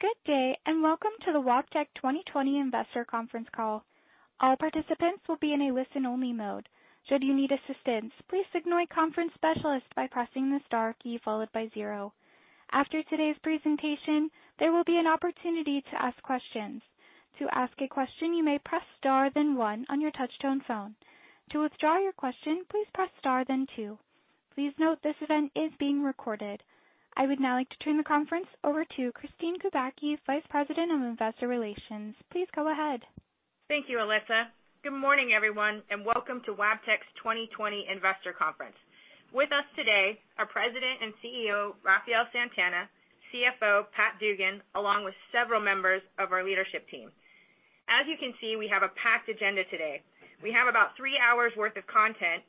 Good day, and welcome t o the Wabtec 2020 Investor Conference Call. All participants will be in a listen-only mode. Should you need assistance, please signal a conference specialist by pressing the star key followed by zero. After today's presentation, there will be an opportunity to ask questions. To ask a question, you may press star then one on your touch-tone phone. To withdraw your question, please press star then two. Please note this event is being recorded. I would now like to turn the conference over to Kristine Kubacki, Vice President of Investor Relations. Please go ahead Thank you, Elisa. Good morning, everyone, and welcome to Wabtec 2020 Investor Conference. With us today are President and CEO Rafael Santana, CFO Pat Dugan, along with several members of our leadership team. As you can see, we have a packed agenda today. We have about three hours' worth of content,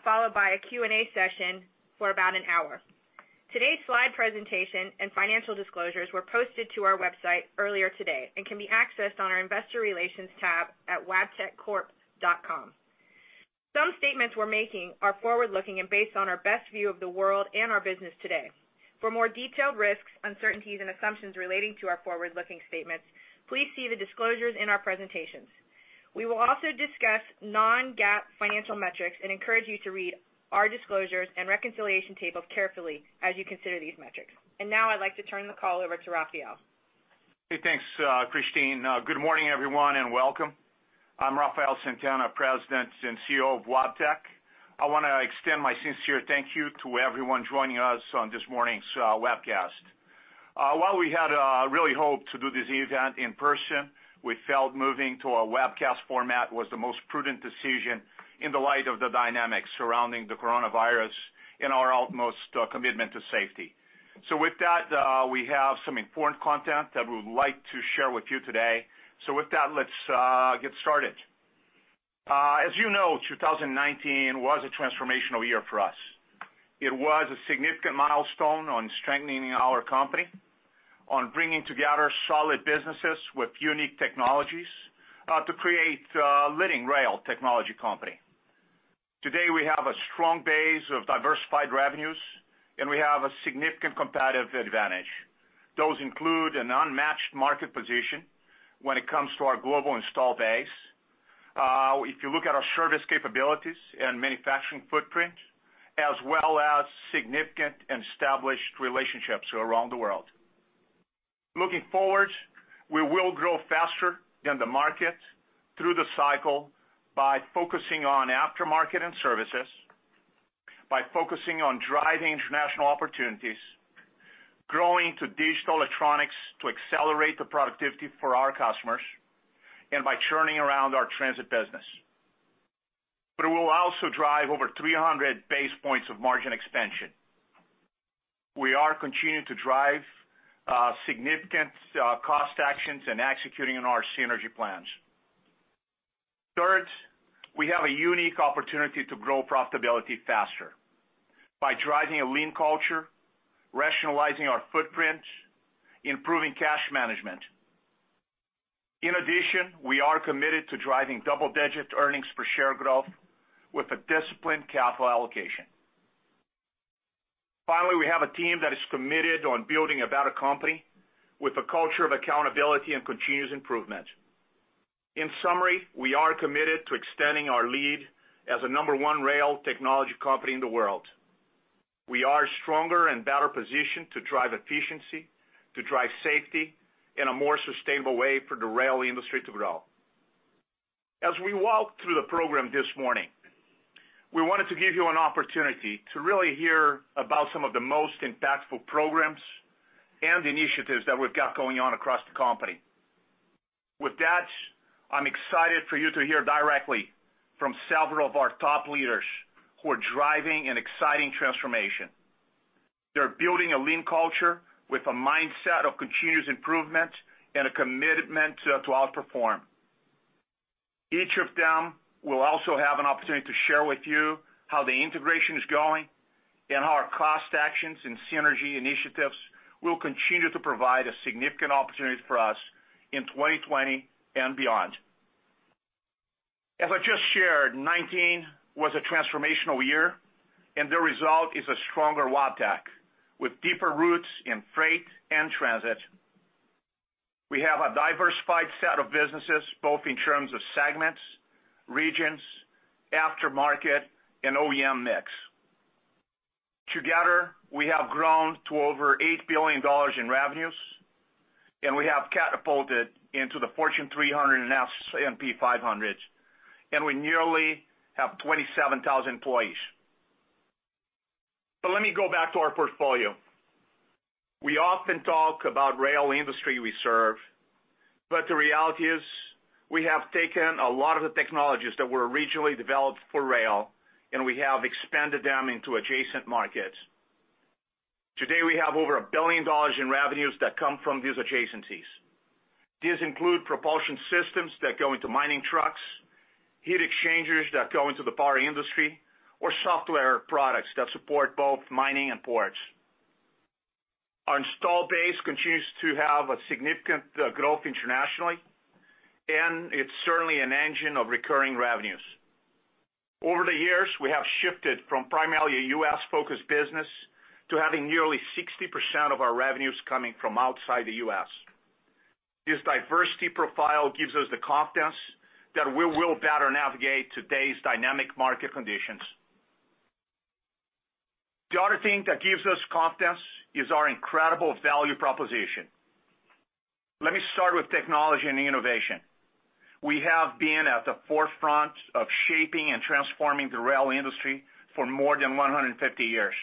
followed by a Q&A session for about an hour. Today's slide presentation and financial disclosures were posted to our website earlier today and can be accessed on our Investor Relations tab at wabteccorp.com. Some statements we're making are forward-looking and based on our best view of the world and our business today. For more detailed risks, uncertainties, and assumptions relating to our forward-looking statements, please see the disclosures in our presentations. We will also discuss non-GAAP financial metrics and encourage you to read our disclosures and reconciliation tables carefully as you consider these metrics. Now I'd like to turn the call over to Rafael. Hey, thanks, Kristine. Good morning, everyone, and welcome. I'm Rafael Santana, President and CEO of Wabtec. I want to extend my sincere thank you to everyone joining us on this morning's webcast. While we had really hoped to do this event in person, we felt moving to a webcast format was the most prudent decision in the light of the dynamics surrounding the coronavirus and our utmost commitment to safety. So with that, we have some important content that we would like to share with you today. So with that, let's get started. As you know, 2019 was a transformational year for us. It was a significant milestone on strengthening our company, on bringing together solid businesses with unique technologies to create a leading rail technology company. Today, we have a strong base of diversified revenues, and we have a significant competitive advantage. Those include an unmatched market position when it comes to our global install base. If you look at our service capabilities and manufacturing footprint, as well as significant and established relationships around the world. Looking forward, we will grow faster than the market through the cycle by focusing on aftermarket and services, by focusing on driving international opportunities, growing to digital electronics to accelerate the productivity for our customers, and by turning around our transit business. But we will also drive over 300 basis points of margin expansion. We are continuing to drive significant cost actions and executing on our synergy plans. Third, we have a unique opportunity to grow profitability faster by driving a lean culture, rationalizing our footprint, improving cash management. In addition, we are committed to driving double-digit earnings per share growth with a disciplined capital allocation. Finally, we have a team that is committed on building a better company with a culture of accountability and continuous improvement. In summary, we are committed to extending our lead as a number one rail technology company in the world. We are stronger and better positioned to drive efficiency, to drive safety, and a more sustainable way for the rail industry to grow. As we walk through the program this morning, we wanted to give you an opportunity to really hear about some of the most impactful programs and initiatives that we've got going on across the company. With that, I'm excited for you to hear directly from several of our top leaders who are driving an exciting transformation. They're building a lean culture with a mindset of continuous improvement and a commitment to outperform. Each of them will also have an opportunity to share with you how the integration is going and how our cost actions and synergy initiatives will continue to provide a significant opportunity for us in 2020 and beyond. As I just shared, 2019 was a transformational year, and the result is a stronger Wabtec with deeper roots in freight and transit. We have a diversified set of businesses, both in terms of segments, regions, aftermarket, and OEM mix. Together, we have grown to over $8 billion in revenues, and we have catapulted into the Fortune 300 and S&P 500, and we nearly have 27,000 employees. But let me go back to our portfolio. We often talk about the rail industry we serve, but the reality is we have taken a lot of the technologies that were originally developed for rail, and we have expanded them into adjacent markets. Today, we have over $1 billion in revenues that come from these adjacencies. These include propulsion systems that go into mining trucks, heat exchangers that go into the power industry, or software products that support both mining and ports. Our installed base continues to have a significant growth internationally, and it's certainly an engine of recurring revenues. Over the years, we have shifted from primarily a U.S.-focused business to having nearly 60% of our revenues coming from outside the U.S. This diversity profile gives us the confidence that we will better navigate today's dynamic market conditions. The other thing that gives us confidence is our incredible value proposition. Let me start with technology and innovation. We have been at the forefront of shaping and transforming the rail industry for more than 150 years.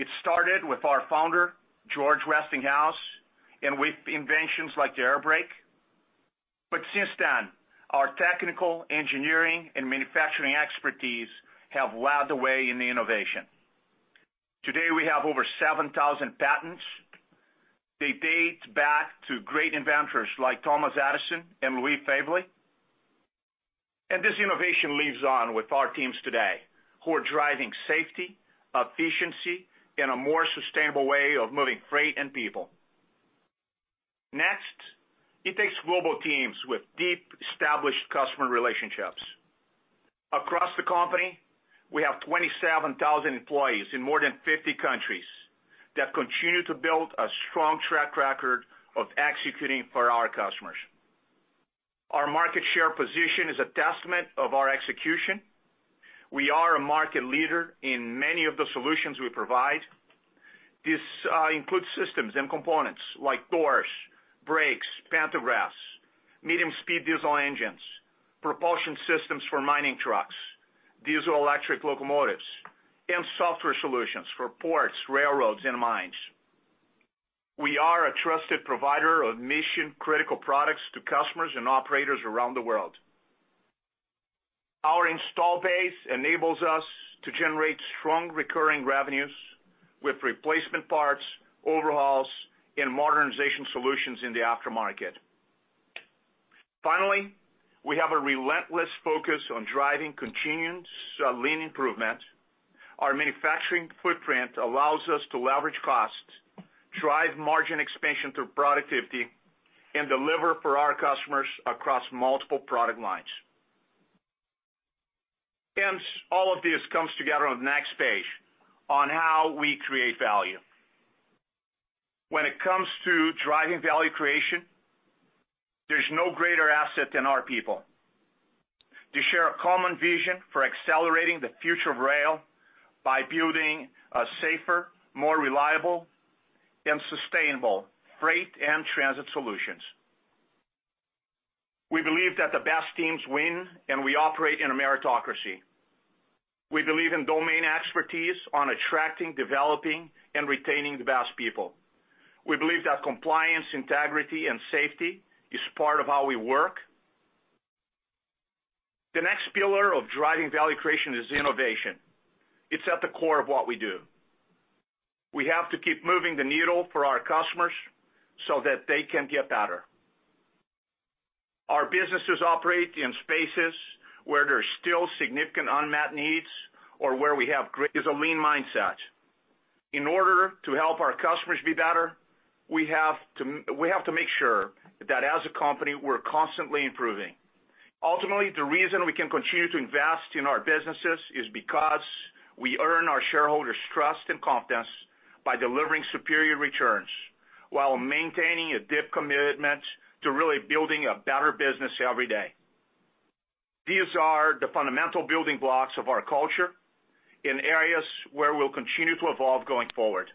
It started with our founder, George Westinghouse, and with inventions like the air brake. But since then, our technical, engineering, and manufacturing expertise have led the way in the innovation. Today, we have over 7,000 patents. They date back to great inventors like Thomas Edison and Louis Faiveley. And this innovation lives on with our teams today, who are driving safety, efficiency, and a more sustainable way of moving freight and people. Next, it takes global teams with deep, established customer relationships. Across the company, we have 27,000 employees in more than 50 countries that continue to build a strong track record of executing for our customers. Our market share position is a testament to our execution. We are a market leader in many of the solutions we provide. This includes systems and components like doors, brakes, pantographs, medium-speed diesel engines, propulsion systems for mining trucks, diesel-electric locomotives, and software solutions for ports, railroads, and mines. We are a trusted provider of mission-critical products to customers and operators around the world. Our installed base enables us to generate strong recurring revenues with replacement parts, overhauls, and modernization solutions in the aftermarket. Finally, we have a relentless focus on driving continued Lean improvement. Our manufacturing footprint allows us to leverage costs, drive margin expansion through productivity, and deliver for our customers across multiple product lines. And all of this comes together on the next page on how we create value. When it comes to driving value creation, there's no greater asset than our people. They share a common vision for accelerating the future of rail by building safer, more reliable, and sustainable freight and transit solutions. We believe that the best teams win, and we operate in a meritocracy. We believe in domain expertise on attracting, developing, and retaining the best people. We believe that compliance, integrity, and safety are part of how we work. The next pillar of driving value creation is innovation. It's at the core of what we do. We have to keep moving the needle for our customers so that they can get better. Our businesses operate in spaces where there are still significant unmet needs or where we have great is a lean mindset. In order to help our customers be better, we have to make sure that as a company, we're constantly improving. Ultimately, the reason we can continue to invest in our businesses is because we earn our shareholders' trust and confidence by delivering superior returns while maintaining a deep commitment to really building a better business every day. These are the fundamental building blocks of our culture in areas where we'll continue to evolve going forward.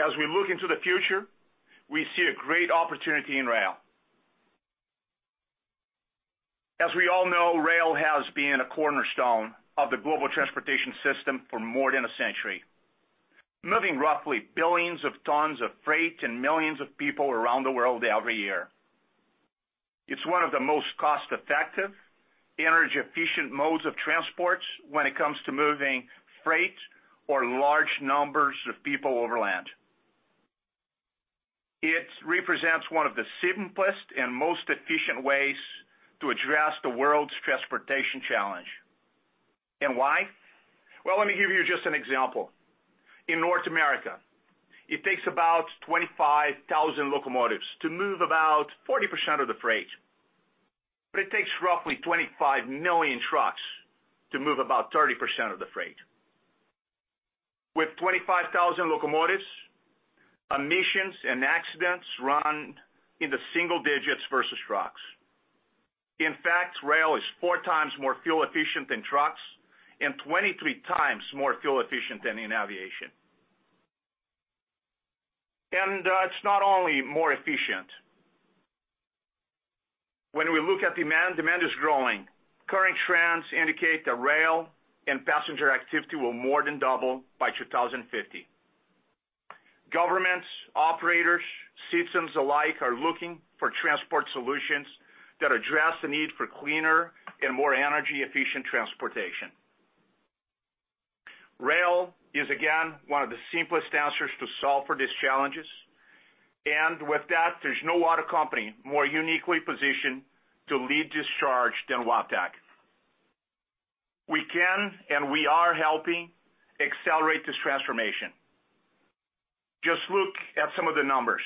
As we look into the future, we see a great opportunity in rail. As we all know, rail has been a cornerstone of the global transportation system for more than a century, moving roughly billions of tons of freight and millions of people around the world every year. It's one of the most cost-effective, energy-efficient modes of transport when it comes to moving freight or large numbers of people over land. It represents one of the simplest and most efficient ways to address the world's transportation challenge. And why? Well, let me give you just an example. In North America, it takes about 25,000 locomotives to move about 40% of the freight. But it takes roughly 25 million trucks to move about 30% of the freight. With 25,000 locomotives, emissions and accidents run in the single digits versus trucks. In fact, rail is four times more fuel-efficient than trucks and 23x more fuel-efficient than aviation, and it's not only more efficient. When we look at demand, demand is growing. Current trends indicate that rail and passenger activity will more than double by 2050. Governments, operators, citizens alike are looking for transport solutions that address the need for cleaner and more energy-efficient transportation. Rail is, again, one of the simplest answers to solve for these challenges, and with that, there's no other company more uniquely positioned to lead this charge than Wabtec. We can, and we are helping accelerate this transformation. Just look at some of the numbers.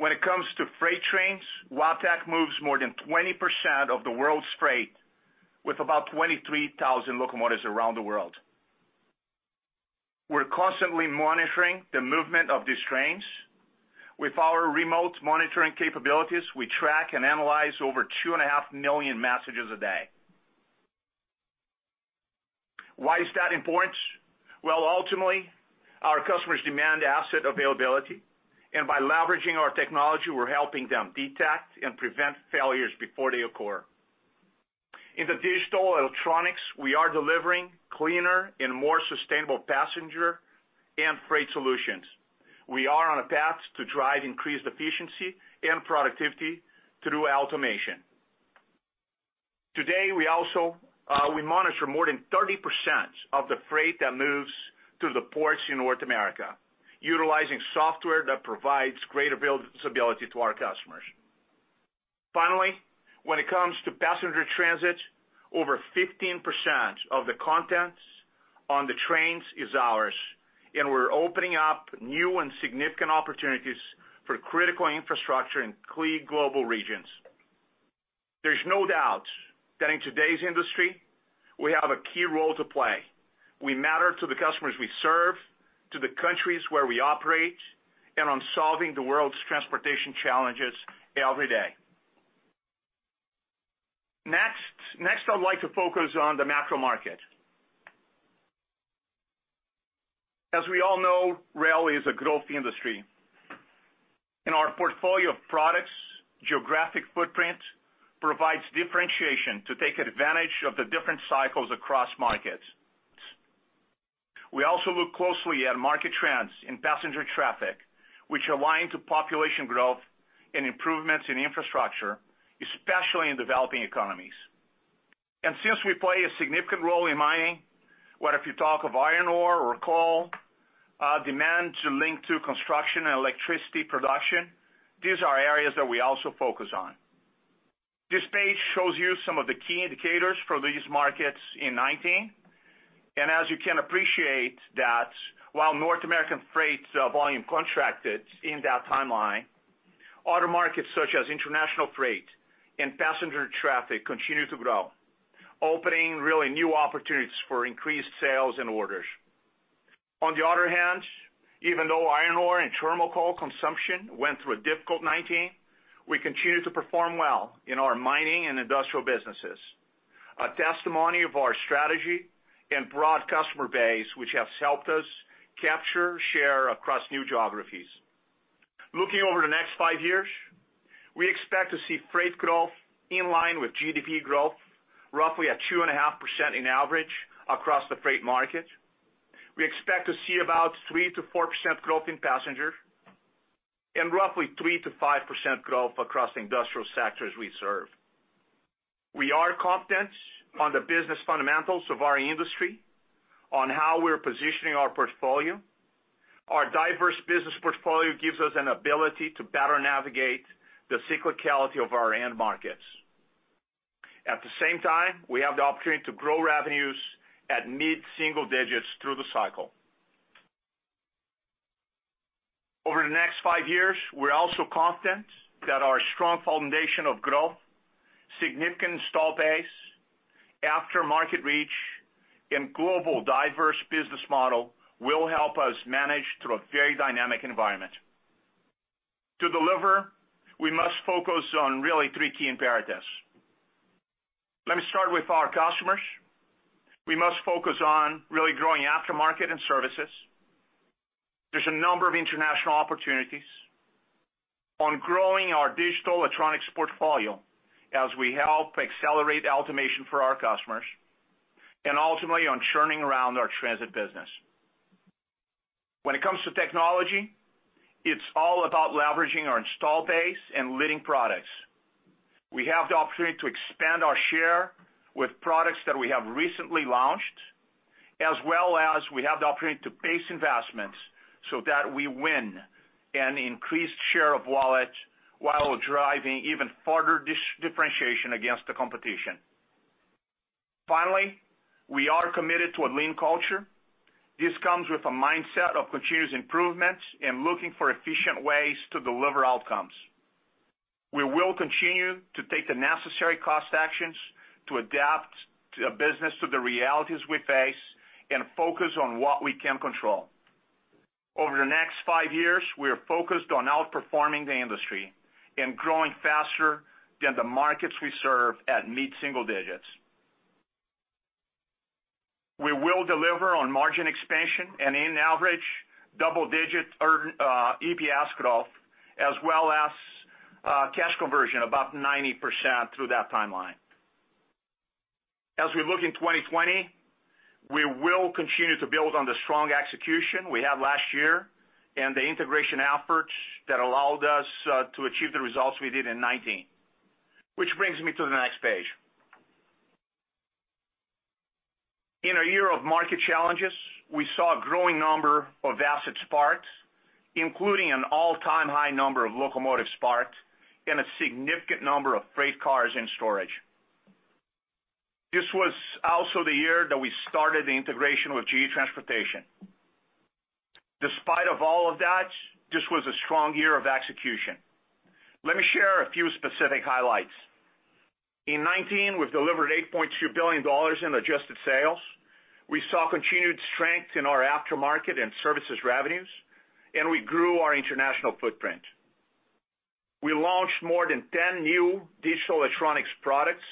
When it comes to freight trains, Wabtec moves more than 20% of the world's freight with about 23,000 locomotives around the world. We're constantly monitoring the movement of these trains. With our remote monitoring capabilities, we track and analyze over 2.5 million messages a day. Why is that important? Well, ultimately, our customers demand asset availability. And by leveraging our technology, we're helping them detect and prevent failures before they occur. In Digital Electronics, we are delivering cleaner and more sustainable passenger and freight solutions. We are on a path to drive increased efficiency and productivity through automation. Today, we also monitor more than 30% of the freight that moves through the ports in North America, utilizing software that provides great visibility to our customers. Finally, when it comes to passenger transit, over 15% of the components on the trains is ours. And we're opening up new and significant opportunities for critical infrastructure in key global regions. There's no doubt that in today's industry, we have a key role to play. We matter to the customers we serve, to the countries where we operate, and on solving the world's transportation challenges every day. Next, I'd like to focus on the macro market. As we all know, rail is a growth industry. In our portfolio of products, geographic footprint provides differentiation to take advantage of the different cycles across markets. We also look closely at market trends in passenger traffic, which align to population growth and improvements in infrastructure, especially in developing economies. And since we play a significant role in mining, whether if you talk of iron ore or coal, demand to link to construction and electricity production, these are areas that we also focus on. This page shows you some of the key indicators for these markets in 2019. And as you can appreciate, while North American freight volume contracted in that timeline, other markets such as international freight and passenger traffic continue to grow, opening really new opportunities for increased sales and orders. On the other hand, even though iron ore and thermal coal consumption went through a difficult 2019, we continue to perform well in our mining and industrial businesses, a testimony of our strategy and broad customer base, which has helped us capture share across new geographies. Looking over the next five years, we expect to see freight growth in line with GDP growth, roughly at 2.5% in average across the freight market. We expect to see about 3%-4% growth in passenger and roughly 3%-5% growth across the industrial sectors we serve. We are confident on the business fundamentals of our industry, on how we're positioning our portfolio. Our diverse business portfolio gives us an ability to better navigate the cyclicality of our end markets. At the same time, we have the opportunity to grow revenues at mid-single digits through the cycle. Over the next five years, we're also confident that our strong foundation of growth, significant install base, aftermarket reach, and global diverse business model will help us manage through a very dynamic environment. To deliver, we must focus on really three key imperatives. Let me start with our customers. We must focus on really growing aftermarket and services. There's a number of international opportunities on growing our digital electronics portfolio as we help accelerate automation for our customers and ultimately on turning around our transit business. When it comes to technology, it's all about leveraging our install base and leading products. We have the opportunity to expand our share with products that we have recently launched, as well as we have the opportunity to base investments so that we win an increased share of wallet while driving even further differentiation against the competition. Finally, we are committed to a lean culture. This comes with a mindset of continuous improvement and looking for efficient ways to deliver outcomes. We will continue to take the necessary cost actions to adapt a business to the realities we face and focus on what we can control. Over the next five years, we are focused on outperforming the industry and growing faster than the markets we serve at mid-single digits. We will deliver on margin expansion and in average double-digit EPS growth, as well as cash conversion about 90% through that timeline. As we look in 2020, we will continue to build on the strong execution we had last year and the integration efforts that allowed us to achieve the results we did in 2019, which brings me to the next page. In a year of market challenges, we saw a growing number of asset parks, including an all-time high number of locomotive parks and a significant number of freight cars in storage. This was also the year that we started the integration with GE Transportation. Despite all of that, this was a strong year of execution. Let me share a few specific highlights. In 2019, we've delivered $8.2 billion in adjusted sales. We saw continued strength in our aftermarket and services revenues, and we grew our international footprint. We launched more than 10 new digital electronics products,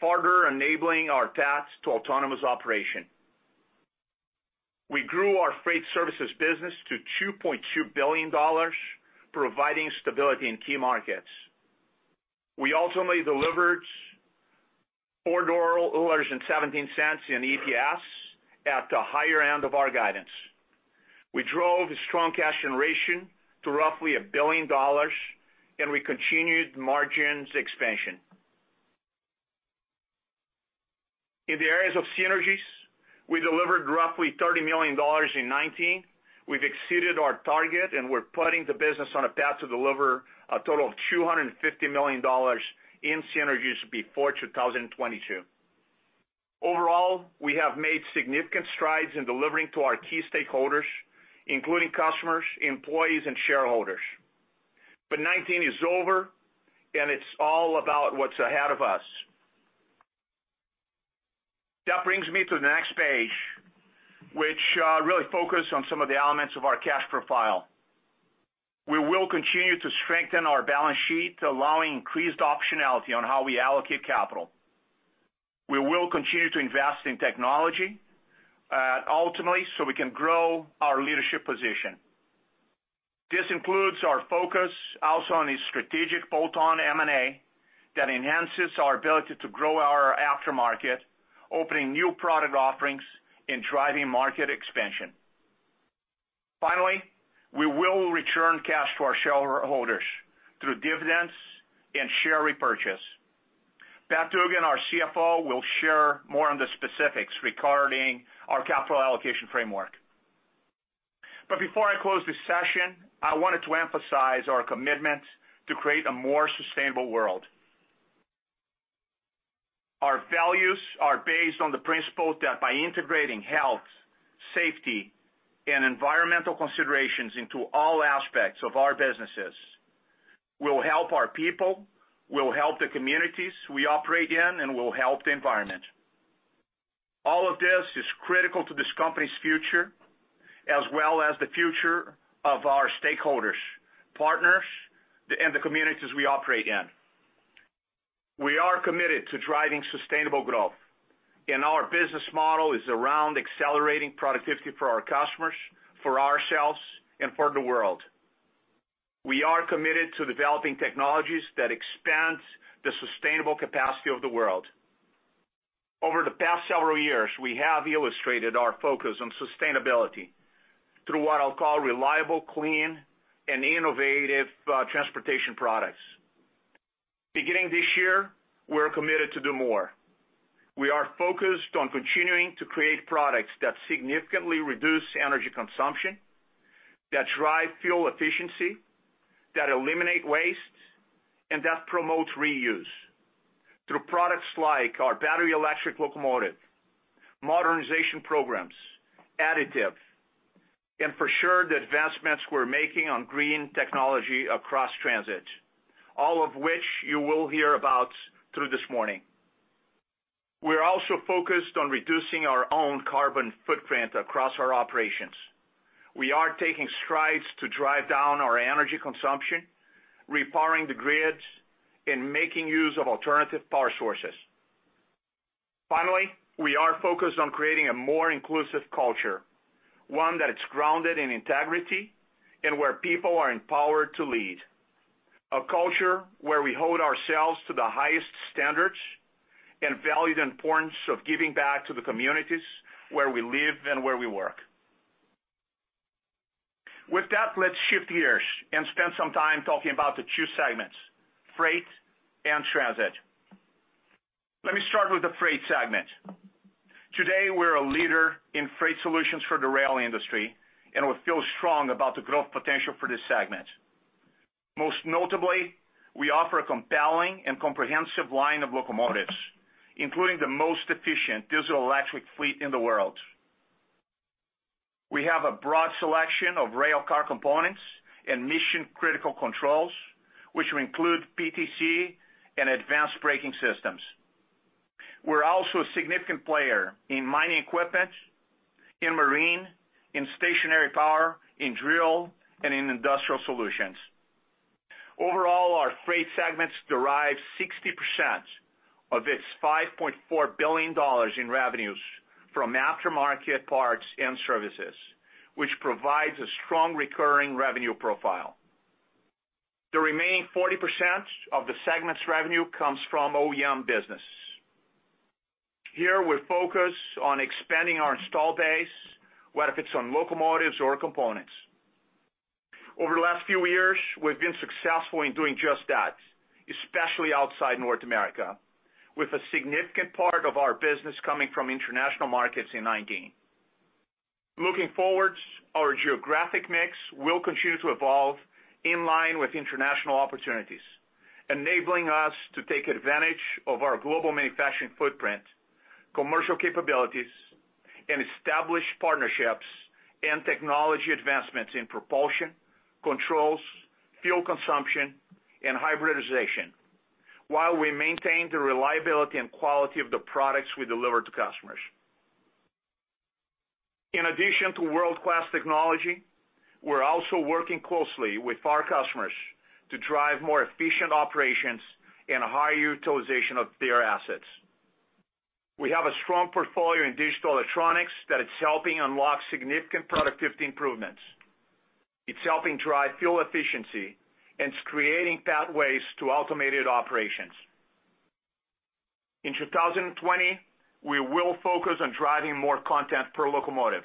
further enabling our path to autonomous operation. We grew our freight services business to $2.2 billion, providing stability in key markets. We ultimately delivered $4.17 in EPS at the higher end of our guidance. We drove a strong cash generation to roughly $1 billion, and we continued margins expansion. In the areas of synergies, we delivered roughly $30 million in 2019. We've exceeded our target, and we're putting the business on a path to deliver a total of $250 million in synergies before 2022. Overall, we have made significant strides in delivering to our key stakeholders, including customers, employees, and shareholders. But 2019 is over, and it's all about what's ahead of us. That brings me to the next page, which really focuses on some of the elements of our cash profile. We will continue to strengthen our balance sheet, allowing increased optionality on how we allocate capital. We will continue to invest in technology ultimately so we can grow our leadership position. This includes our focus also on a strategic bolt-on M&A that enhances our ability to grow our aftermarket, opening new product offerings and driving market expansion. Finally, we will return cash to our shareholders through dividends and share repurchase. Pat Dugan, our CFO, will share more on the specifics regarding our capital allocation framework. But before I close this session, I wanted to emphasize our commitment to create a more sustainable world. Our values are based on the principle that by integrating health, safety, and environmental considerations into all aspects of our businesses, we'll help our people, we'll help the communities we operate in, and we'll help the environment. All of this is critical to this company's future, as well as the future of our stakeholders, partners, and the communities we operate in. We are committed to driving sustainable growth, and our business model is around accelerating productivity for our customers, for ourselves, and for the world. We are committed to developing technologies that expand the sustainable capacity of the world. Over the past several years, we have illustrated our focus on sustainability through what I'll call reliable, clean, and innovative transportation products. Beginning this year, we're committed to do more. We are focused on continuing to create products that significantly reduce energy consumption, that drive fuel efficiency, that eliminate waste, and that promote reuse through products like our battery electric locomotive, modernization programs, additive, and for sure the advancements we're making on green technology across transit, all of which you will hear about throughout this morning. We're also focused on reducing our own carbon footprint across our operations. We are taking strides to drive down our energy consumption, repairing the grids, and making use of alternative power sources. Finally, we are focused on creating a more inclusive culture, one that is grounded in integrity and where people are empowered to lead. A culture where we hold ourselves to the highest standards and value the importance of giving back to the communities where we live and where we work. With that, let's shift gears and spend some time talking about the two segments, freight and transit. Let me start with the freight segment. Today, we're a leader in freight solutions for the rail industry, and we feel strong about the growth potential for this segment. Most notably, we offer a compelling and comprehensive line of locomotives, including the most efficient diesel-electric fleet in the world. We have a broad selection of railcar components and mission-critical controls, which include PTC and advanced braking systems. We're also a significant player in mining equipment, in marine, in stationary power, in drill, and in industrial solutions. Overall, our freight segments derive 60% of its $5.4 billion in revenues from aftermarket parts and services, which provides a strong recurring revenue profile. The remaining 40% of the segment's revenue comes from OEM business. Here, we focus on expanding our install base, whether it's on locomotives or components. Over the last few years, we've been successful in doing just that, especially outside North America, with a significant part of our business coming from international markets in 2019. Looking forward, our geographic mix will continue to evolve in line with international opportunities, enabling us to take advantage of our global manufacturing footprint, commercial capabilities, and established partnerships and technology advancements in propulsion, controls, fuel consumption, and hybridization, while we maintain the reliability and quality of the products we deliver to customers. In addition to world-class technology, we're also working closely with our customers to drive more efficient operations and higher utilization of their assets. We have a strong portfolio in digital electronics that is helping unlock significant productivity improvements. It's helping drive fuel efficiency and creating pathways to automated operations. In 2020, we will focus on driving more content per locomotive.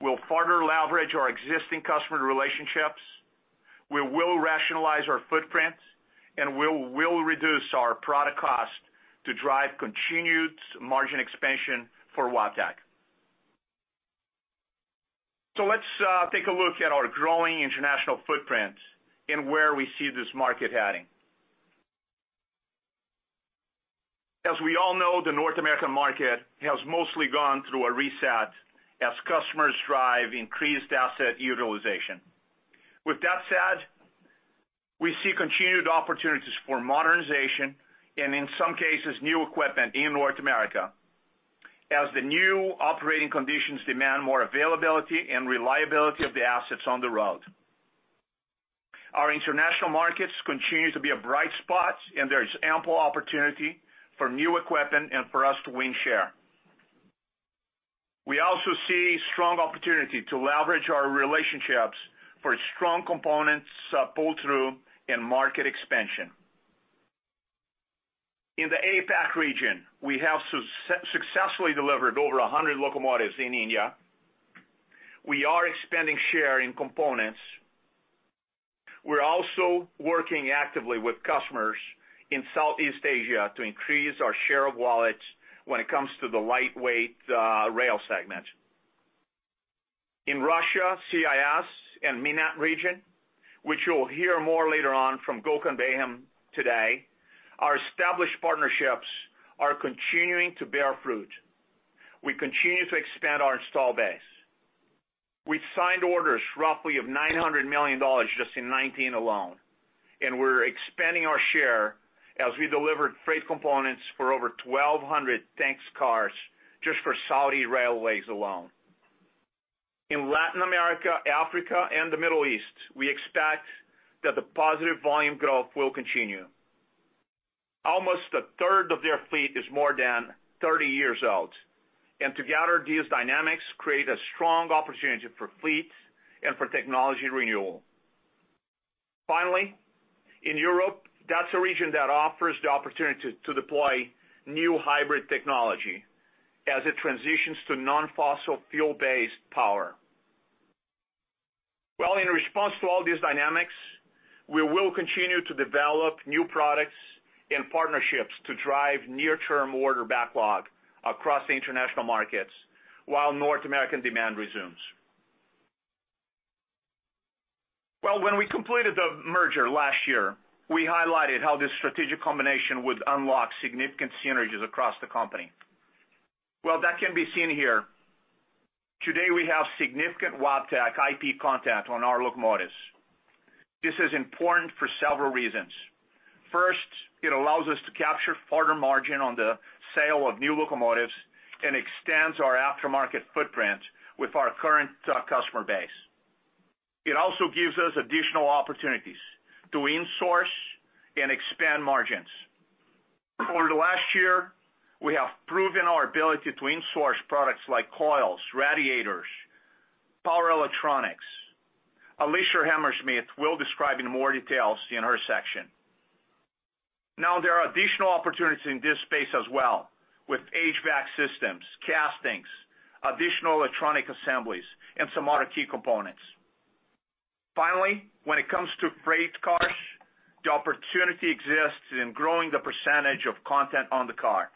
We'll further leverage our existing customer relationships. We will rationalize our footprint, and we will reduce our product cost to drive continued margin expansion for Wabtec. Let's take a look at our growing international footprint and where we see this market heading. As we all know, the North American market has mostly gone through a reset as customers drive increased asset utilization. With that said, we see continued opportunities for modernization and, in some cases, new equipment in North America as the new operating conditions demand more availability and reliability of the assets on the road. Our international markets continue to be a bright spot, and there is ample opportunity for new equipment and for us to win share. We also see strong opportunity to leverage our relationships for strong components pull-through and market expansion. In the APAC region, we have successfully delivered over 100 locomotives in India. We are expanding share in components. We're also working actively with customers in Southeast Asia to increase our share of wallet when it comes to the lightweight rail segment. In Russia, CIS, and MENAT region, which you'll hear more later on from Gökhan Bayhan today, our established partnerships are continuing to bear fruit. We continue to expand our install base. We signed orders roughly of $900 million just in 2019 alone, and we're expanding our share as we delivered freight components for over 1,200 tank cars just for Saudi Railways alone. In Latin America, Africa, and the Middle East, we expect that the positive volume growth will continue. Almost a third of their fleet is more than 30 years old, and together, these dynamics create a strong opportunity for fleet and for technology renewal. Finally, in Europe, that's a region that offers the opportunity to deploy new hybrid technology as it transitions to non-fossil fuel-based power. Well, in response to all these dynamics, we will continue to develop new products and partnerships to drive near-term order backlog across the international markets while North American demand resumes. Well, when we completed the merger last year, we highlighted how this strategic combination would unlock significant synergies across the company. Well, that can be seen here. Today, we have significant Wabtec IP content on our locomotives. This is important for several reasons. First, it allows us to capture further margin on the sale of new locomotives and extends our aftermarket footprint with our current customer base. It also gives us additional opportunities to insource and expand margins. Over the last year, we have proven our ability to insource products like coils, radiators, power electronics. Alicia Hammersmith will describe in more details in her section. Now, there are additional opportunities in this space as well with HVAC systems, castings, additional electronic assemblies, and some other key components. Finally, when it comes to freight cars, the opportunity exists in growing the percentage of content on the car.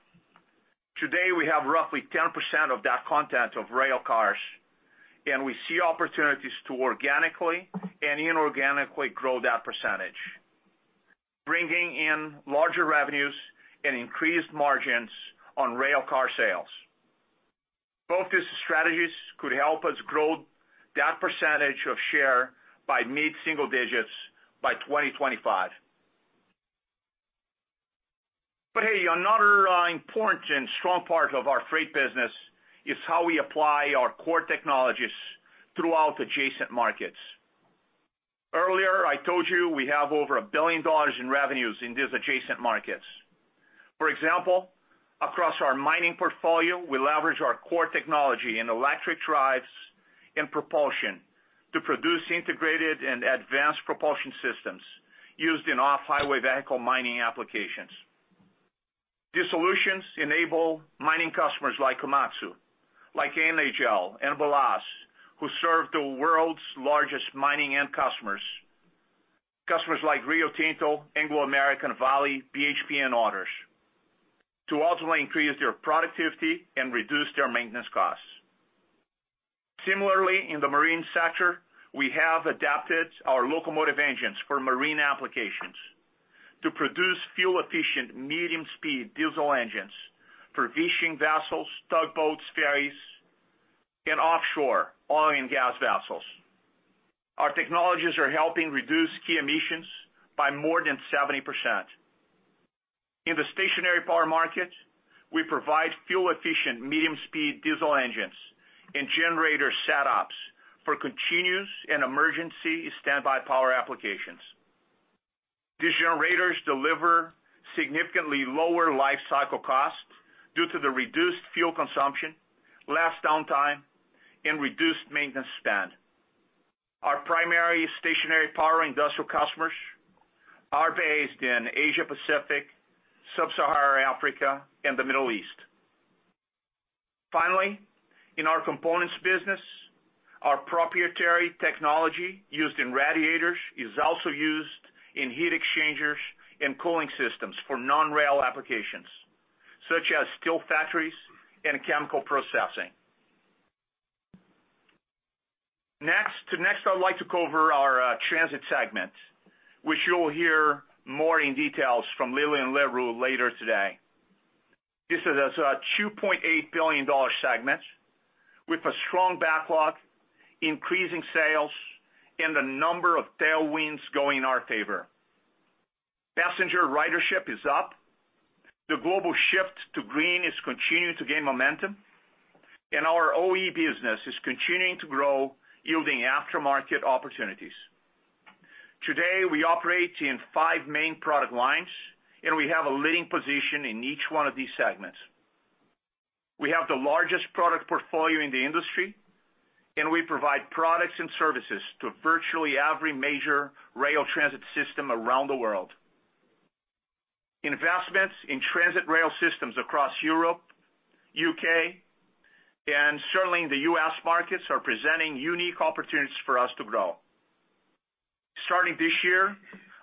Today, we have roughly 10% of that content of rail cars, and we see opportunities to organically and inorganically grow that percentage, bringing in larger revenues and increased margins on rail car sales. Both these strategies could help us grow that percentage of share by mid-single digits by 2025. But hey, another important and strong part of our freight business is how we apply our core technologies throughout adjacent markets. Earlier, I told you we have over $1 billion in revenues in these adjacent markets. For example, across our mining portfolio, we leverage our core technology in electric drives and propulsion to produce integrated and advanced propulsion systems used in off-highway vehicle mining applications. These solutions enable mining customers like Komatsu, like NHL, and BelAZ, who serve the world's largest mining end customers, customers like Rio Tinto, Anglo American, Vale, BHP, and others, to ultimately increase their productivity and reduce their maintenance costs. Similarly, in the marine sector, we have adapted our locomotive engines for marine applications to produce fuel-efficient medium-speed diesel engines for fishing vessels, tugboats, ferries, and offshore oil and gas vessels. Our technologies are helping reduce key emissions by more than 70%. In the stationary power market, we provide fuel-efficient medium-speed diesel engines and generator setups for continuous and emergency standby power applications. These generators deliver significantly lower life cycle costs due to the reduced fuel consumption, less downtime, and reduced maintenance span. Our primary stationary power industrial customers are based in Asia-Pacific, Sub-Saharan Africa, and the Middle East. Finally, in our components business, our proprietary technology used in radiators is also used in heat exchangers and cooling systems for non-rail applications such as steel factories and chemical processing. Next, I'd like to cover our transit segment, which you'll hear more details from Lilian Leroux later today. This is a $2.8 billion segment with a strong backlog, increasing sales, and a number of tailwinds going in our favor. Passenger ridership is up. The global shift to green is continuing to gain momentum, and our OE business is continuing to grow, yielding aftermarket opportunities. Today, we operate in five main product lines, and we have a leading position in each one of these segments. We have the largest product portfolio in the industry, and we provide products and services to virtually every major rail transit system around the world. Investments in transit rail systems across Europe, the U.K., and certainly in the U.S. markets are presenting unique opportunities for us to grow. Starting this year,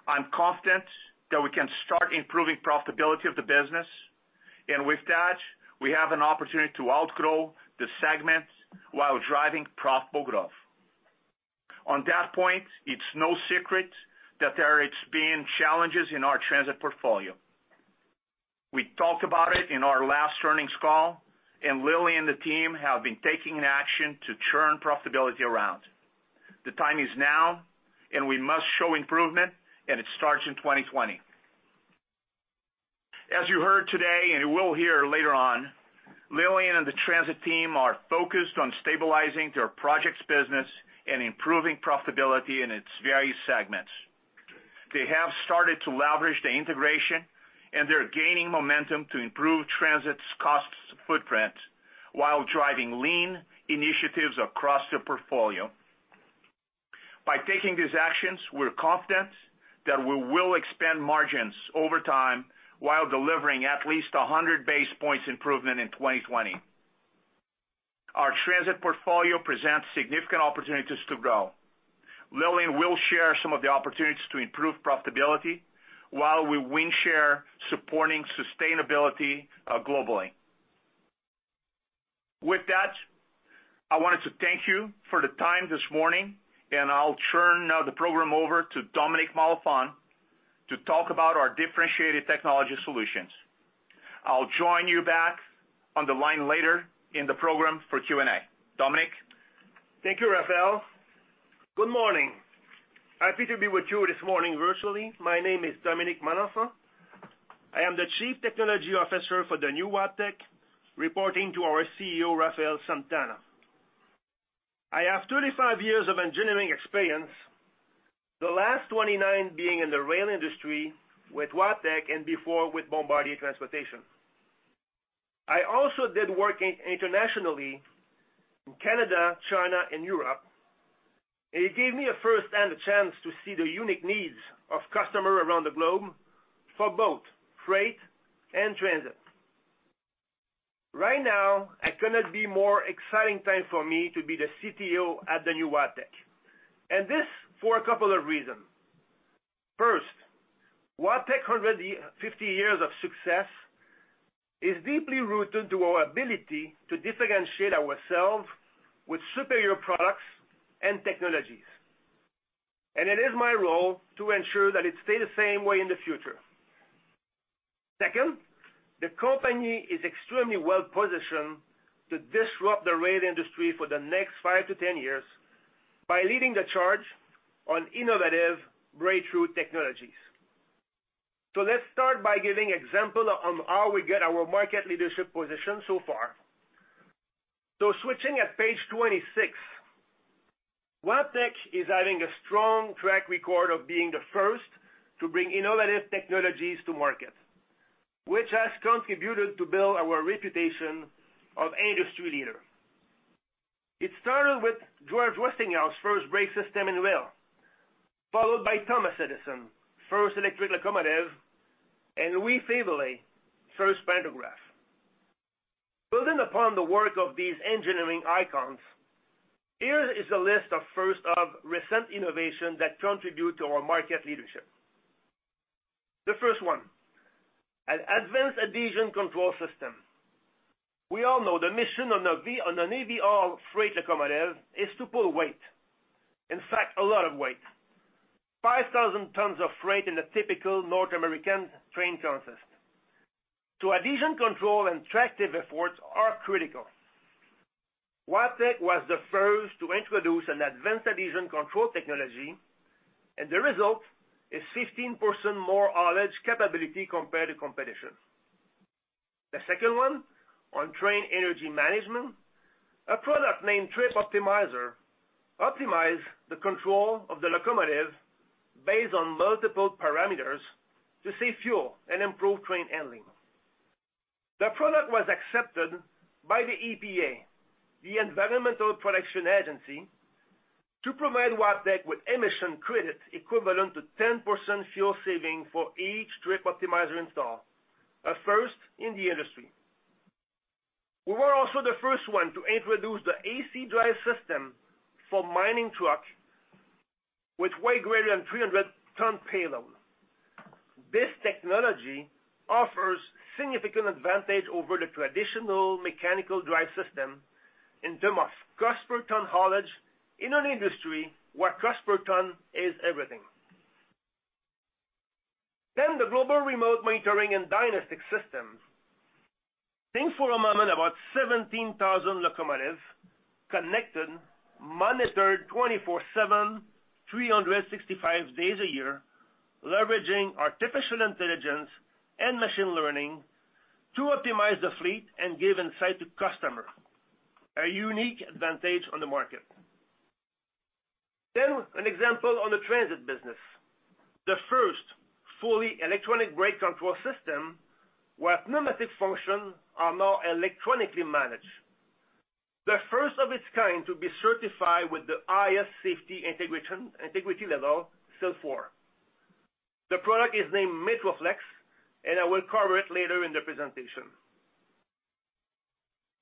I'm confident that we can start improving profitability of the business, and with that, we have an opportunity to outgrow the segment while driving profitable growth. On that point, it's no secret that there have been challenges in our transit portfolio. We talked about it in our last earnings call, and Lily and the team have been taking action to turn profitability around. The time is now, and we must show improvement, and it starts in 2020. As you heard today, and you will hear later on, Lily and the transit team are focused on stabilizing their projects business and improving profitability in its various segments. They have started to leverage the integration, and they're gaining momentum to improve transit's cost footprint while driving lean initiatives across their portfolio. By taking these actions, we're confident that we will expand margins over time while delivering at least 100 basis points improvement in 2020. Our transit portfolio presents significant opportunities to grow. Lily will share some of the opportunities to improve profitability while we win share supporting sustainability globally. With that, I wanted to thank you for the time this morning, and I'll turn the program over to Dominique Malenfant to talk about our differentiated technology solutions. I'll join you back on the line later in the program for Q&A. Dominique. Thank you, Rafael. Good morning. Happy to be with you this morning virtually. My name is Dominique Malenfant. I am the Chief Technology Officer for the new Wabtec, reporting to our CEO, Rafael Santana. I have 35 years of engineering experience, the last 29 being in the rail industry with Wabtec and before with Bombardier Transportation. I also did work internationally in Canada, China, and Europe. It gave me a firsthand chance to see the unique needs of customers around the globe for both freight and transit. Right now, I cannot be more exciting time for me to be the CTO at the new Wabtec, and this for a couple of reasons. First, Wabtec's 150 years of success is deeply rooted to our ability to differentiate ourselves with superior products and technologies, and it is my role to ensure that it stays the same way in the future. Second, the company is extremely well positioned to disrupt the rail industry for the next five to 10 years by leading the charge on innovative breakthrough technologies. So let's start by giving an example of how we get our market leadership position so far. So switching at Page 26, Wabtec is having a strong track record of being the first to bring innovative technologies to market, which has contributed to build our reputation of industry leader. It started with George Westinghouse's first brake system in rail, followed by Thomas Edison's first electric locomotive, and Louis Faiveley's first pantograph. Building upon the work of these engineering icons, here is a list of recent innovations that contribute to our market leadership. The first one, an advanced adhesion control system. We all know the mission on an Evo freight locomotive is to pull weight, in fact, a lot of weight, 5,000 tons of freight in a typical North American train consist. So adhesion control and tractive efforts are critical. Wabtec was the first to introduce an advanced adhesion control technology, and the result is 15% more haulage capability compared to competition. The second one, on train energy management, a product named Trip Optimizer, optimizes the control of the locomotive based on multiple parameters to save fuel and improve train handling. The product was accepted by the EPA, the Environmental Protection Agency, to provide Wabtec with emission credits equivalent to 10% fuel saving for each Trip Optimizer install, a first in the industry. We were also the first one to introduce the AC drive system for mining trucks with way greater than 300-ton payload. This technology offers significant advantage over the traditional mechanical drive system in terms of cost per ton haulage in an industry where cost per ton is everything. Then the global remote monitoring and diagnostic system. Think for a moment about 17,000 locomotives connected, monitored 24/7, 365 days a year, leveraging artificial intelligence and machine learning to optimize the fleet and give insight to customers, a unique advantage on the market. Then an example on the transit business. The first fully electronic brake control system where pneumatic functions are now electronically managed. The first of its kind to be certified with the highest safety integrity level, SIL 4. The product is named MetroFlexx, and I will cover it later in the presentation.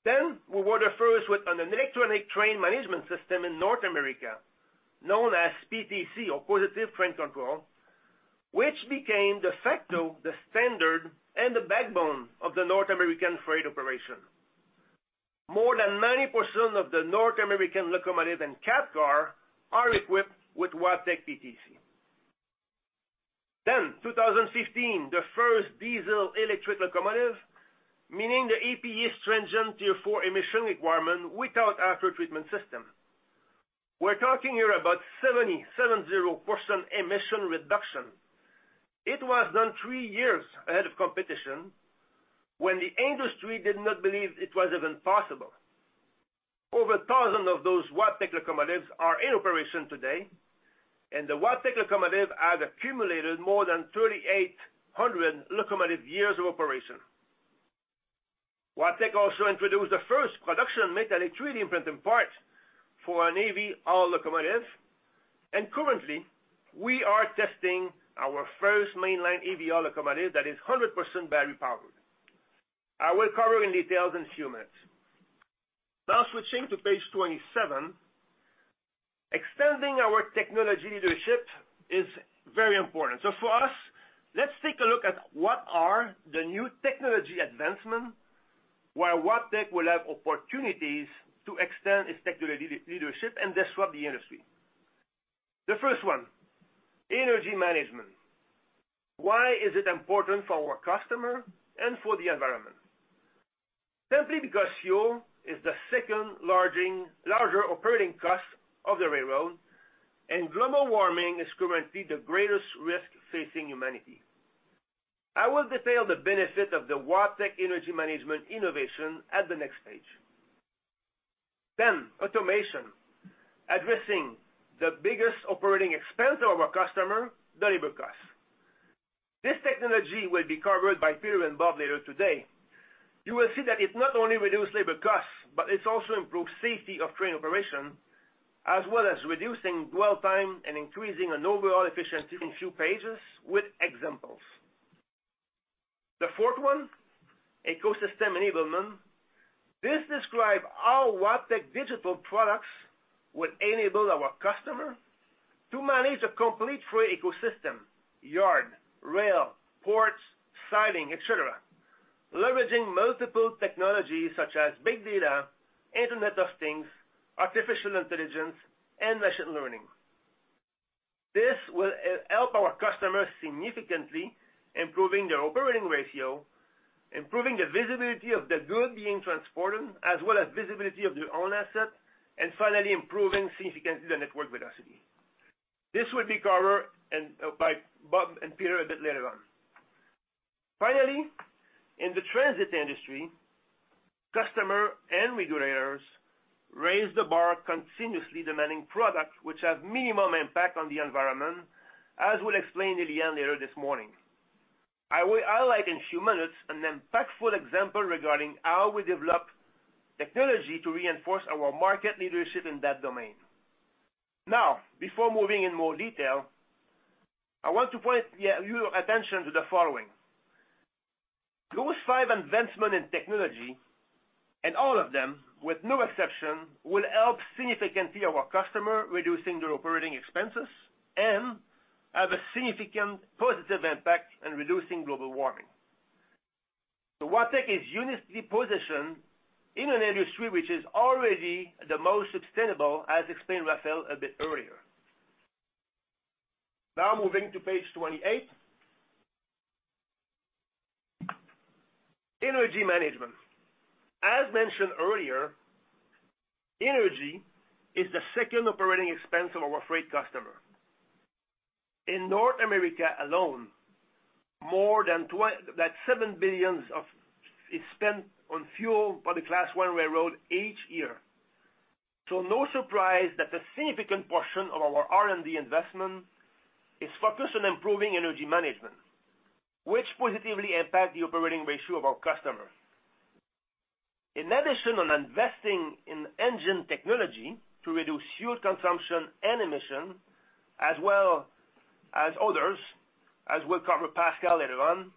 Then we were the first with an electronic train management system in North America known as PTC, or Positive Train Control, which became de facto the standard and the backbone of the North American freight operation. More than 90% of the North American locomotive and cab car are equipped with Wabtec PTC. Then, in 2015, the first diesel-electric locomotive meeting the EPA's stringent Tier 4 emission requirement without aftertreatment system. We're talking here about 70% emission reduction. It was done three years ahead of competition when the industry did not believe it was even possible. Over a thousand of those Wabtec locomotives are in operation today, and the Wabtec locomotive has accumulated more than 3,800 locomotive years of operation. Wabtec also introduced the first production metallic 3D printed parts for an EVR locomotive, and currently, we are testing our first mainline EVR locomotive that is 100% battery powered. I will cover in detail in a few minutes. Now switching to page 27, extending our technology leadership is very important. So for us, let's take a look at what are the new technology advancements where Wabtec will have opportunities to extend its technology leadership and disrupt the industry. The first one, energy management. Why is it important for our customer and for the environment? Simply because fuel is the second largest operating cost of the railroad, and global warming is currently the greatest risk facing humanity. I will detail the benefit of the Wabech energy management innovation at the next page. Then automation, addressing the biggest operating expense of our customer, the labor cost. This technology will be covered by Peter and Bob later today. You will see that it not only reduces labor costs, but it also improves the safety of train operation, as well as reducing dwell time and increasing overall efficiency. In a few pages with examples. The fourth one, ecosystem enablement. This describes how Wabtec digital products will enable our customer to manage a complete freight ecosystem: yard, rail, ports, siding, etc., leveraging multiple technologies such as big data, Internet of Things, artificial intelligence, and machine learning. This will help our customers significantly, improving their operating ratio, improving the visibility of the good being transported, as well as visibility of their own asset, and finally, improving significantly the network velocity. This will be covered by Bob and Peter a bit later on. Finally, in the transit industry, customers and regulators raise the bar continuously, demanding products which have minimum impact on the environment, as we'll explain to Lilian later this morning. I will highlight in a few minutes an impactful example regarding how we develop technology to reinforce our market leadership in that domain. Now, before moving in more detail, I want to point your attention to the following. Those five advancements in technology, and all of them with no exception, will help significantly our customers, reducing their operating expenses and have a significant positive impact on reducing global warming. So Wabtec is uniquely positioned in an industry which is already the most sustainable, as explained Rafael a bit earlier. Now moving to Page 28, energy management. As mentioned earlier, energy is the second operating expense of our freight customers. In North America alone, more than $7 billion is spent on fuel for the Class I railroad each year. So no surprise that a significant portion of our R&D investment is focused on improving energy management, which positively impacts the operating ratio of our customers. In addition to investing in engine technology to reduce fuel consumption and emissions, as well as others, as we'll cover Pascal later on,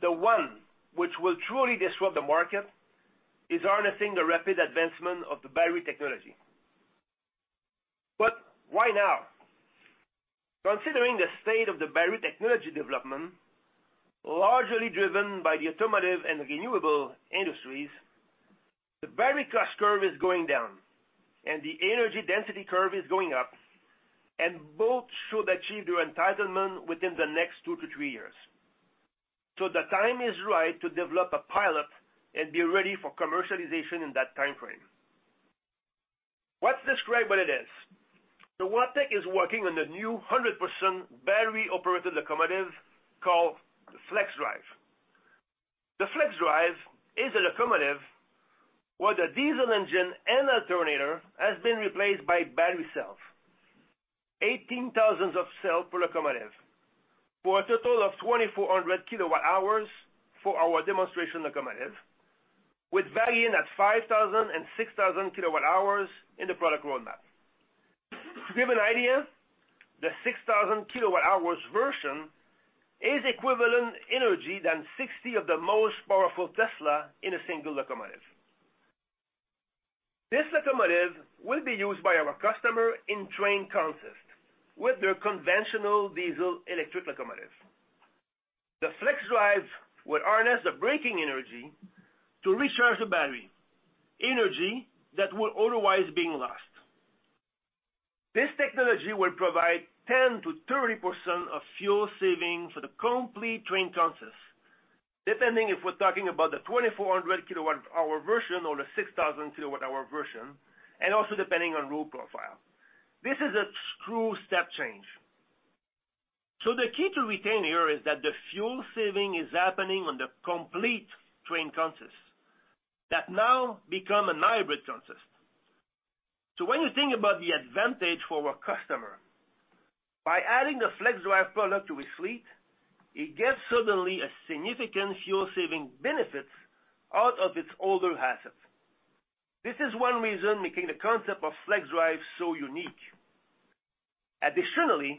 the one which will truly disrupt the market is harnessing the rapid advancement of the battery technology. But why now? Considering the state of the battery technology development, largely driven by the automotive and renewable industries, the battery cost curve is going down, and the energy density curve is going up, and both should achieve their entitlement within the next two to three years. So the time is right to develop a pilot and be ready for commercialization in that timeframe. Let's describe what it is. So Wabtec is working on a new 100% battery-operated locomotive called the FLXdrive. The FLXdrive is a locomotive where the diesel engine and alternator have been replaced by battery cells, 18,000 of cells per locomotive, for a total of 2,400 kWh for our demonstration locomotive, with variant at 5,000 and 6,000 kWh in the product roadmap. To give an idea, the 6,000 kWh version is equivalent to energy than 60 of the most powerful Teslas in a single locomotive. This locomotive will be used by our customer in train consists with their conventional diesel-electric locomotive. The FLXdrive will harness the braking energy to recharge the battery, energy that will otherwise be lost. This technology will provide 10%-30% of fuel savings for the complete train consists, depending if we're talking about the 2,400 kWh version or the 6,000 kWh version, and also depending on road profile. This is a true step change. So the key to retain here is that the fuel saving is happening on the complete train consists that now become a hybrid consist. So when you think about the advantage for our customer, by adding the FLXdrive product to his fleet, he gets suddenly a significant fuel saving benefit out of his older assets. This is one reason making the concept of FLXdrive so unique. Additionally,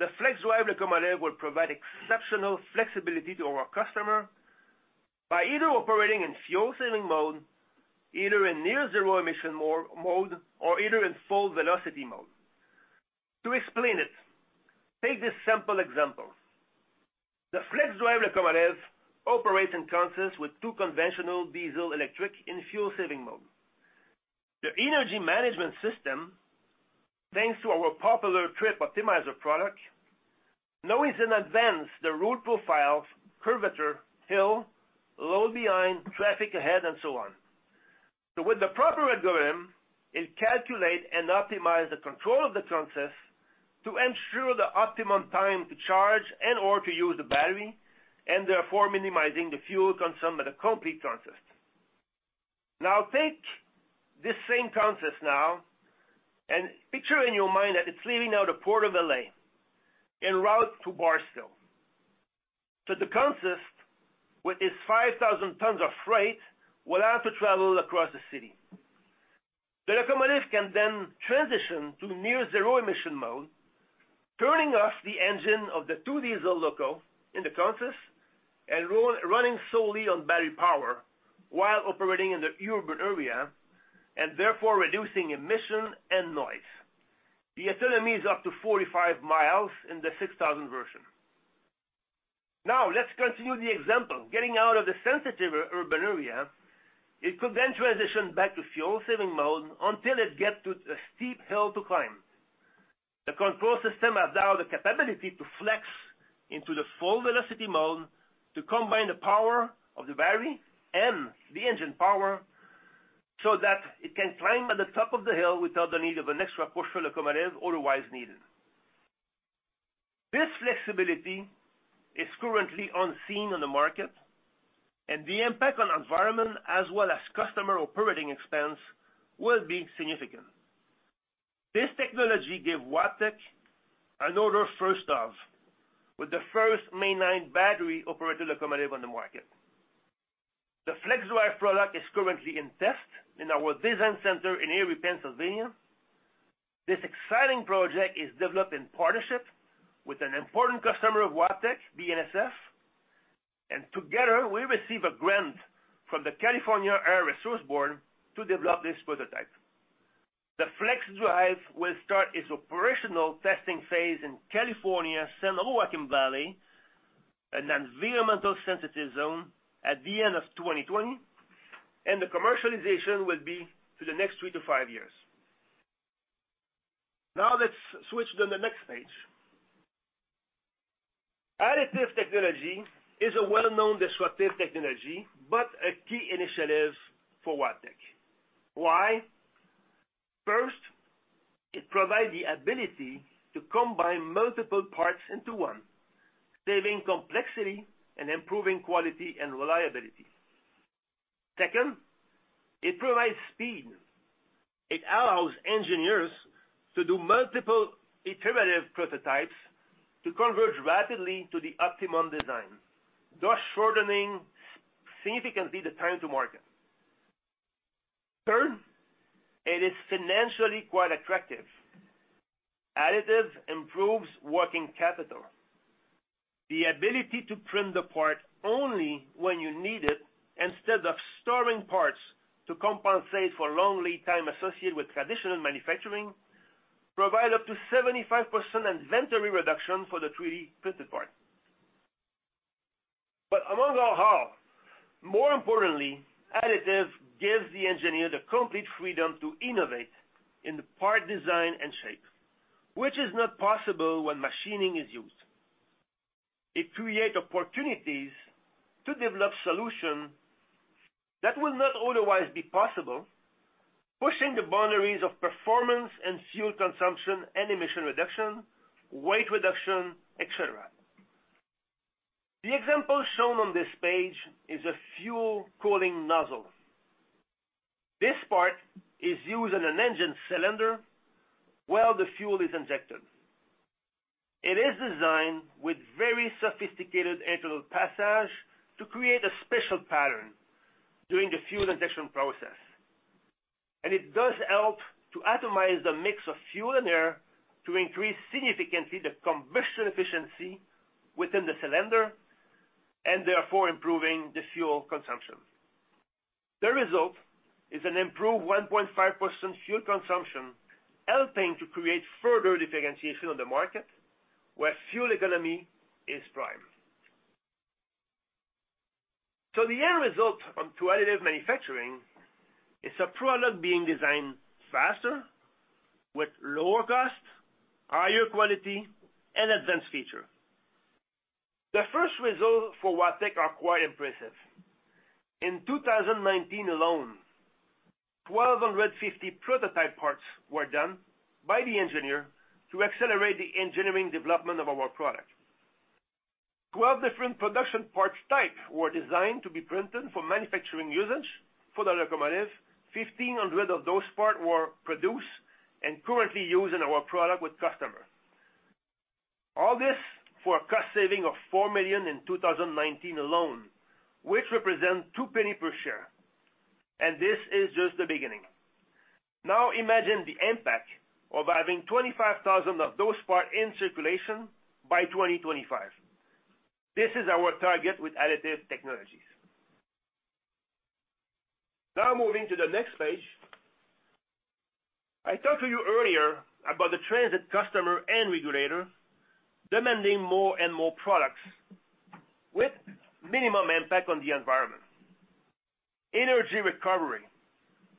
the FLXdrive locomotive will provide exceptional flexibility to our customer by either operating in fuel saving mode, either in near zero emission mode, or either in full velocity mode. To explain it, take this simple example. The FLXdrive locomotive operates in consists with two conventional diesel-electric in fuel-saving mode. The energy management system, thanks to our popular Trip Optimizer product, knows in advance the route profiles, curvature, hills, load behind, traffic ahead, and so on. So with the proper algorithm, it calculates and optimizes the control of the consists to ensure the optimum time to charge and/or to use the battery, and therefore minimizing the fuel consumption of a complete consist. Now take this same consist now and picture in your mind that it's leaving out of Port of LA, en route to Barstow. So the consist with its 5,000 tons of freight will have to travel across the city. The locomotive can then transition to near zero emission mode, turning off the engine of the two diesel loco in the consist and running solely on battery power while operating in the urban area and therefore reducing emission and noise. The autonomy is up to 45 mi in the 6,000 version. Now let's continue the example. Getting out of the sensitive urban area, it could then transition back to fuel saving mode until it gets to a steep hill to climb. The control system has now the capability to flex into the full velocity mode to combine the power of the battery and the engine power so that it can climb at the top of the hill without the need of an extra push for the locomotive otherwise needed. This flexibility is currently unseen on the market, and the impact on the environment as well as customer operating expense will be significant. This technology gave Wabtec an order for the first mainline battery-operated locomotive on the market. The FLXdrive product is currently in test in our design center in Erie, Pennsylvania. This exciting project is developed in partnership with an important customer of Wabtec, BNSF, and together we received a grant from the California Air Resources Board to develop this prototype. The FLXdrive will start its operational testing phase in California, San Joaquin Valley, an environmentally sensitive zone at the end of 2020, and the commercialization will be for the next three to five years. Now let's switch to the next page. Additive manufacturing is a well-known disruptive technology, but a key initiative for Wabtec. Why? First, it provides the ability to combine multiple parts into one, saving complexity and improving quality and reliability. Second, it provides speed. It allows engineers to do multiple iterative prototypes to converge rapidly to the optimum design, thus shortening significantly the time to market. Third, it is financially quite attractive. Additive manufacturing improves working capital. The ability to print the part only when you need it instead of storing parts to compensate for long lead time associated with traditional manufacturing provides up to 75% inventory reduction for the 3D printed part. But among all, more importantly, additive manufacturing gives the engineer the complete freedom to innovate in the part design and shape, which is not possible when machining is used. It creates opportunities to develop solutions that will not otherwise be possible, pushing the boundaries of performance and fuel consumption and emission reduction, weight reduction, etc. The example shown on this page is a fuel cooling nozzle. This part is used in an engine cylinder while the fuel is injected. It is designed with very sophisticated internal passage to create a special pattern during the fuel injection process, and it does help to atomize the mix of fuel and air to increase significantly the combustion efficiency within the cylinder and therefore improving the fuel consumption. The result is an improved 1.5% fuel consumption, helping to create further differentiation on the market where fuel economy is prime. So the end result of additive manufacturing is a product being designed faster with lower cost, higher quality, and advanced features. The first results for Wabtec are quite impressive. In 2019 alone, 1,250 prototype parts were done by the engineer to accelerate the engineering development of our product. 12 different production parts types were designed to be printed for manufacturing usage for the locomotive. 1,500 of those parts were produced and currently used in our product with customers. All this for a cost saving of $4 million in 2019 alone, which represents $0.02 per share, and this is just the beginning. Now imagine the impact of having 25,000 of those parts in circulation by 2025. This is our target with additive technologies. Now moving to the next page. I talked to you earlier about the transit customer and regulator demanding more and more products with minimum impact on the environment. Energy recovery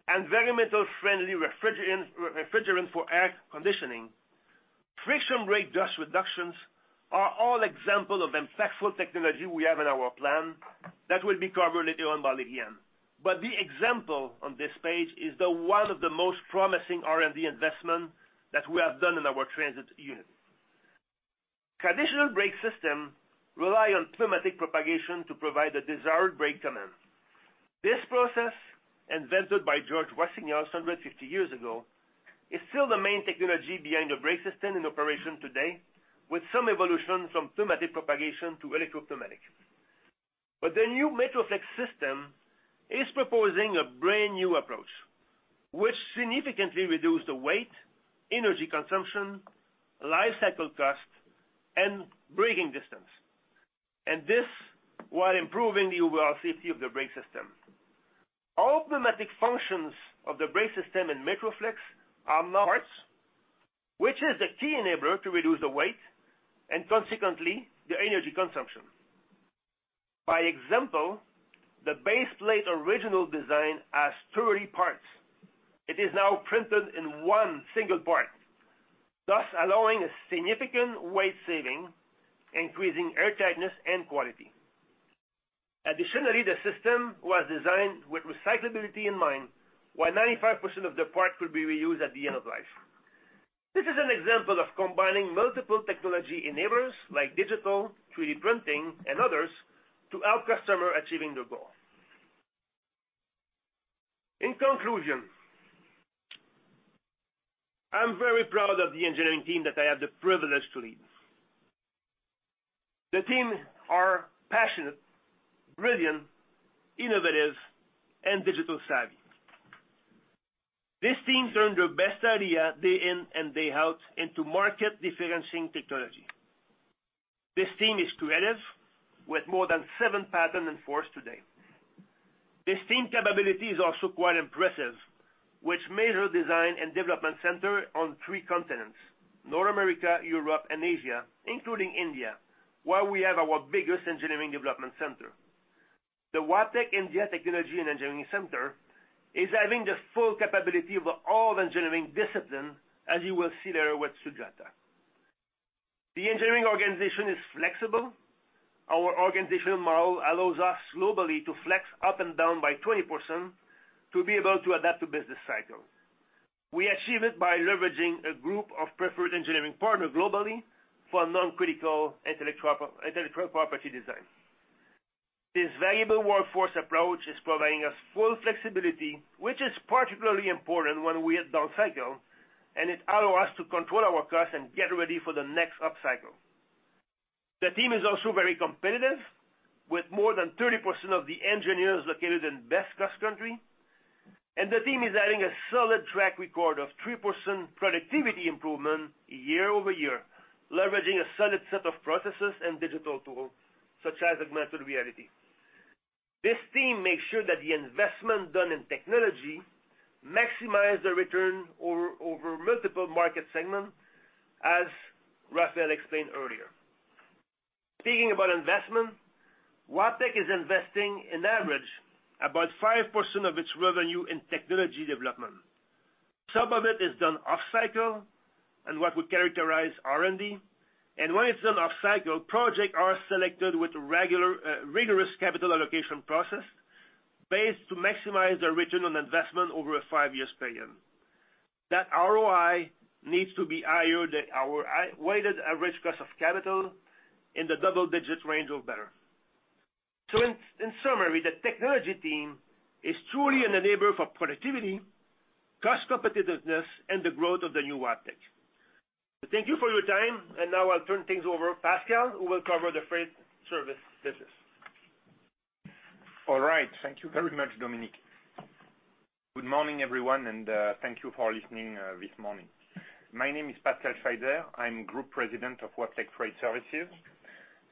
and environmentally friendly refrigerants for air conditioning, friction brake dust reductions are all examples of impactful technology we have in our plan that will be covered later on by Lilian. The example on this page is one of the most promising R&D investments that we have done in our transit unit. Traditional brake systems rely on pneumatic propagation to provide the desired brake command. This process, invented by George Westinghouse 150 years ago, is still the main technology behind the brake system in operation today, with some evolution from pneumatic propagation to electropneumatic. The new MetroFlexx system is proposing a brand new approach, which significantly reduces the weight, energy consumption, lifecycle cost, and braking distance, and this while improving the overall safety of the brake system. All pneumatic functions of the brake system in MetroFlexx are parts, which is the key enabler to reduce the weight and consequently the energy consumption. By example, the base plate original design has 30 parts. It is now printed in one single part, thus allowing a significant weight saving, increasing airtightness and quality. Additionally, the system was designed with recyclability in mind, while 95% of the part could be reused at the end of life. This is an example of combining multiple technology enablers like digital, 3D printing, and others to help customers achieve their goal. In conclusion, I'm very proud of the engineering team that I have the privilege to lead. The team are passionate, brilliant, innovative, and digital-savvy. This team turned their best idea day in and day out into market differentiating technology. This team is creative with more than seven patents enforced today. This team capability is also quite impressive, which measures design and development centers on three continents: North America, Europe, and Asia, including India, where we have our biggest engineering development center. The Wabtec India Technology and Engineering Center is having the full capability of all engineering disciplines, as you will see there with Sujatha. The engineering organization is flexible. Our organizational model allows us globally to flex up and down by 20% to be able to adapt to business cycles. We achieve it by leveraging a group of preferred engineering partners globally for non-critical intellectual property design. This variable workforce approach is providing us full flexibility, which is particularly important when we are down cycle, and it allows us to control our costs and get ready for the next up cycle. The team is also very competitive, with more than 30% of the engineers located in best-cost country, and the team is adding a solid track record of 3% productivity improvement year over year, leveraging a solid set of processes and digital tools such as augmented reality. This team makes sure that the investment done in technology maximizes the return over multiple market segments, as Rafael explained earlier. Speaking about investment, Wabtec is investing, on average, about 5% of its revenue in technology development. Some of it is done off cycle and what we characterize as R&D, and when it's done off cycle, projects are selected with a regular, rigorous capital allocation process based to maximize the return on investment over a five-year span that ROI needs to be higher than our weighted average cost of capital in the double-digit range or better. So in summary, the technology team is truly an enabler for productivity, cost competitiveness, and the growth of the new Wabtec. So thank you for your time, and now I'll turn things over to Pascal, who will cover the freight service business. All right. Thank you very much, Dominique. Good morning, everyone, and thank you for listening this morning. My name is Pascal Schweitzer. I'm Group President of Wabtec Freight Services,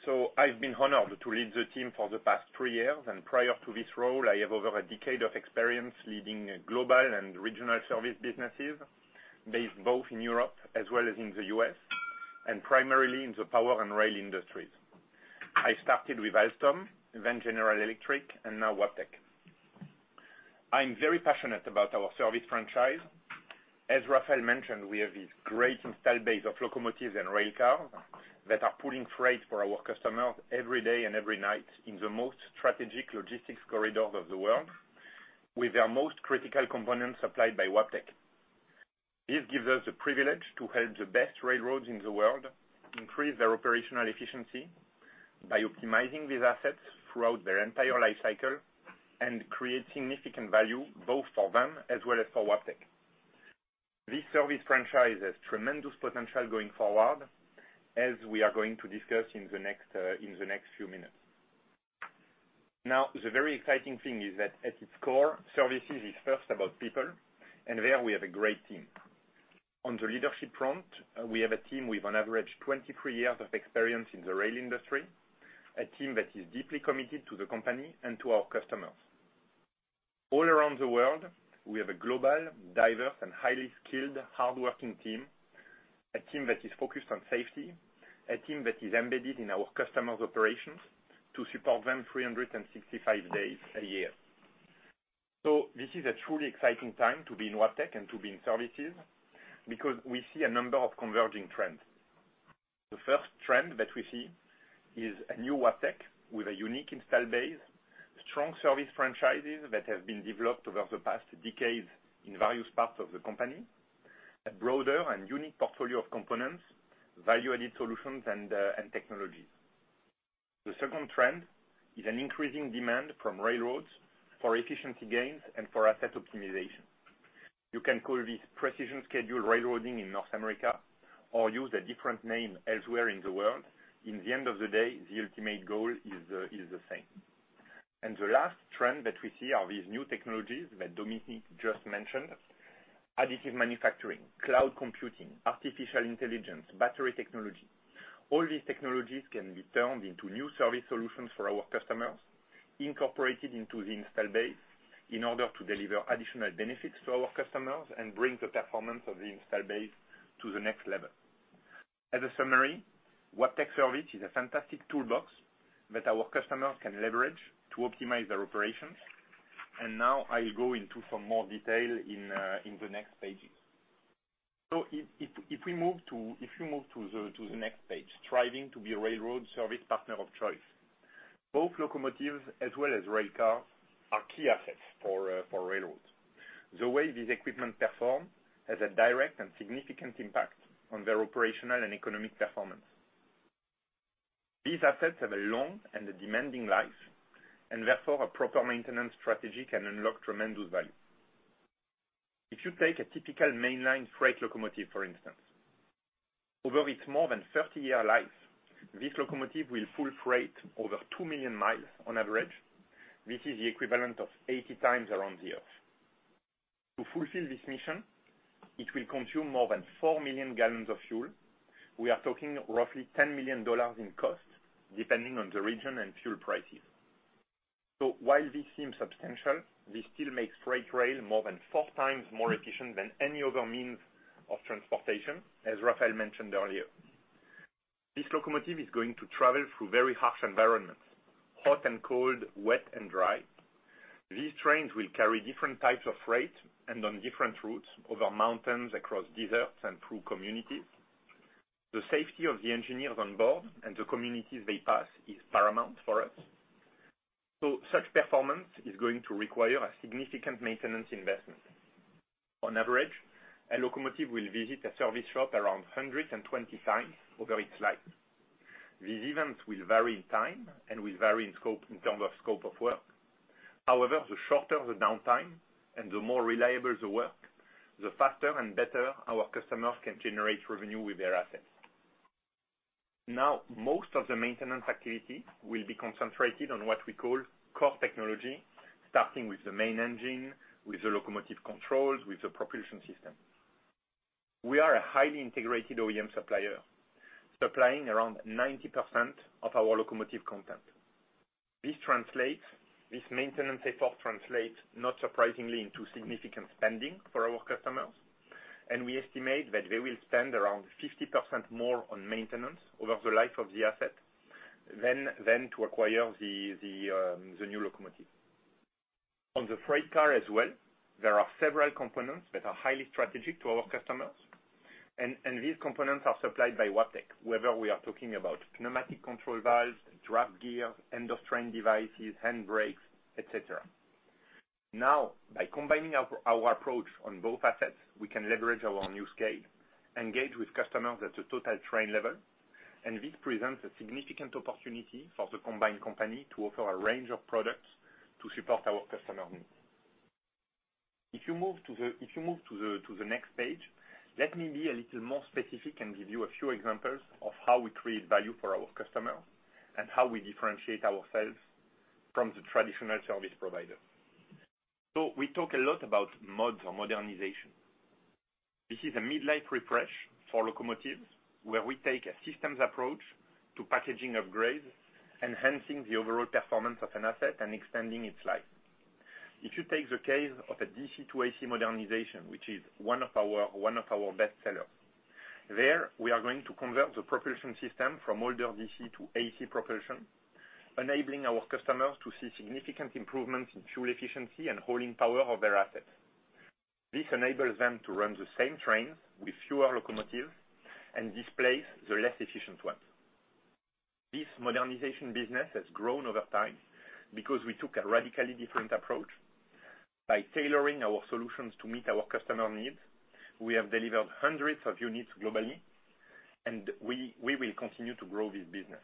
so I've been honored to lead the team for the past three years, and prior to this role, I have over a decade of experience leading global and regional service businesses based both in Europe as well as in the U.S., and primarily in the power and rail industries. I started with Alstom, then General Electric, and now Wabtec. I'm very passionate about our service franchise. As Rafael mentioned, we have this great installed base of locomotives and rail cars that are pulling freight for our customers every day and every night in the most strategic logistics corridors of the world, with their most critical components supplied by Wabtec. This gives us the privilege to help the best railroads in the world increase their operational efficiency by optimizing these assets throughout their entire life cycle and create significant value both for them as well as for Wabtec. This service franchise has tremendous potential going forward, as we are going to discuss in the next few minutes. Now, the very exciting thing is that at its core, services is first about people, and there we have a great team. On the leadership front, we have a team with an average of 23 years of experience in the rail industry, a team that is deeply committed to the company and to our customers. All around the world, we have a global, diverse, and highly skilled, hardworking team, a team that is focused on safety, a team that is embedded in our customers' operations to support them 365 days a year. This is a truly exciting time to be in Wabtec and to be in services because we see a number of converging trends. The first trend that we see is a new Wabtec with a unique installed base, strong service franchises that have been developed over the past decades in various parts of the company, a broader and unique portfolio of components, value-added solutions, and technologies. The second trend is an increasing demand from railroads for efficiency gains and for asset optimization. You can call this Precision Scheduled Railroading in North America or use a different name elsewhere in the world. In the end of the day, the ultimate goal is the same. And the last trend that we see are these new technologies that Dominique just mentioned: additive manufacturing, cloud computing, artificial intelligence, battery technology. All these technologies can be turned into new service solutions for our customers, incorporated into the installed base in order to deliver additional benefits to our customers and bring the performance of the installed base to the next level. As a summary, Wabtec Service is a fantastic toolbox that our customers can leverage to optimize their operations, and now I'll go into some more detail in the next pages, so if we move to the next page, striving to be a railroad service partner of choice. Both locomotives as well as rail cars are key assets for railroads. The way these equipment perform has a direct and significant impact on their operational and economic performance. These assets have a long and demanding life, and therefore a proper maintenance strategy can unlock tremendous value. If you take a typical mainline freight locomotive, for instance, over its more than 30-year life, this locomotive will pull freight over 2 million miles on average. This is the equivalent of 80x around the Earth. To fulfill this mission, it will consume more than 4 million gallons of fuel. We are talking roughly $10 million in cost, depending on the region and fuel prices. So while this seems substantial, this still makes freight rail more than four times more efficient than any other means of transportation, as Rafael mentioned earlier. This locomotive is going to travel through very harsh environments: hot and cold, wet and dry. These trains will carry different types of freight and on different routes over mountains, across deserts, and through communities. The safety of the engineers on board and the communities they pass is paramount for us. Such performance is going to require a significant maintenance investment. On average, a locomotive will visit a service shop around 120x over its life. These events will vary in time and will vary in scope in terms of scope of work. However, the shorter the downtime and the more reliable the work, the faster and better our customers can generate revenue with their assets. Now, most of the maintenance activity will be concentrated on what we call core technology, starting with the main engine, with the locomotive controls, with the propulsion system. We are a highly integrated OEM supplier, supplying around 90% of our locomotive content. This maintenance effort translates, not surprisingly, into significant spending for our customers, and we estimate that they will spend around 50% more on maintenance over the life of the asset than to acquire the new locomotive. On the freight car as well, there are several components that are highly strategic to our customers, and these components are supplied by Wabtec, whether we are talking about pneumatic control valves, draft gears, end-of-train devices, hand brakes, etc. Now, by combining our approach on both assets, we can leverage our new scale, engage with customers at a total train level, and this presents a significant opportunity for the combined company to offer a range of products to support our customer needs. If you move to the next page, let me be a little more specific and give you a few examples of how we create value for our customers and how we differentiate ourselves from the traditional service providers. So we talk a lot about mods or modernization. This is a midlife refresh for locomotives where we take a systems approach to packaging upgrades, enhancing the overall performance of an asset and extending its life. If you take the case of a DC to AC modernization, which is one of our best sellers, there we are going to convert the propulsion system from older DC to AC propulsion, enabling our customers to see significant improvements in fuel efficiency and hauling power of their assets. This enables them to run the same trains with fewer locomotives and displace the less efficient ones. This modernization business has grown over time because we took a radically different approach. By tailoring our solutions to meet our customer needs, we have delivered hundreds of units globally, and we will continue to grow this business.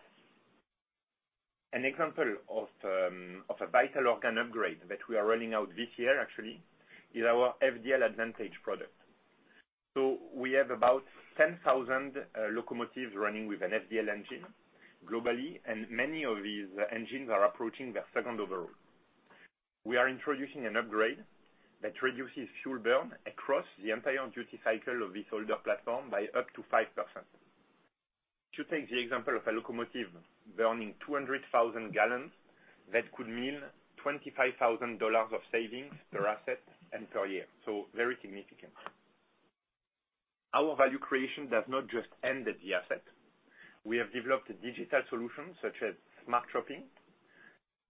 An example of a vital organ upgrade that we are rolling out this year, actually, is our FDL Advantage product. So we have about 10,000 locomotives running with an FDL engine globally, and many of these engines are approaching their second overhaul. We are introducing an upgrade that reduces fuel burn across the entire duty cycle of this older platform by up to 5%. To take the example of a locomotive burning 200,000 gallons, that could mean $25,000 of savings per asset and per year, so very significant. Our value creation does not just end at the asset. We have developed digital solutions such as Smart Shopping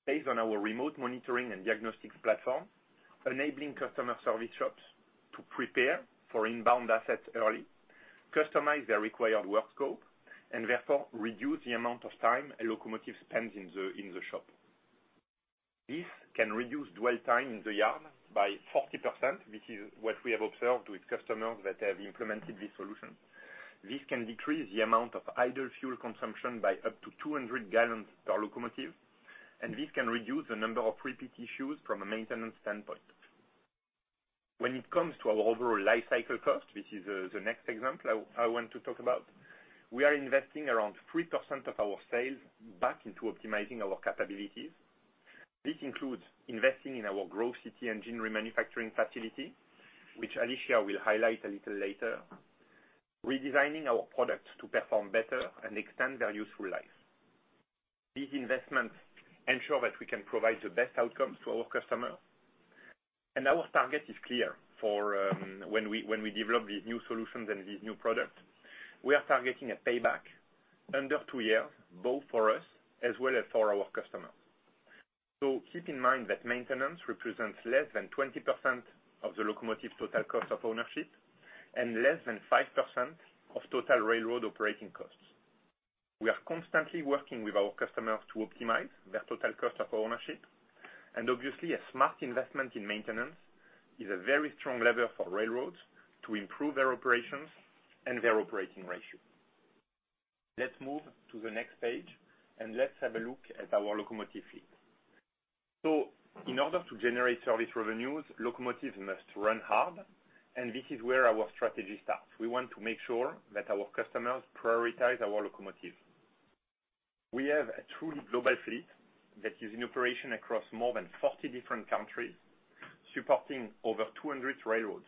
based on our remote monitoring and diagnostics platform, enabling customer service shops to prepare for inbound assets early, customize their required work scope, and therefore reduce the amount of time a locomotive spends in the shop. This can reduce dwell time in the yard by 40%. This is what we have observed with customers that have implemented this solution. This can decrease the amount of idle fuel consumption by up to 200 gallons per locomotive, and this can reduce the number of repeat issues from a maintenance standpoint. When it comes to our overall life cycle cost, this is the next example I want to talk about. We are investing around 3% of our sales back into optimizing our capabilities. This includes investing in our Grove City engineering manufacturing facility, which Alicia will highlight a little later, redesigning our products to perform better and extend their useful life. These investments ensure that we can provide the best outcomes to our customers, and our target is clear for when we develop these new solutions and these new products. We are targeting a payback under two years, both for us as well as for our customers. So keep in mind that maintenance represents less than 20% of the locomotive's total cost of ownership and less than 5% of total railroad operating costs. We are constantly working with our customers to optimize their total cost of ownership, and obviously, a smart investment in maintenance is a very strong lever for railroads to improve their operations and their operating ratio. Let's move to the next page, and let's have a look at our locomotive fleet. So in order to generate service revenues, locomotives must run hard, and this is where our strategy starts. We want to make sure that our customers prioritize our locomotives. We have a truly global fleet that is in operation across more than 40 different countries, supporting over 200 railroads.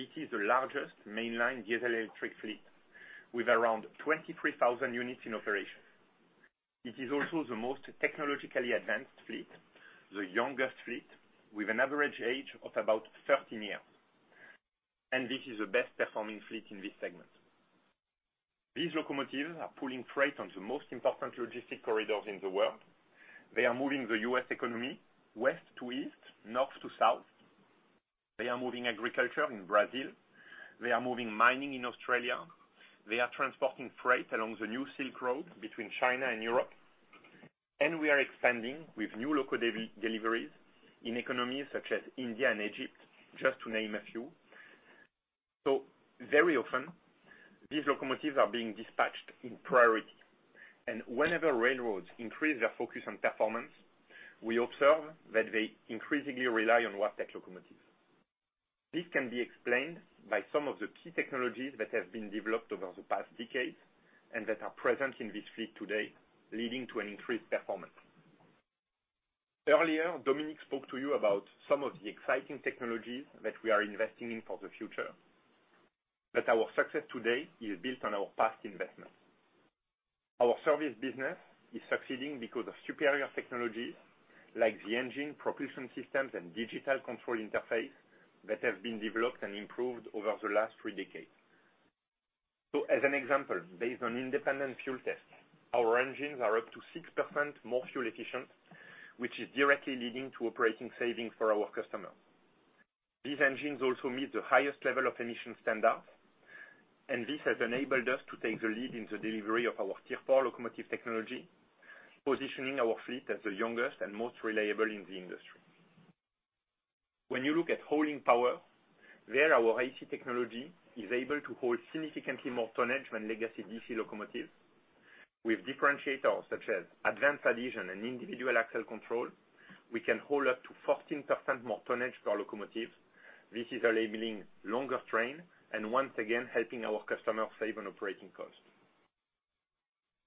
It is the largest mainline diesel electric fleet with around 23,000 units in operation. It is also the most technologically advanced fleet, the youngest fleet, with an average age of about 13 years, and this is the best-performing fleet in this segment. These locomotives are pulling freight on the most important logistic corridors in the world. They are moving the U.S. economy west to east, north to south. They are moving agriculture in Brazil. They are moving mining in Australia. They are transporting freight along the New Silk Road between China and Europe, and we are expanding with new loco deliveries in economies such as India and Egypt, just to name a few. So very often, these locomotives are being dispatched in priority, and whenever railroads increase their focus on performance, we observe that they increasingly rely on Wabtec locomotives. This can be explained by some of the key technologies that have been developed over the past decades and that are present in this fleet today, leading to an increased performance. Earlier, Dominique spoke to you about some of the exciting technologies that we are investing in for the future, but our success today is built on our past investments. Our service business is succeeding because of superior technologies like the engine propulsion systems and digital control interface that have been developed and improved over the last three decades. So as an example, based on independent fuel tests, our engines are up to 6% more fuel efficient, which is directly leading to operating savings for our customers. These engines also meet the highest level of emission standards, and this has enabled us to take the lead in the delivery of our Tier 4 locomotive technology, positioning our fleet as the youngest and most reliable in the industry. When you look at hauling power, there our AC technology is able to haul significantly more tonnage than legacy DC locomotives. With differentiators such as advanced adhesion and individual axle control, we can haul up to 14% more tonnage per locomotive. This is enabling longer trains and, once again, helping our customers save on operating costs.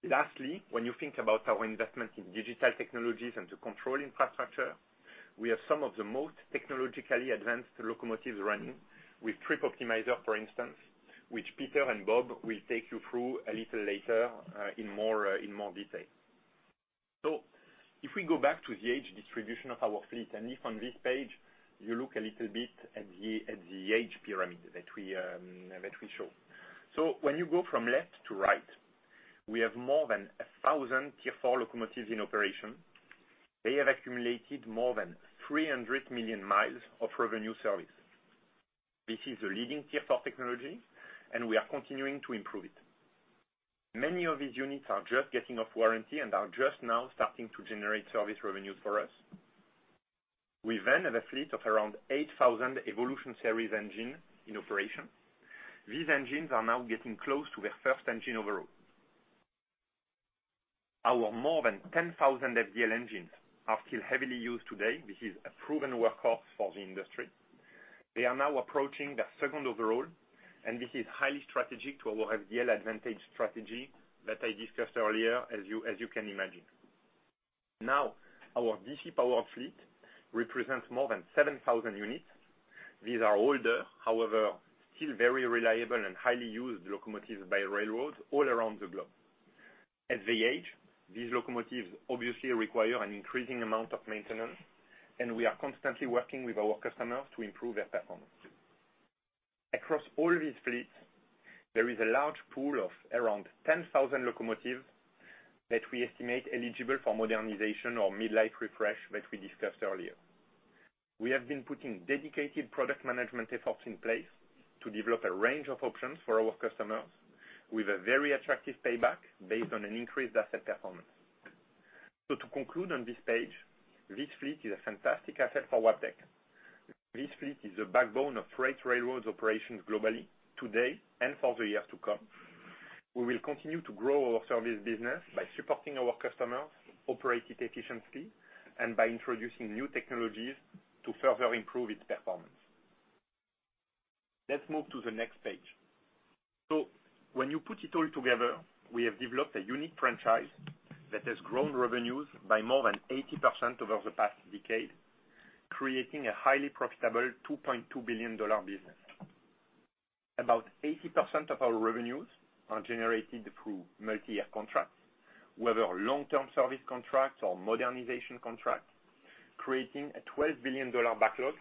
Lastly, when you think about our investment in digital technologies and the control infrastructure, we have some of the most technologically advanced locomotives running with Trip Optimizer, for instance, which Peter and Bob will take you through a little later in more detail. So if we go back to the age distribution of our fleet, and if on this page you look a little bit at the age pyramid that we show. So when you go from left to right, we have more than 1,000 Tier 4 locomotives in operation. They have accumulated more than 300 million miles of revenue service. This is the leading Tier 4 technology, and we are continuing to improve it. Many of these units are just getting off warranty and are just now starting to generate service revenues for us. We then have a fleet of around 8,000 Evolution Series engines in operation. These engines are now getting close to their first engine overhaul. Our more than 10,000 FDL engines are still heavily used today. This is a proven workhorse for the industry. They are now approaching their second overhaul, and this is highly strategic to our FDL Advantage strategy that I discussed earlier, as you can imagine. Now, our DC-powered fleet represents more than 7,000 units. These are older, however, still very reliable and highly used locomotives by railroads all around the globe. As they age, these locomotives obviously require an increasing amount of maintenance, and we are constantly working with our customers to improve their performance. Across all these fleets, there is a large pool of around 10,000 locomotives that we estimate eligible for modernization or midlife refresh that we discussed earlier. We have been putting dedicated product management efforts in place to develop a range of options for our customers with a very attractive payback based on an increased asset performance. So to conclude on this page, this fleet is a fantastic asset for Wabtec. This fleet is the backbone of freight railroad operations globally today and for the years to come. We will continue to grow our service business by supporting our customers, operate it efficiently, and by introducing new technologies to further improve its performance. Let's move to the next page. So when you put it all together, we have developed a unique franchise that has grown revenues by more than 80% over the past decade, creating a highly profitable $2.2 billion business. About 80% of our revenues are generated through multi-year contracts, whether long-term service contracts or modernization contracts, creating a $12 billion backlog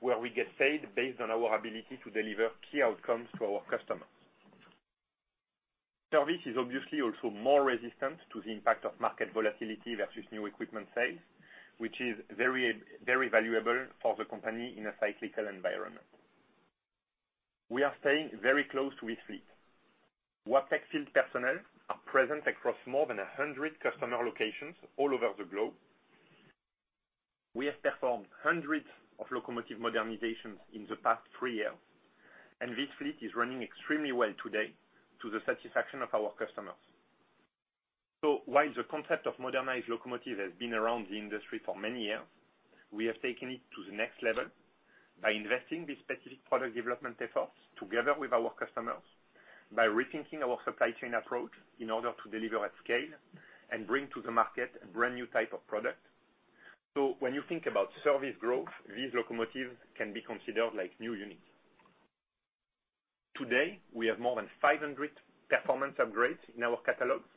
where we get paid based on our ability to deliver key outcomes to our customers. Service is obviously also more resistant to the impact of market volatility versus new equipment sales, which is very valuable for the company in a cyclical environment. We are staying very close to this fleet. Wabtec field personnel are present across more than 100 customer locations all over the globe. We have performed hundreds of locomotive modernizations in the past three years, and this fleet is running extremely well today to the satisfaction of our customers. So while the concept of modernized locomotives has been around the industry for many years, we have taken it to the next level by investing in specific product development efforts together with our customers, by rethinking our supply chain approach in order to deliver at scale and bring to the market a brand new type of product. So when you think about service growth, these locomotives can be considered like new units. Today, we have more than 500 performance upgrades in our catalogs,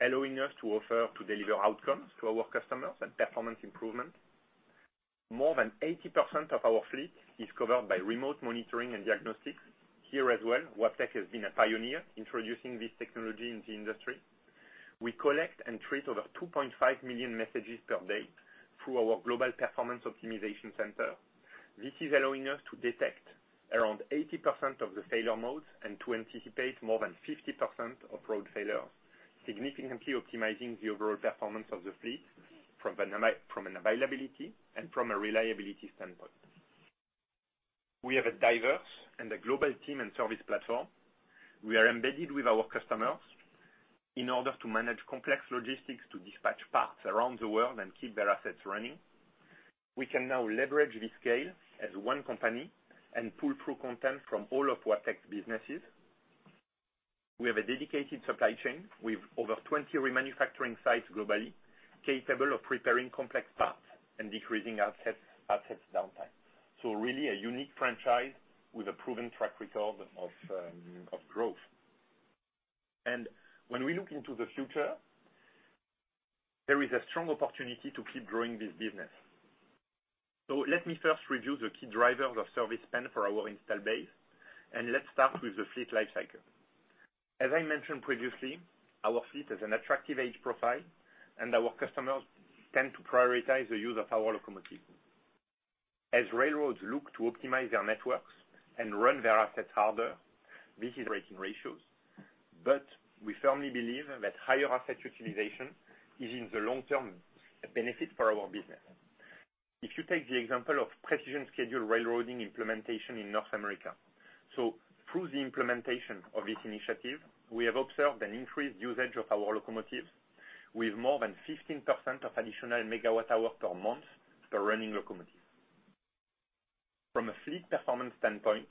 allowing us to offer to deliver outcomes to our customers and performance improvements. More than 80% of our fleet is covered by remote monitoring and diagnostics. Here as well, Wabtec has been a pioneer in introducing this technology in the industry. We collect and treat over 2.5 million messages per day through our global performance optimization center. This is allowing us to detect around 80% of the failure modes and to anticipate more than 50% of rail failures, significantly optimizing the overall performance of the fleet from an availability and from a reliability standpoint. We have a diverse and a global team and service platform. We are embedded with our customers in order to manage complex logistics to dispatch parts around the world and keep their assets running. We can now leverage this scale as one company and pull through content from all of Wabtec's businesses. We have a dedicated supply chain with over 20 remanufacturing sites globally capable of preparing complex parts and decreasing assets downtime, so really a unique franchise with a proven track record of growth, and when we look into the future, there is a strong opportunity to keep growing this business, so let me first review the key drivers of service spend for our install base, and let's start with the fleet lifecycle. As I mentioned previously, our fleet has an attractive age profile, and our customers tend to prioritize the use of our locomotive. As railroads look to optimize their networks and run their assets harder, this is operating ratios, but we firmly believe that higher asset utilization is in the long term a benefit for our business. If you take the example of Precision Scheduled Railroading implementation in North America, so through the implementation of this initiative, we have observed an increased usage of our locomotives with more than 15% of additional megawatt-hour per month per running locomotive. From a fleet performance standpoint,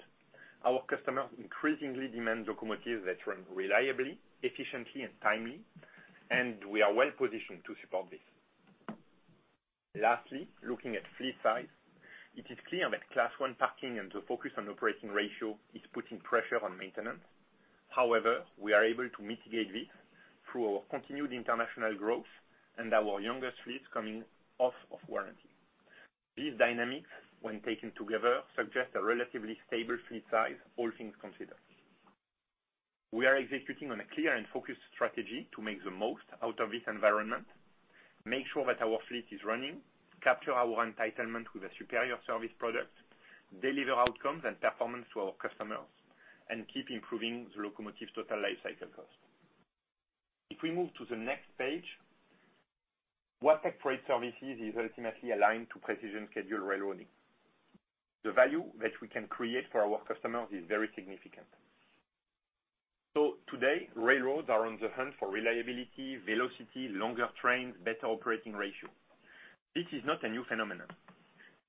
our customers increasingly demand locomotives that run reliably, efficiently, and timely, and we are well positioned to support this. Lastly, looking at fleet size, it is clear that Class I parking and the focus on operating ratio is putting pressure on maintenance. However, we are able to mitigate this through our continued international growth and our youngest fleets coming off of warranty. These dynamics, when taken together, suggest a relatively stable fleet size, all things considered. We are executing on a clear and focused strategy to make the most out of this environment, make sure that our fleet is running, capture our entitlement with a superior service product, deliver outcomes and performance to our customers, and keep improving the locomotive's total lifecycle cost. If we move to the next page, Wabtec freight services is ultimately aligned to Precision Scheduled Railroading. The value that we can create for our customers is very significant. So today, railroads are on the hunt for reliability, velocity, longer trains, better operating ratio. This is not a new phenomenon.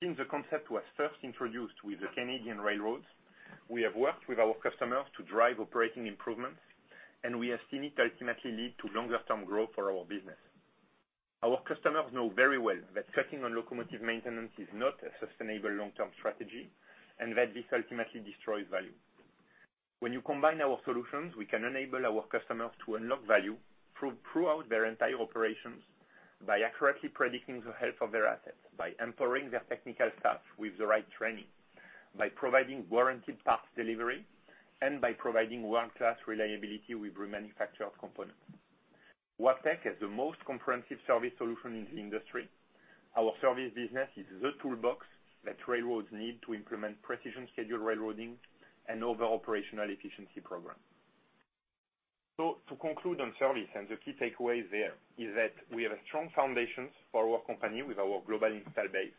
Since the concept was first introduced with the Canadian railroads, we have worked with our customers to drive operating improvements, and we have seen it ultimately lead to longer-term growth for our business. Our customers know very well that cutting on locomotive maintenance is not a sustainable long-term strategy and that this ultimately destroys value. When you combine our solutions, we can enable our customers to unlock value throughout their entire operations by accurately predicting the health of their assets, by empowering their technical staff with the right training, by providing warranted parts delivery, and by providing world-class reliability with remanufactured components. Wabtec has the most comprehensive service solution in the industry. Our service business is the toolbox that railroads need to implement Precision Scheduled Railroading and operational efficiency programs. So to conclude on service and the key takeaways there is that we have a strong foundation for our company with our global installed base.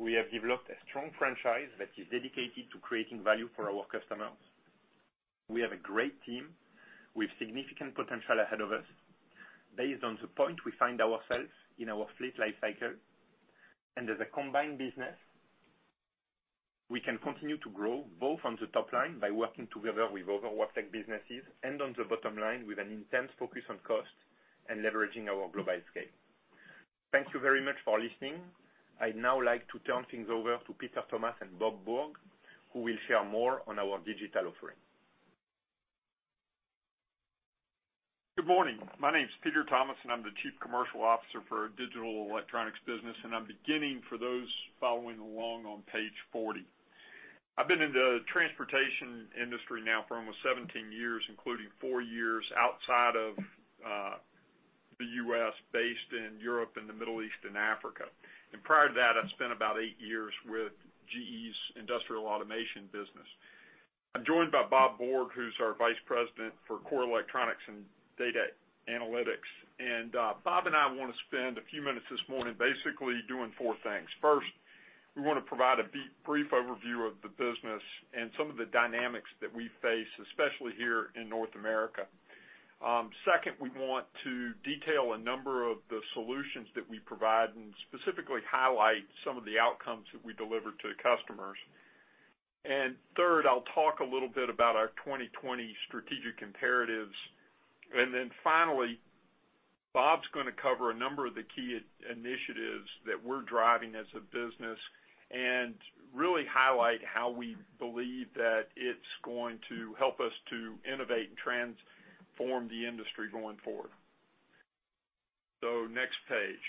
We have developed a strong franchise that is dedicated to creating value for our customers. We have a great team with significant potential ahead of us. Based on the point we find ourselves in our fleet lifecycle and as a combined business, we can continue to grow both on the top line by working together with other Wabtec businesses and on the bottom line with an intense focus on cost and leveraging our global scale. Thank you very much for listening. I'd now like to turn things over to Peter Thomas and Bob Bourg, who will share more on our digital offering. Good morning. My name's Peter Thomas, and I'm the Chief Commercial Officer for our digital electronics business, and I'm beginning for those following along on Page 40. I've been in the transportation industry now for almost 17 years, including four years outside of the U.S., based in Europe, in the Middle East, and Africa, and prior to that, I spent about eight years with GE's industrial automation business. I'm joined by Bob Bourg, who's our Vice President for core electronics and data analytics. And Bob and I want to spend a few minutes this morning basically doing four things. First, we want to provide a brief overview of the business and some of the dynamics that we face, especially here in North America. Second, we want to detail a number of the solutions that we provide and specifically highlight some of the outcomes that we deliver to customers. And third, I'll talk a little bit about our 2020 strategic imperatives. And then finally, Bob's going to cover a number of the key initiatives that we're driving as a business and really highlight how we believe that it's going to help us to innovate and transform the industry going forward. So next page.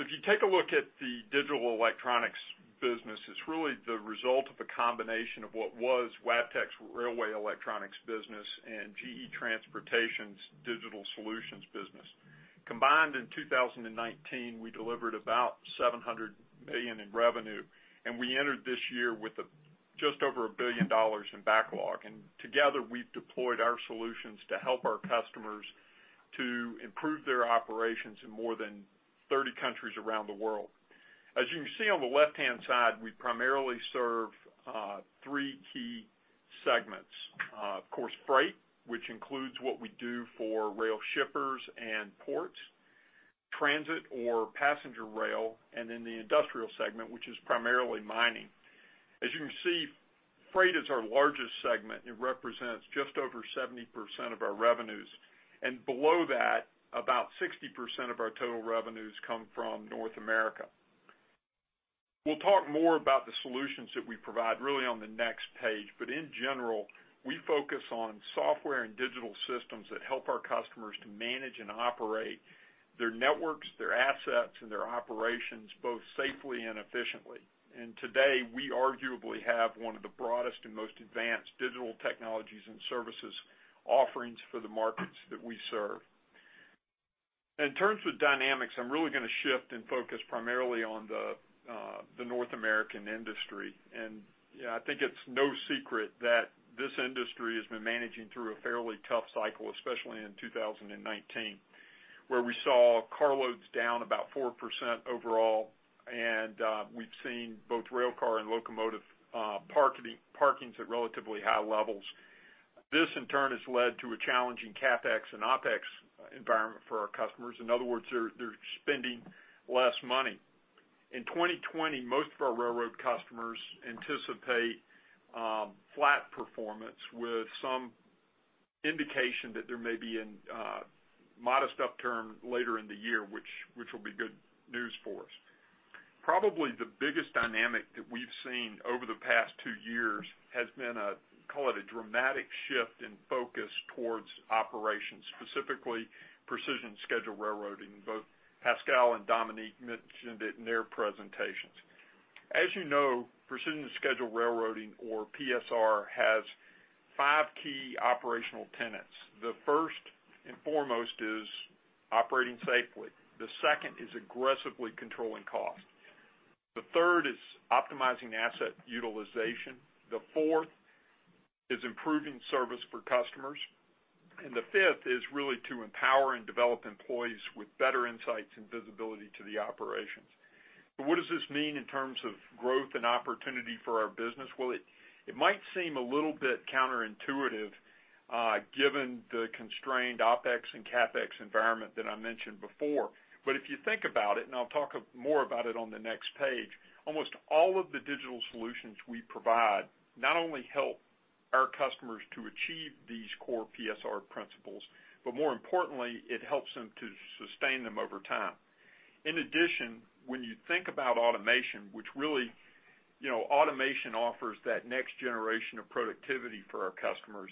If you take a look at the digital electronics business, it's really the result of a combination of what was Wabtec's railway electronics business and GE Transportation's digital solutions business. Combined in 2019, we delivered about $700 million in revenue, and we entered this year with just over $1 billion in backlog, and together, we've deployed our solutions to help our customers to improve their operations in more than 30 countries around the world. As you can see on the left-hand side, we primarily serve three key segments. Of course, freight, which includes what we do for rail shippers and ports, transit or passenger rail, and then the industrial segment, which is primarily mining. As you can see, freight is our largest segment. It represents just over 70% of our revenues, and below that, about 60% of our total revenues come from North America. We'll talk more about the solutions that we provide really on the next page, but in general, we focus on software and digital systems that help our customers to manage and operate their networks, their assets, and their operations both safely and efficiently, and today, we arguably have one of the broadest and most advanced digital technologies and services offerings for the markets that we serve. In terms of dynamics, I'm really going to shift and focus primarily on the North American industry, and yeah, I think it's no secret that this industry has been managing through a fairly tough cycle, especially in 2019, where we saw car loads down about 4% overall, and we've seen both railcar and locomotive parkings at relatively high levels. This, in turn, has led to a challenging CapEx and OpEx environment for our customers. In other words, they're spending less money. In 2020, most of our railroad customers anticipate flat performance with some indication that there may be a modest upturn later in the year, which will be good news for us. Probably the biggest dynamic that we've seen over the past two years has been a, call it a dramatic shift in focus towards operations, specifically Precision Scheduled Railroading. Both Pascal and Dominique mentioned it in their presentations. As you know, Precision Scheduled Railroading, or PSR, has five key operational tenets. The first and foremost is operating safely. The second is aggressively controlling cost. The third is optimizing asset utilization. The fourth is improving service for customers. And the fifth is really to empower and develop employees with better insights and visibility to the operations. So what does this mean in terms of growth and opportunity for our business? It might seem a little bit counterintuitive given the constrained OpEx and CapEx environment that I mentioned before, but if you think about it, and I'll talk more about it on the next page, almost all of the digital solutions we provide not only help our customers to achieve these core PSR principles, but more importantly, it helps them to sustain them over time. In addition, when you think about automation, which really automation offers that next generation of productivity for our customers,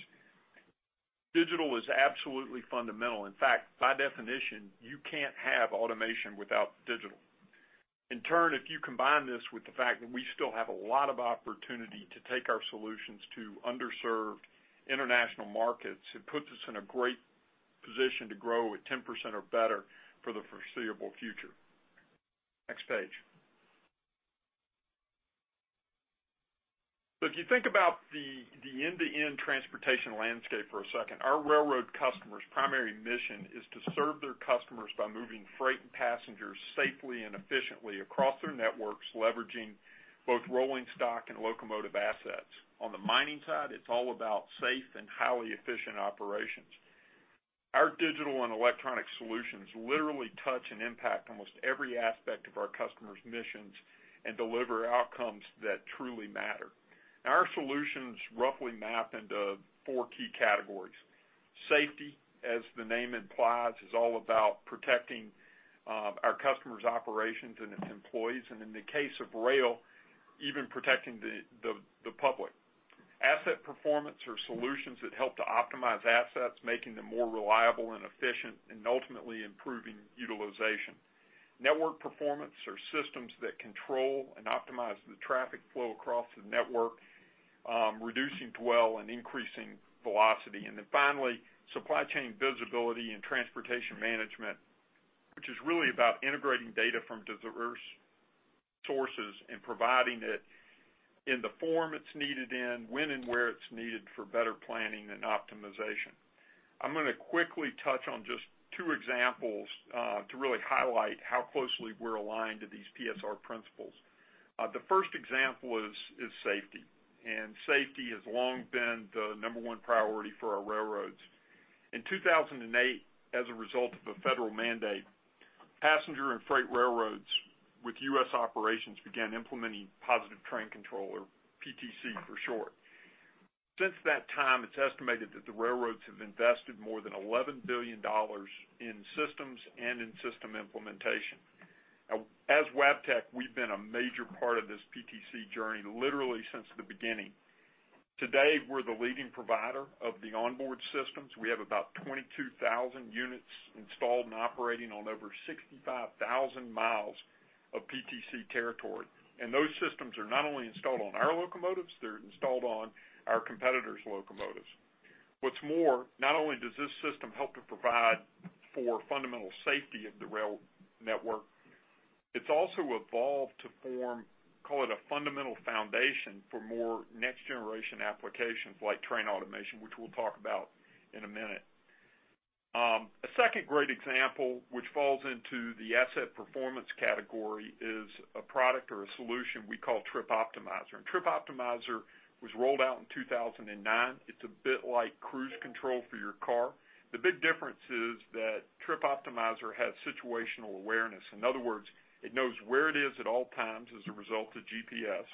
digital is absolutely fundamental. In fact, by definition, you can't have automation without digital. In turn, if you combine this with the fact that we still have a lot of opportunity to take our solutions to underserved international markets, it puts us in a great position to grow at 10% or better for the foreseeable future. Next page. So if you think about the end-to-end transportation landscape for a second, our railroad customer's primary mission is to serve their customers by moving freight and passengers safely and efficiently across their networks, leveraging both rolling stock and locomotive assets. On the mining side, it's all about safe and highly efficient operations. Our digital and electronic solutions literally touch and impact almost every aspect of our customer's missions and deliver outcomes that truly matter. Our solutions roughly map into four key categories. Safety, as the name implies, is all about protecting our customer's operations and its employees, and in the case of rail, even protecting the public. Asset performance are solutions that help to optimize assets, making them more reliable and efficient, and ultimately improving utilization. Network performance are systems that control and optimize the traffic flow across the network, reducing dwell and increasing velocity. Then finally, supply chain visibility and transportation management, which is really about integrating data from diverse sources and providing it in the form it's needed in, when and where it's needed for better planning and optimization. I'm going to quickly touch on just two examples to really highlight how closely we're aligned to these PSR principles. The first example is safety. Safety has long been the number one priority for our railroads. In 2008, as a result of a federal mandate, passenger and freight railroads with U.S. operations began implementing Positive Train Control or PTC for short. Since that time, it's estimated that the railroads have invested more than $11 billion in systems and in system implementation. As Wabtec, we've been a major part of this PTC journey literally since the beginning. Today, we're the leading provider of the onboard systems. We have about 22,000 units installed and operating on over 65,000 miles of PTC territory. And those systems are not only installed on our locomotives, they're installed on our competitors' locomotives. What's more, not only does this system help to provide for fundamental safety of the rail network, it's also evolved to form, call it a fundamental foundation for more next-generation applications like train automation, which we'll talk about in a minute. A second great example, which falls into the asset performance category, is a product or a solution we call Trip Optimizer. And Trip Optimizer was rolled out in 2009. It's a bit like cruise control for your car. The big difference is that Trip Optimizer has situational awareness. In other words, it knows where it is at all times as a result of GPS.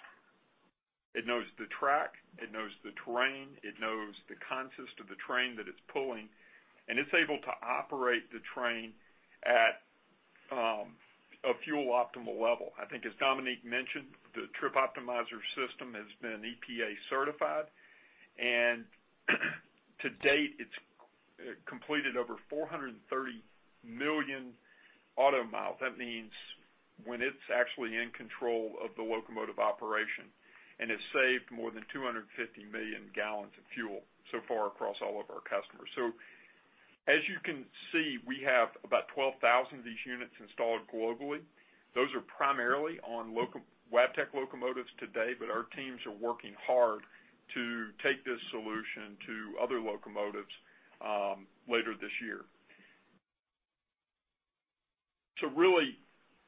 It knows the track. It knows the terrain. It knows the consist of the train that it's pulling, and it's able to operate the train at a fuel optimal level. I think, as Dominique mentioned, the Trip Optimizer system has been EPA certified, and to date, it's completed over 430 million auto miles. That means when it's actually in control of the locomotive operation, and it's saved more than 250 million gallons of fuel so far across all of our customers, so as you can see, we have about 12,000 of these units installed globally. Those are primarily on Wabtec locomotives today, but our teams are working hard to take this solution to other locomotives later this year, so really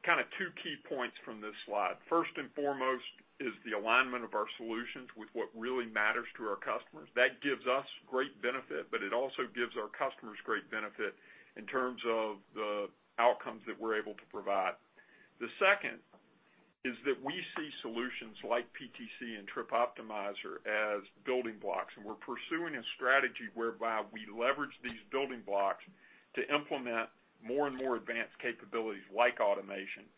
kind of two key points from this slide. First and foremost is the alignment of our solutions with what really matters to our customers. That gives us great benefit, but it also gives our customers great benefit in terms of the outcomes that we're able to provide. The second is that we see solutions like PTC and Trip Optimizer as building blocks, and we're pursuing a strategy whereby we leverage these building blocks to implement more and more advanced capabilities like automation.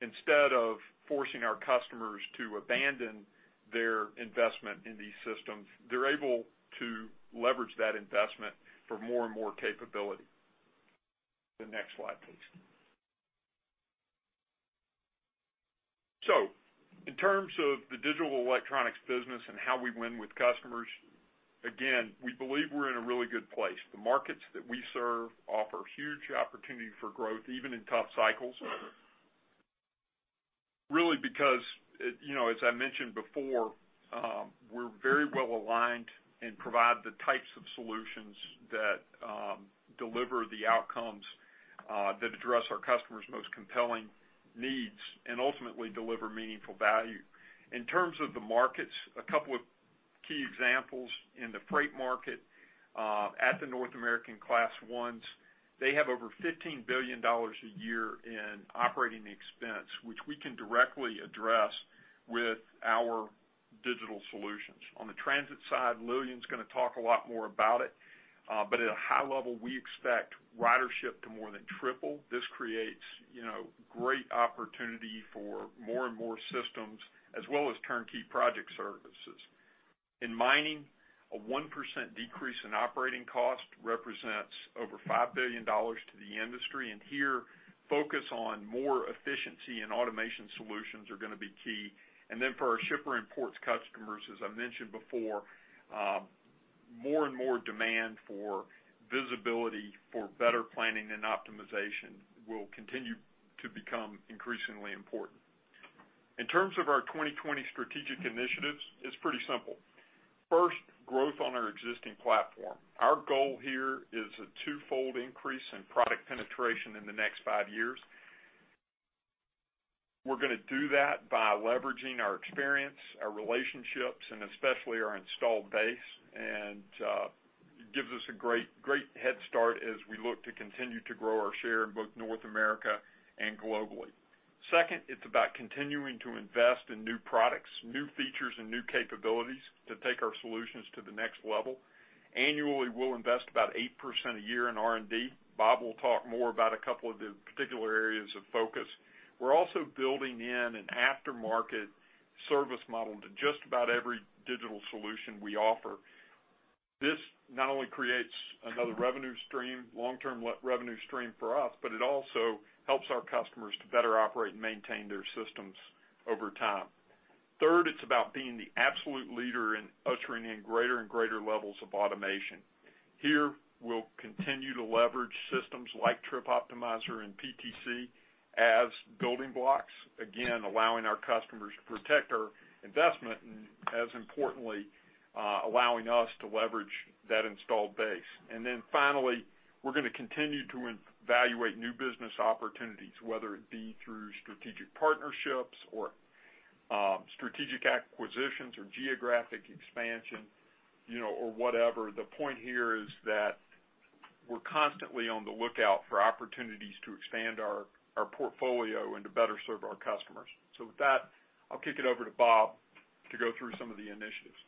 Instead of forcing our customers to abandon their investment in these systems, they're able to leverage that investment for more and more capability. The next slide, please, so in terms of the digital electronics business and how we win with customers, again, we believe we're in a really good place. The markets that we serve offer huge opportunity for growth, even in tough cycles. Really because, as I mentioned before, we're very well aligned and provide the types of solutions that deliver the outcomes that address our customers' most compelling needs and ultimately deliver meaningful value. In terms of the markets, a couple of key examples in the freight market at the North American Class Is, they have over $15 billion a year in operating expense, which we can directly address with our digital solutions. On the transit side, Lilian's going to talk a lot more about it. But at a high level, we expect ridership to more than triple. This creates great opportunity for more and more systems, as well as turnkey project services. In mining, a 1% decrease in operating cost represents over $5 billion to the industry. And here, focus on more efficiency and automation solutions are going to be key. And then for our shipper and ports customers, as I mentioned before, more and more demand for visibility for better planning and optimization will continue to become increasingly important. In terms of our 2020 strategic initiatives, it's pretty simple. First, growth on our existing platform. Our goal here is a twofold increase in product penetration in the next five years. We're going to do that by leveraging our experience, our relationships, and especially our installed base. And it gives us a great head start as we look to continue to grow our share in both North America and globally. Second, it's about continuing to invest in new products, new features, and new capabilities to take our solutions to the next level. Annually, we'll invest about 8% a year in R&D. Bob will talk more about a couple of the particular areas of focus. We're also building in an aftermarket service model to just about every digital solution we offer. This not only creates another revenue stream, long-term revenue stream for us, but it also helps our customers to better operate and maintain their systems over time. Third, it's about being the absolute leader in ushering in greater and greater levels of automation. Here, we'll continue to leverage systems like Trip Optimizer and PTC as building blocks, again, allowing our customers to protect our investment and, as importantly, allowing us to leverage that installed base. And then finally, we're going to continue to evaluate new business opportunities, whether it be through strategic partnerships or strategic acquisitions or geographic expansion or whatever. The point here is that we're constantly on the lookout for opportunities to expand our portfolio and to better serve our customers. So with that, I'll kick it over to Bob to go through some of the initiatives.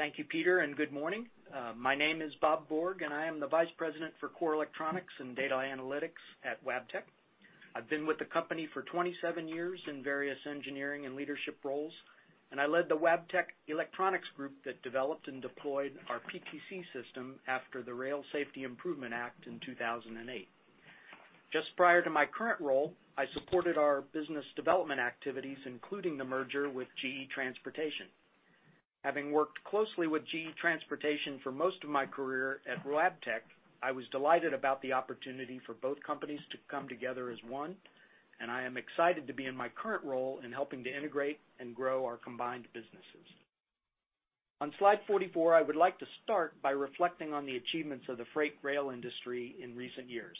Thank you, Peter. And good morning. My name is Bob Bourg, and I am the Vice President for Core Electronics and Data Analytics at Wabtec. I've been with the company for 27 years in various engineering and leadership roles. And I led the Wabtec Electronics Group that developed and deployed our PTC system after the Rail Safety Improvement Act in 2008. Just prior to my current role, I supported our business development activities, including the merger with GE Transportation. Having worked closely with GE Transportation for most of my career at Wabtec, I was delighted about the opportunity for both companies to come together as one. And I am excited to be in my current role in helping to integrate and grow our combined businesses. On slide 44, I would like to start by reflecting on the achievements of the freight rail industry in recent years.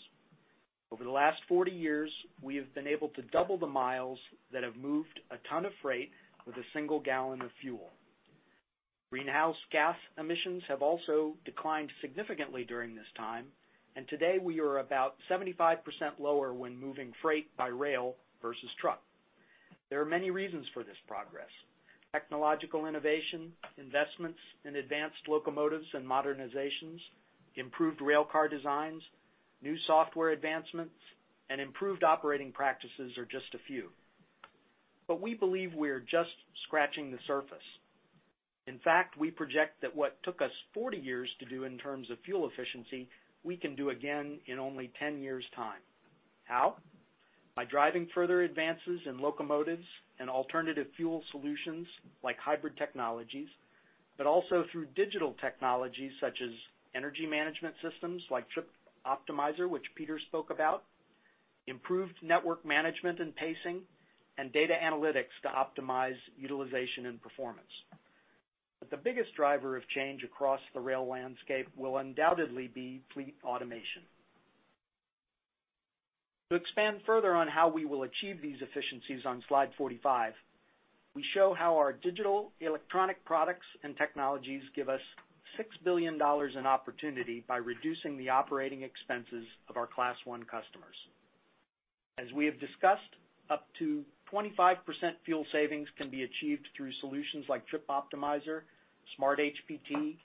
Over the last 40 years, we have been able to double the miles that have moved a ton of freight with a single gallon of fuel. Greenhouse gas emissions have also declined significantly during this time. And today, we are about 75% lower when moving freight by rail versus truck. There are many reasons for this progress. Technological innovation, investments in advanced locomotives and modernizations, improved railcar designs, new software advancements, and improved operating practices are just a few. But we believe we are just scratching the surface. In fact, we project that what took us 40 years to do in terms of fuel efficiency, we can do again in only 10 years' time. How? By driving further advances in locomotives and alternative fuel solutions like hybrid technologies, but also through digital technologies such as energy management systems like Trip Optimizer, which Peter spoke about, improved network management and pacing, and data analytics to optimize utilization and performance. But the biggest driver of change across the rail landscape will undoubtedly be fleet automation. To expand further on how we will achieve these efficiencies on Slide 45, we show how our digital electronic products and technologies give us $6 billion in opportunity by reducing the operating expenses of our Class I customers. As we have discussed, up to 25% fuel savings can be achieved through solutions like Trip Optimizer, SmartHPT,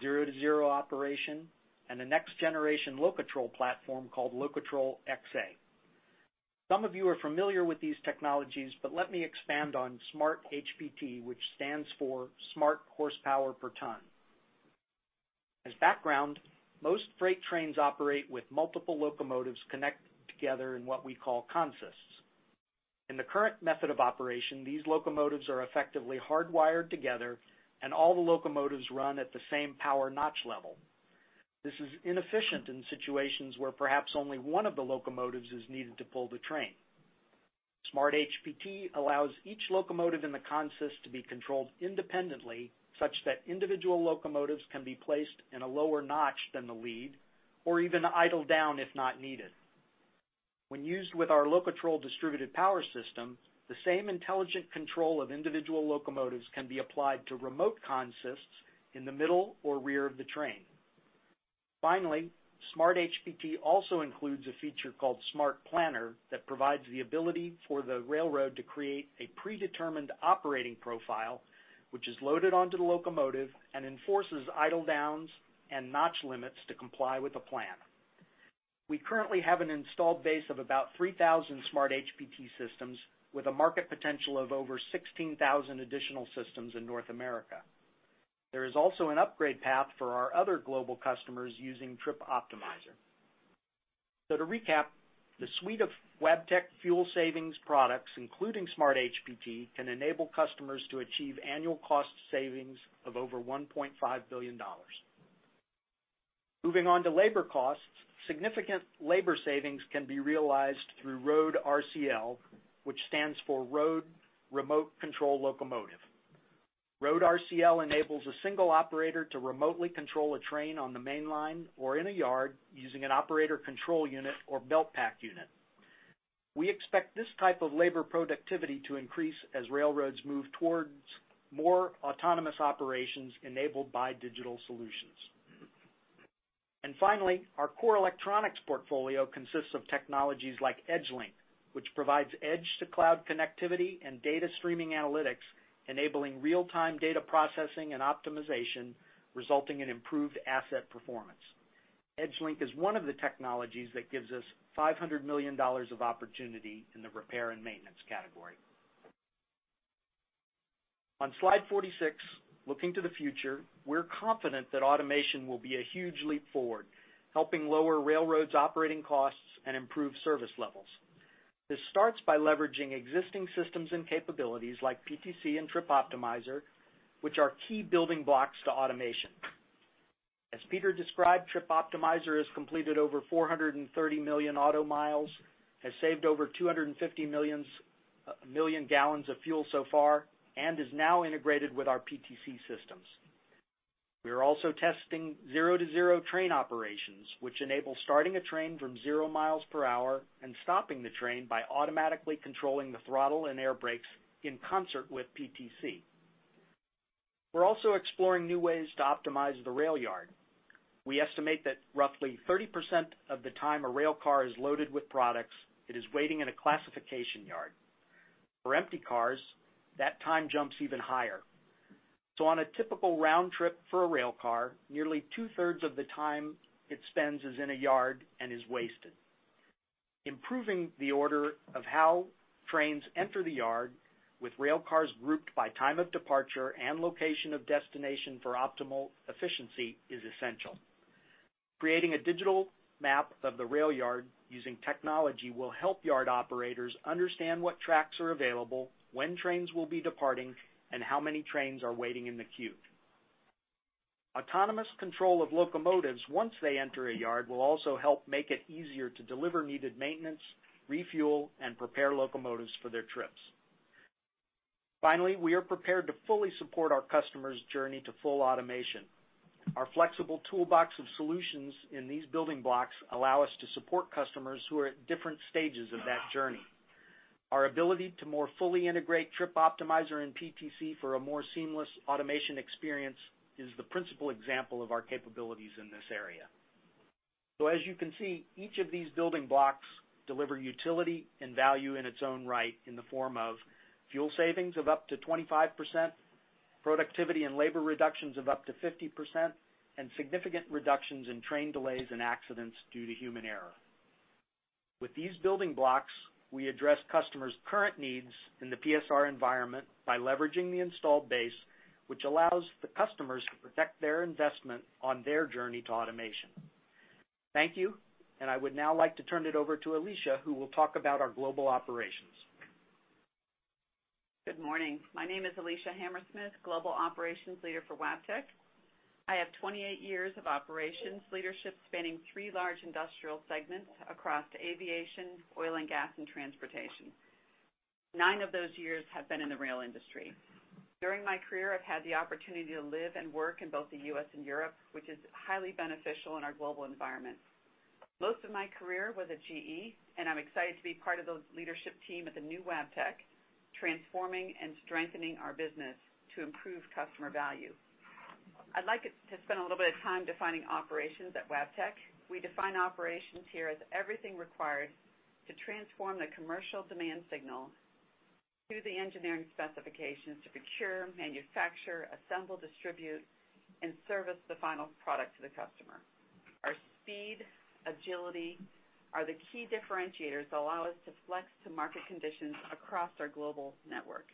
Zero-to-Zero operation, and a next-generation Locotrol platform called Locotrol XA. Some of you are familiar with these technologies, but let me expand on SmartHPT, which stands for Smart Horsepower per Ton. As background, most freight trains operate with multiple locomotives connected together in what we call consists. In the current method of operation, these locomotives are effectively hardwired together, and all the locomotives run at the same power notch level. This is inefficient in situations where perhaps only one of the locomotives is needed to pull the train. SmartHPT allows each locomotive in the consist to be controlled independently, such that individual locomotives can be placed in a lower notch than the lead or even idled down if not needed. When used with our Locotrol distributed power system, the same intelligent control of individual locomotives can be applied to remote consists in the middle or rear of the train. Finally, SmartHPT also includes a feature called Smart Planner that provides the ability for the railroad to create a predetermined operating profile, which is loaded onto the locomotive and enforces idled downs and notch limits to comply with a plan. We currently have an installed base of about 3,000 SmartHPT systems with a market potential of over 16,000 additional systems in North America. There is also an upgrade path for our other global customers using Trip Optimizer. So to recap, the suite of Wabtec fuel savings products, including SmartHPT, can enable customers to achieve annual cost savings of over $1.5 billion. Moving on to labor costs, significant labor savings can be realized through Road-RCL, which stands for Road Remote Control Locomotive. Road-RCL enables a single operator to remotely control a train on the mainline or in a yard using an operator control unit or belt pack unit. We expect this type of labor productivity to increase as railroads move towards more autonomous operations enabled by digital solutions. Finally, our core electronics portfolio consists of technologies like EdgeLink, which provides edge-to-cloud connectivity and data streaming analytics, enabling real-time data processing and optimization, resulting in improved asset performance. EdgeLink is one of the technologies that gives us $500 million of opportunity in the repair and maintenance category. On slide 46, looking to the future, we're confident that automation will be a huge leap forward, helping lower railroads' operating costs and improve service levels. This starts by leveraging existing systems and capabilities like PTC and Trip Optimizer, which are key building blocks to automation. As Peter described, Trip Optimizer has completed over 430 million auto miles, has saved over 250 million gallons of fuel so far, and is now integrated with our PTC systems. We are also testing Zero-to-Zero train operations, which enable starting a train from zero miles per hour and stopping the train by automatically controlling the throttle and air brakes in concert with PTC. We're also exploring new ways to optimize the rail yard. We estimate that roughly 30% of the time a railcar is loaded with products, it is waiting in a classification yard. For empty cars, that time jumps even higher, so on a typical round trip for a railcar, nearly two-thirds of the time it spends is in a yard and is wasted. Improving the order of how trains enter the yard with railcars grouped by time of departure and location of destination for optimal efficiency is essential. Creating a digital map of the rail yard using technology will help yard operators understand what tracks are available, when trains will be departing, and how many trains are waiting in the queue. Autonomous control of locomotives once they enter a yard will also help make it easier to deliver needed maintenance, refuel, and prepare locomotives for their trips. Finally, we are prepared to fully support our customers' journey to full automation. Our flexible toolbox of solutions in these building blocks allow us to support customers who are at different stages of that journey. Our ability to more fully integrate Trip Optimizer and PTC for a more seamless automation experience is the principal example of our capabilities in this area. So as you can see, each of these building blocks deliver utility and value in its own right in the form of fuel savings of up to 25%, productivity and labor reductions of up to 50%, and significant reductions in train delays and accidents due to human error. With these building blocks, we address customers' current needs in the PSR environment by leveraging the installed base, which allows the customers to protect their investment on their journey to automation. Thank you, and I would now like to turn it over to Alicia, who will talk about our global operations. Good morning. My name is Alicia Hammersmith, Global Operations Leader for Wabtec. I have 28 years of operations leadership spanning three large industrial segments across aviation, oil, and gas, and transportation. Nine of those years have been in the rail industry. During my career, I've had the opportunity to live and work in both the U.S. and Europe, which is highly beneficial in our global environment. Most of my career was at GE, and I'm excited to be part of the leadership team at the new Wabtec, transforming and strengthening our business to improve customer value. I'd like to spend a little bit of time defining operations at Wabtec. We define operations here as everything required to transform the commercial demand signal to the engineering specifications to procure, manufacture, assemble, distribute, and service the final product to the customer. Our speed, agility are the key differentiators that allow us to flex to market conditions across our global network.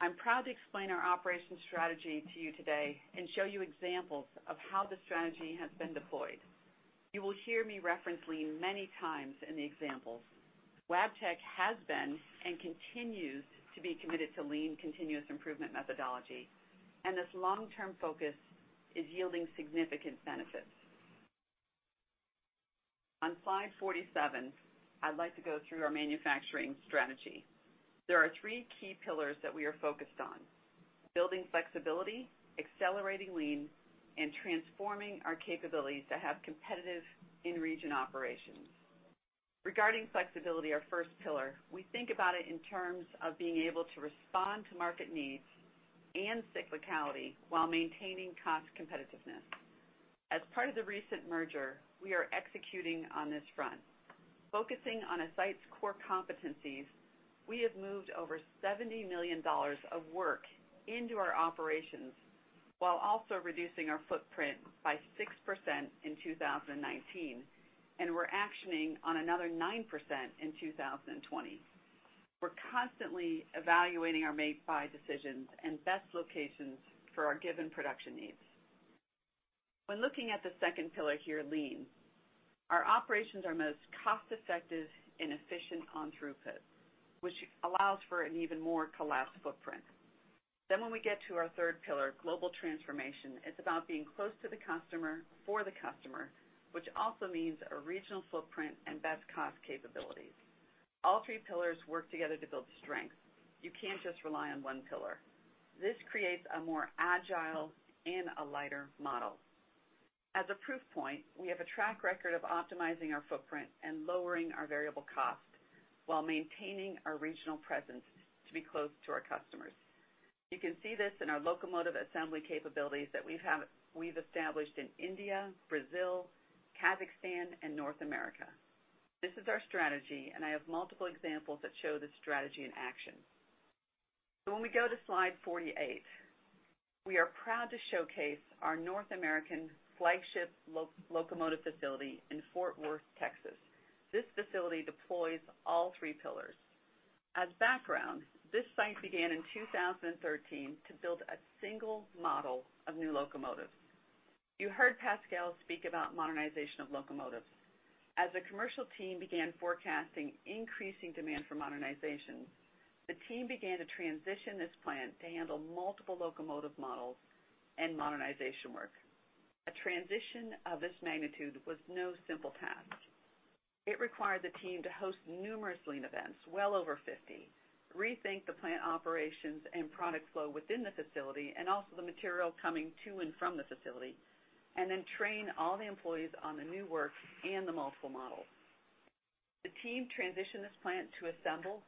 I'm proud to explain our operations strategy to you today and show you examples of how the strategy has been deployed. You will hear me reference Lean many times in the examples. Wabtec has been and continues to be committed to Lean continuous improvement methodology, and this long-term focus is yielding significant benefits. On Slide 47, I'd like to go through our manufacturing strategy. There are three key pillars that we are focused on: building flexibility, accelerating Lean, and transforming our capabilities to have competitive in-region operations. Regarding flexibility, our first pillar, we think about it in terms of being able to respond to market needs and cyclicality while maintaining cost competitiveness. As part of the recent merger, we are executing on this front. Focusing on a site's core competencies, we have moved over $70 million of work into our operations while also reducing our footprint by 6% in 2019, and we're actioning on another 9% in 2020. We're constantly evaluating our make-buy decisions and best locations for our given production needs. When looking at the second pillar here, lean, our operations are most cost-effective and efficient on throughput, which allows for an even more collapsed footprint. Then when we get to our third pillar, global transformation, it's about being close to the customer for the customer, which also means a regional footprint and best cost capabilities. All three pillars work together to build strength. You can't just rely on one pillar. This creates a more agile and a lighter model. As a proof point, we have a track record of optimizing our footprint and lowering our variable cost while maintaining our regional presence to be close to our customers. You can see this in our locomotive assembly capabilities that we've established in India, Brazil, Kazakhstan, and North America. This is our strategy, and I have multiple examples that show the strategy in action. So when we go to slide 48, we are proud to showcase our North American flagship locomotive facility in Fort Worth, Texas. This facility deploys all three pillars. As background, this site began in 2013 to build a single model of new locomotives. You heard Pascal speak about modernization of locomotives. As the commercial team began forecasting increasing demand for modernization, the team began to transition this plant to handle multiple locomotive models and modernization work. A transition of this magnitude was no simple task. It required the team to host numerous lean events, well over 50, rethink the plant operations and product flow within the facility and also the material coming to and from the facility, and then train all the employees on the new work and the multiple models. The team transitioned this plant to assemble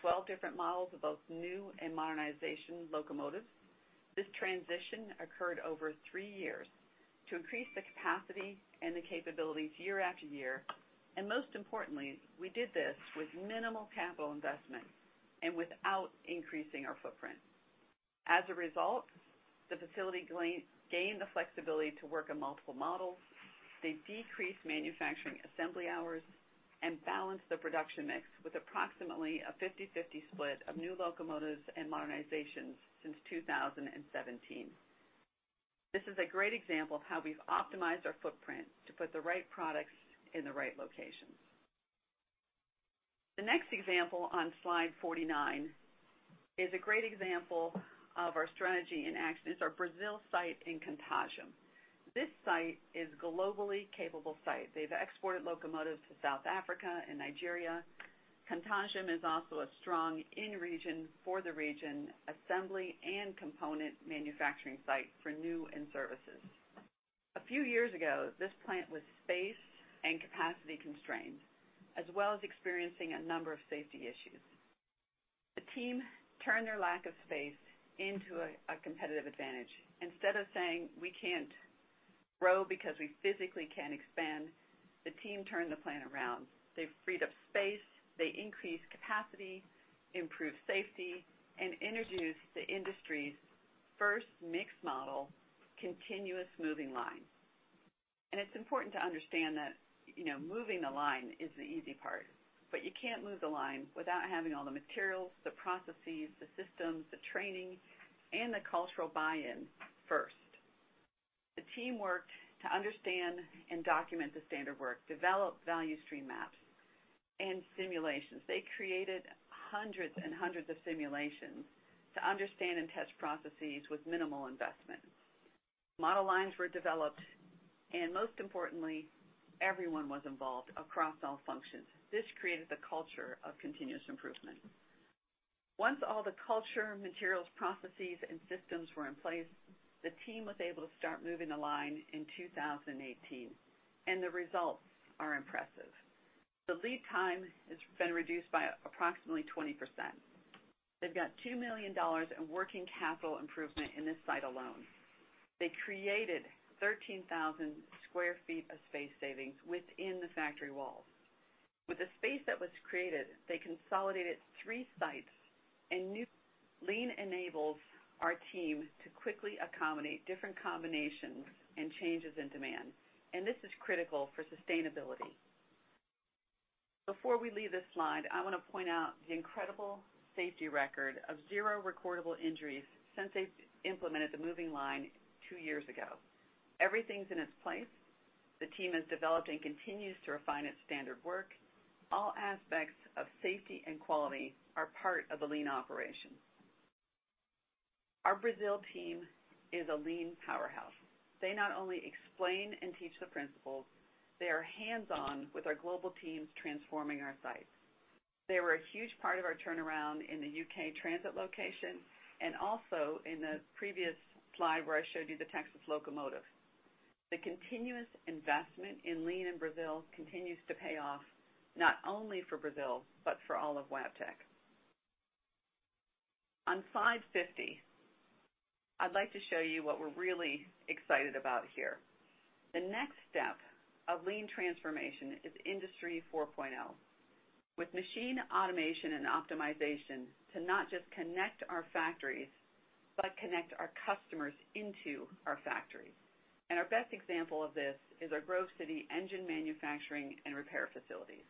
12 different models of both new and modernization locomotives. This transition occurred over three years to increase the capacity and the capabilities year after year, and most importantly, we did this with minimal capital investment and without increasing our footprint. As a result, the facility gained the flexibility to work on multiple models. They decreased manufacturing assembly hours and balanced the production mix with approximately a 50/50 split of new locomotives and modernizations since 2017. This is a great example of how we've optimized our footprint to put the right products in the right locations. The next example on slide 49 is a great example of our strategy in action. It's our Brazil site in Contagem. This site is a globally capable site. They've exported locomotives to South Africa and Nigeria. Contagem is also a strong in-region for the region assembly and component manufacturing site for new and services. A few years ago, this plant was space and capacity constrained, as well as experiencing a number of safety issues. The team turned their lack of space into a competitive advantage. Instead of saying, "We can't grow because we physically can't expand," the team turned the plant around. They've freed up space. They increased capacity, improved safety, and introduced the industry's first mixed model continuous moving line. It's important to understand that moving the line is the easy part, but you can't move the line without having all the materials, the processes, the systems, the training, and the cultural buy-in first. The team worked to understand and document the standard work, develop value stream maps, and simulations. They created hundreds and hundreds of simulations to understand and test processes with minimal investment. Model lines were developed, and most importantly, everyone was involved across all functions. This created the culture of continuous improvement. Once all the culture, materials, processes, and systems were in place, the team was able to start moving the line in 2018, and the results are impressive. The lead time has been reduced by approximately 20%. They've got $2 million in working capital improvement in this site alone. They created 13,000 sq ft of space savings within the factory walls. With the space that was created, they consolidated three sites, and new lean enables our team to quickly accommodate different combinations and changes in demand, and this is critical for sustainability. Before we leave this slide, I want to point out the incredible safety record of zero recordable injuries since they've implemented the moving line two years ago. Everything's in its place. The team has developed and continues to refine its standard work. All aspects of safety and quality are part of the lean operation. Our Brazil team is a lean powerhouse. They not only explain and teach the principles. They are hands-on with our global teams transforming our sites. They were a huge part of our turnaround in the U.K. transit location and also in the previous slide where I showed you the Texas locomotive. The continuous investment in lean in Brazil continues to pay off not only for Brazil but for all of Wabtec. On Slide 50, I'd like to show you what we're really excited about here. The next step of lean transformation is Industry 4.0, with machine automation and optimization to not just connect our factories but connect our customers into our factories, and our best example of this is our Grove City engine manufacturing and repair facilities.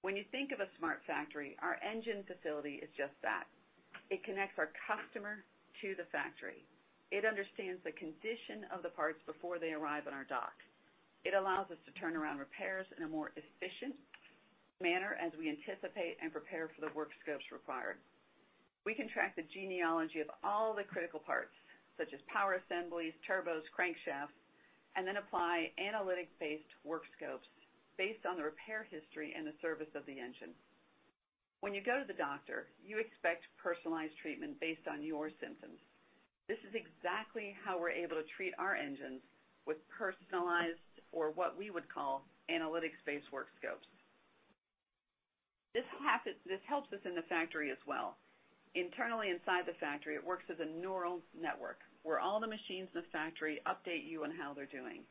When you think of a smart factory, our engine facility is just that. It connects our customer to the factory. It understands the condition of the parts before they arrive on our dock. It allows us to turn around repairs in a more efficient manner as we anticipate and prepare for the work scopes required. We can track the genealogy of all the critical parts, such as power assemblies, turbos, crankshafts, and then apply analytic-based work scopes based on the repair history and the service of the engine. When you go to the doctor, you expect personalized treatment based on your symptoms. This is exactly how we're able to treat our engines with personalized or what we would call analytic-based work scopes. This helps us in the factory as well. Internally inside the factory, it works as a neural network where all the machines in the factory update you on how they're doing.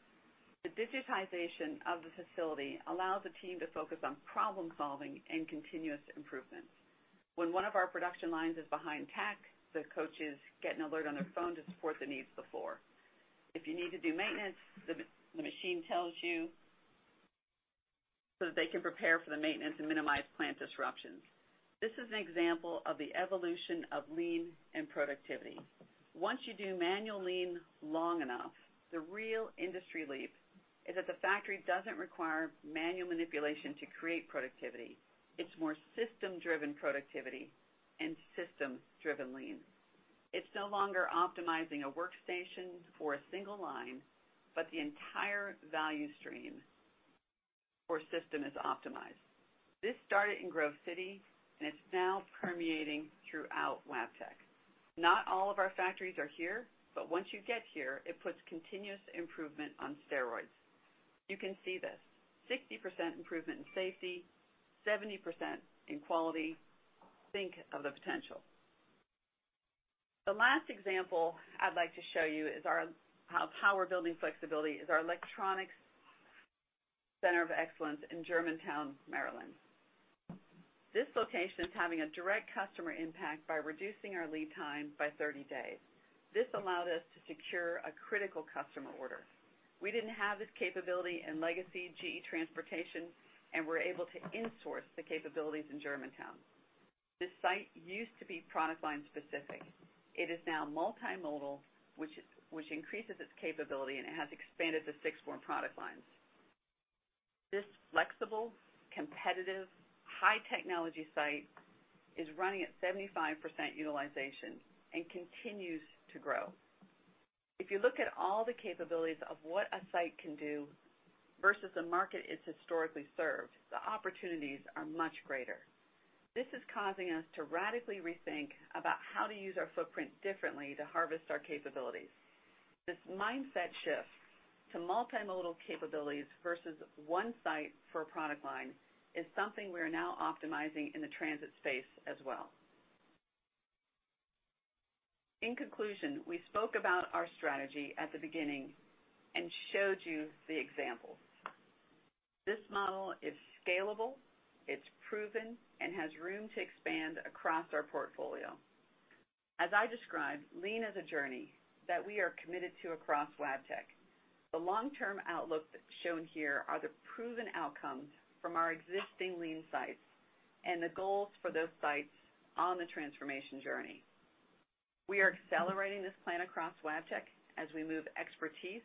The digitization of the facility allows the team to focus on problem-solving and continuous improvement. When one of our production lines is behind tech, the coaches get an alert on their phone to support the needs before. If you need to do maintenance, the machine tells you so that they can prepare for the maintenance and minimize plant disruptions. This is an example of the evolution of lean and productivity. Once you do manual lean long enough, the real industry leap is that the factory doesn't require manual manipulation to create productivity. It's more system-driven productivity and system-driven lean. It's no longer optimizing a workstation for a single line, but the entire value stream or system is optimized. This started in Grove City, and it's now permeating throughout Wabtec. Not all of our factories are here, but once you get here, it puts continuous improvement on steroids. You can see this: 60% improvement in safety, 70% in quality. Think of the potential. The last example I'd like to show you is how power building flexibility is our Electronics Center of Excellence in Germantown, Maryland. This location is having a direct customer impact by reducing our lead time by 30 days. This allowed us to secure a critical customer order. We didn't have this capability in legacy GE Transportation, and we're able to insource the capabilities in Germantown. This site used to be product line specific. It is now multimodal, which increases its capability, and it has expanded to six more product lines. This flexible, competitive, high-technology site is running at 75% utilization and continues to grow. If you look at all the capabilities of what a site can do versus the market it's historically served, the opportunities are much greater. This is causing us to radically rethink about how to use our footprint differently to harvest our capabilities. This mindset shift to multimodal capabilities versus one site for a product line is something we are now optimizing in the transit space as well. In conclusion, we spoke about our strategy at the beginning and showed you the examples. This model is scalable, it's proven, and has room to expand across our portfolio. As I described, lean is a journey that we are committed to across Wabtec. The long-term outlook shown here are the proven outcomes from our existing lean sites and the goals for those sites on the transformation journey. We are accelerating this plan across Wabtec as we move expertise,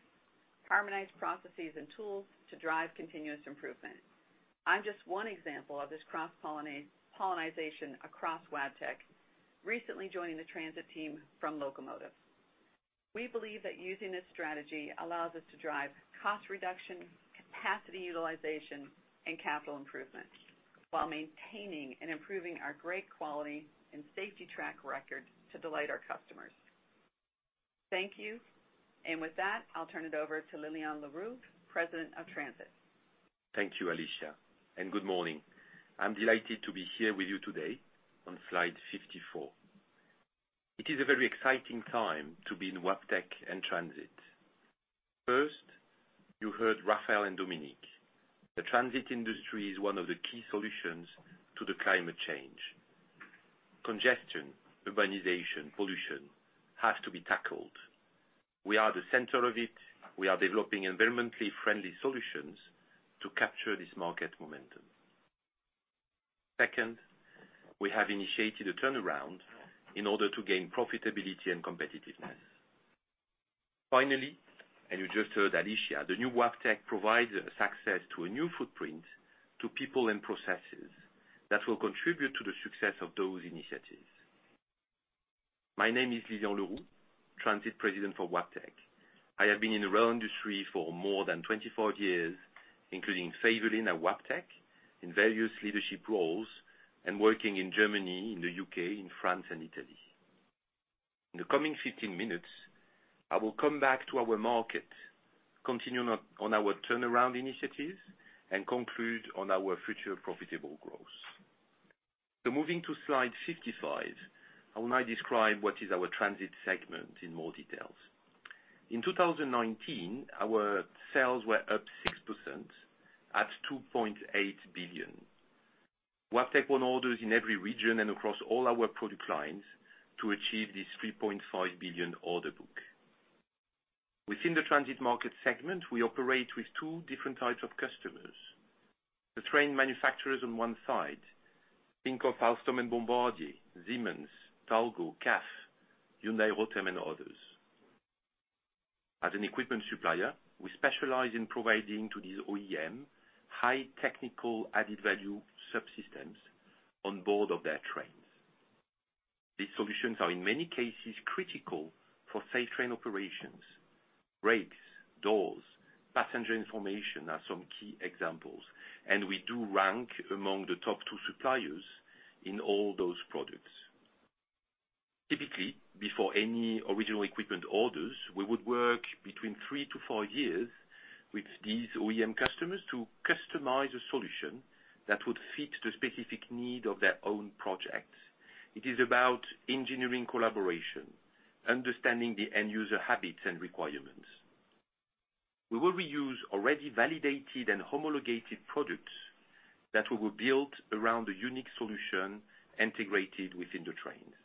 harmonized processes, and tools to drive continuous improvement. I'm just one example of this cross-pollination across Wabtec, recently joining the transit team from locomotive. We believe that using this strategy allows us to drive cost reduction, capacity utilization, and capital improvement while maintaining and improving our great quality and safety track record to delight our customers. Thank you. And with that, I'll turn it over to Lilian Leroux, President of Transit. Thank you, Alicia, and good morning. I'm delighted to be here with you today on Slide 54. It is a very exciting time to be in Wabtec and transit. First, you heard Rafael and Dominique. The transit industry is one of the key solutions to climate change. Congestion, urbanization, pollution have to be tackled. We are the center of it. We are developing environmentally friendly solutions to capture this market momentum. Second, we have initiated a turnaround in order to gain profitability and competitiveness. Finally, and you just heard Alicia, the new Wabtec provides success to a new footprint to people and processes that will contribute to the success of those initiatives. My name is Lilian Leroux, Transit President for Wabtec. I have been in the rail industry for more than 24 years, including Faiveley, Wabtec in various leadership roles and working in Germany, in the U.K., in France, and Italy. In the coming 15 minutes, I will come back to our market, continue on our turnaround initiatives, and conclude on our future profitable growth. Moving to Slide 55, I will now describe what is our transit segment in more details. In 2019, our sales were up 6% at $2.8 billion. Wabtec won orders in every region and across all our product lines to achieve this $3.5 billion order book. Within the transit market segment, we operate with two different types of customers: the train manufacturers on one side. Think of Alstom and Bombardier, Siemens, Talgo, CAF, Hyundai Rotem, and others. As an equipment supplier, we specialize in providing to these OEMs high technical added value subsystems on board of their trains. These solutions are, in many cases, critical for safe train operations. Brakes, doors, passenger information are some key examples, and we do rank among the top two suppliers in all those products. Typically, before any original equipment orders, we would work between three to five years with these OEM customers to customize a solution that would fit the specific need of their own projects. It is about engineering collaboration, understanding the end-user habits and requirements. We will reuse already validated and homologated products that we will build around a unique solution integrated within the trains.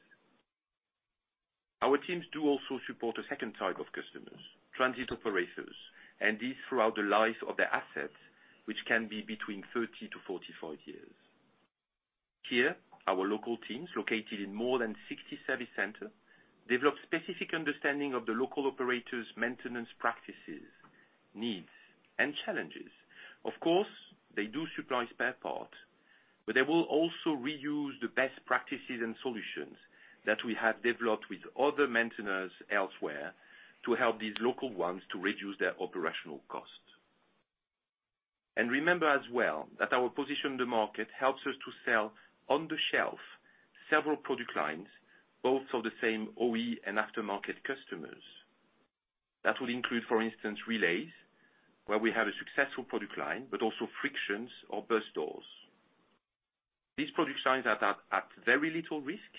Our teams do also support a second type of customers, transit operators, and these throughout the life of their assets, which can be between 30-45 years. Here, our local teams located in more than 60 service centers develop specific understanding of the local operators' maintenance practices, needs, and challenges. Of course, they do supply spare parts, but they will also reuse the best practices and solutions that we have developed with other maintenance elsewhere to help these local ones to reduce their operational costs. Remember as well that our position in the market helps us to sell on the shelf several product lines, both of the same OE and aftermarket customers. That would include, for instance, relays where we have a successful product line, but also frictions or bus doors. These product lines are at very little risk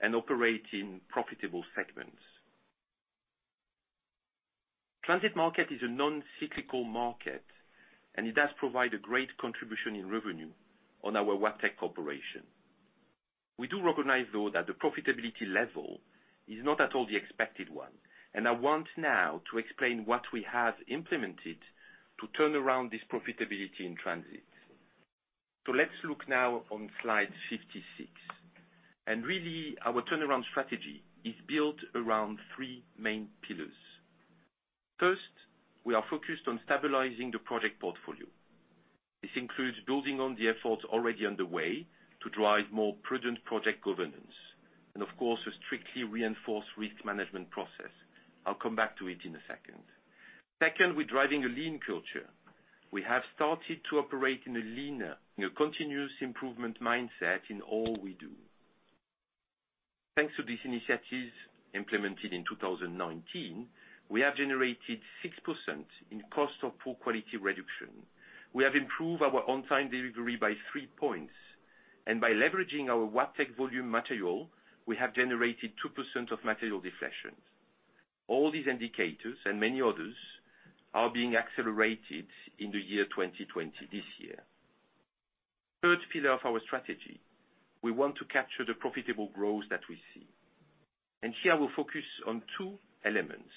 and operate in profitable segments. The transit market is a non-cyclical market, and it does provide a great contribution in revenue on our Wabtec Corporation. We do recognize, though, that the profitability level is not at all the expected one, and I want now to explain what we have implemented to turn around this profitability in transit. Let's look now on Slide 56. Really, our turnaround strategy is built around three main pillars. First, we are focused on stabilizing the project portfolio. This includes building on the efforts already underway to drive more prudent project governance and, of course, a strictly reinforced risk management process. I'll come back to it in a second. Second, we're driving a lean culture. We have started to operate in a lean, continuous improvement mindset in all we do. Thanks to these initiatives implemented in 2019, we have generated 6% in cost of poor quality reduction. We have improved our on-time delivery by three points. And by leveraging our Wabtec volume material, we have generated 2% of material deflation. All these indicators and many others are being accelerated in the year 2020, this year. Third pillar of our strategy, we want to capture the profitable growth that we see. And here, we'll focus on two elements.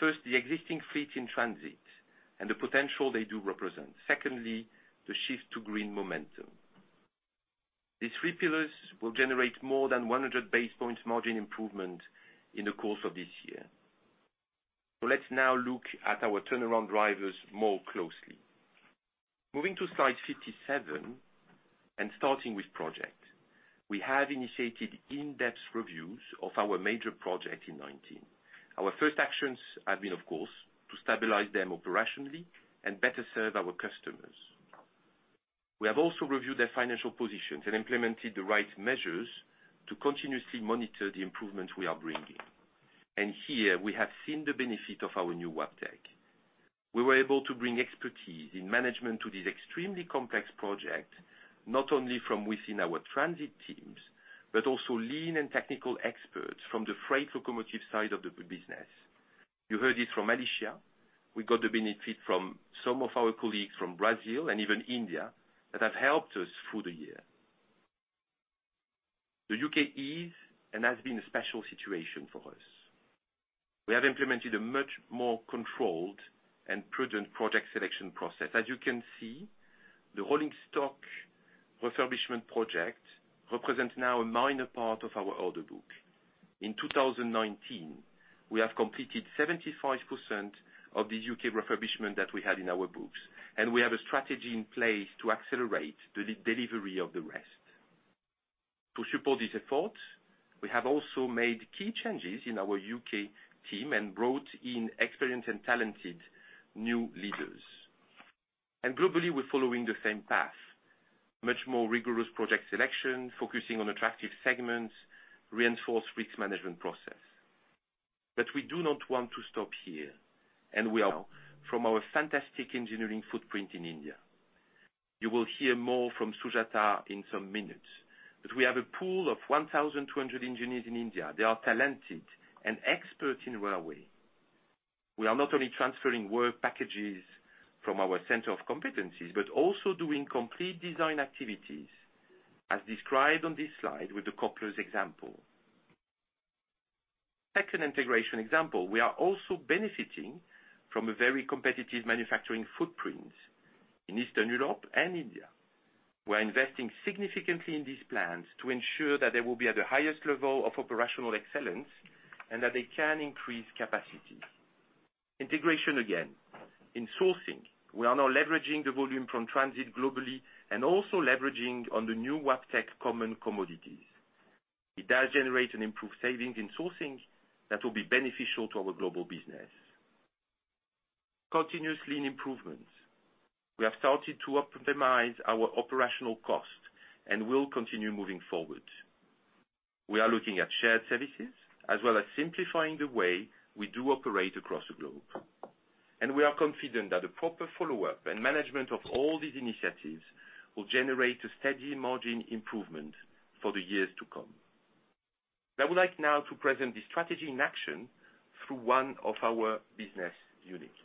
First, the existing fleet in transit and the potential they do represent. Secondly, the shift to green momentum. These three pillars will generate more than 100 basis points margin improvement in the course of this year. So let's now look at our turnaround drivers more closely. Moving to Slide 57 and starting with project, we have initiated in-depth reviews of our major project in 2019. Our first actions have been, of course, to stabilize them operationally and better serve our customers. We have also reviewed their financial positions and implemented the right measures to continuously monitor the improvements we are bringing. And here, we have seen the benefit of our new Wabtec. We were able to bring expertise in management to these extremely complex projects, not only from within our transit teams, but also lean and technical experts from the freight locomotive side of the business. You heard this from Alicia. We got the benefit from some of our colleagues from Brazil and even India that have helped us through the year. The U.K. is and has been a special situation for us. We have implemented a much more controlled and prudent project selection process. As you can see, the rolling stock refurbishment project represents now a minor part of our order book. In 2019, we have completed 75% of the U.K. refurbishment that we had in our books, and we have a strategy in place to accelerate the delivery of the rest. To support these efforts, we have also made key changes in our U.K. team and brought in experienced and talented new leaders, and globally, we're following the same path: much more rigorous project selection, focusing on attractive segments, reinforced risk management process. But we do not want to stop here, and we are now from our fantastic engineering footprint in India. You will hear more from Sujatha in some minutes, but we have a pool of 1,200 engineers in India. They are talented and expert in railway. We are not only transferring work packages from our center of competencies, but also doing complete design activities, as described on this slide with the coupler's example. Second integration example, we are also benefiting from a very competitive manufacturing footprint in Eastern Europe and India. We're investing significantly in these plants to ensure that they will be at the highest level of operational excellence and that they can increase capacity. Integration again. In sourcing, we are now leveraging the volume from transit globally and also leveraging on the new Wabtec common commodities. It does generate an improved savings in sourcing that will be beneficial to our global business. Continuous lean improvements. We have started to optimize our operational cost and will continue moving forward. We are looking at shared services as well as simplifying the way we do operate across the globe, and we are confident that the proper follow-up and management of all these initiatives will generate a steady margin improvement for the years to come. I would like now to present the strategy in action through one of our business units,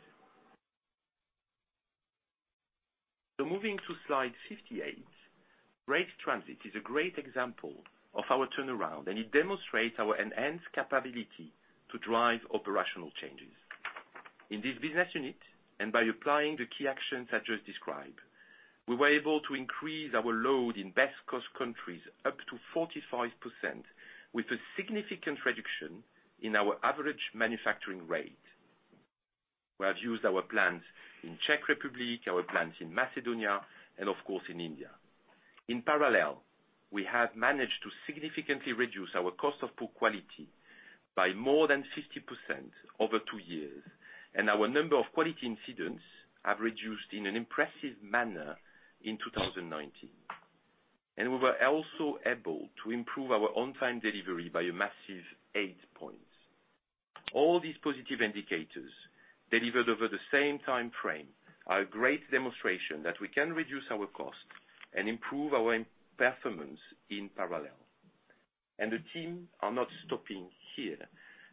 so moving to Slide 58, Brake Transit is a great example of our turnaround, and it demonstrates our enhanced capability to drive operational changes. In this business unit and by applying the key actions I just described, we were able to increase our load in best cost countries up to 45% with a significant reduction in our average manufacturing rate. We have used our plants in the Czech Republic, our plants in Macedonia, and of course, in India. In parallel, we have managed to significantly reduce our cost of poor quality by more than 50% over two years, and our number of quality incidents have reduced in an impressive manner in 2019, and we were also able to improve our on-time delivery by a massive eight points. All these positive indicators delivered over the same time frame are a great demonstration that we can reduce our costs and improve our performance in parallel, and the team are not stopping here.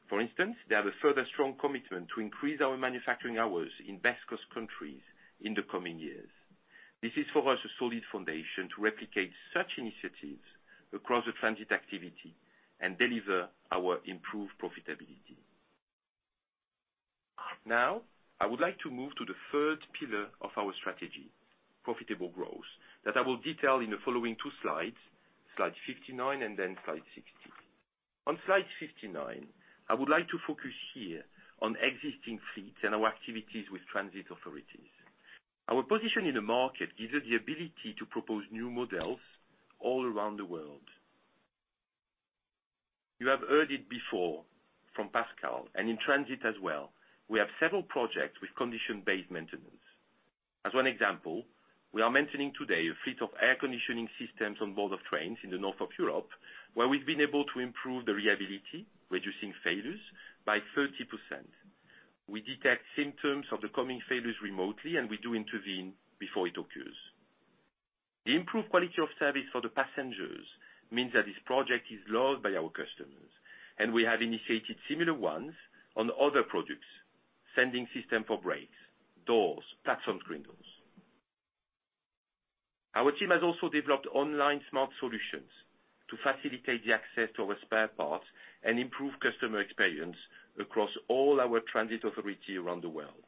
For instance, they have a further strong commitment to increase our manufacturing hours in best cost countries in the coming years. This is, for us, a solid foundation to replicate such initiatives across the transit activity and deliver our improved profitability. Now, I would like to move to the third pillar of our strategy, profitable growth, that I will detail in the following two slides, Slide 59 and then Slide 60. On Slide 59, I would like to focus here on existing fleets and our activities with transit authorities. Our position in the market gives us the ability to propose new models all around the world. You have heard it before from Pascal, and in transit as well, we have several projects with condition-based maintenance. As one example, we are maintaining today a fleet of air conditioning systems on board of trains in the north of Europe, where we've been able to improve the reliability, reducing failures by 30%. We detect symptoms of the coming failures remotely, and we do intervene before it occurs. The improved quality of service for the passengers means that this project is loved by our customers, and we have initiated similar ones on other products, sending systems for brakes, doors, platform screens. Our team has also developed online smart solutions to facilitate the access to our spare parts and improve customer experience across all our transit authorities around the world.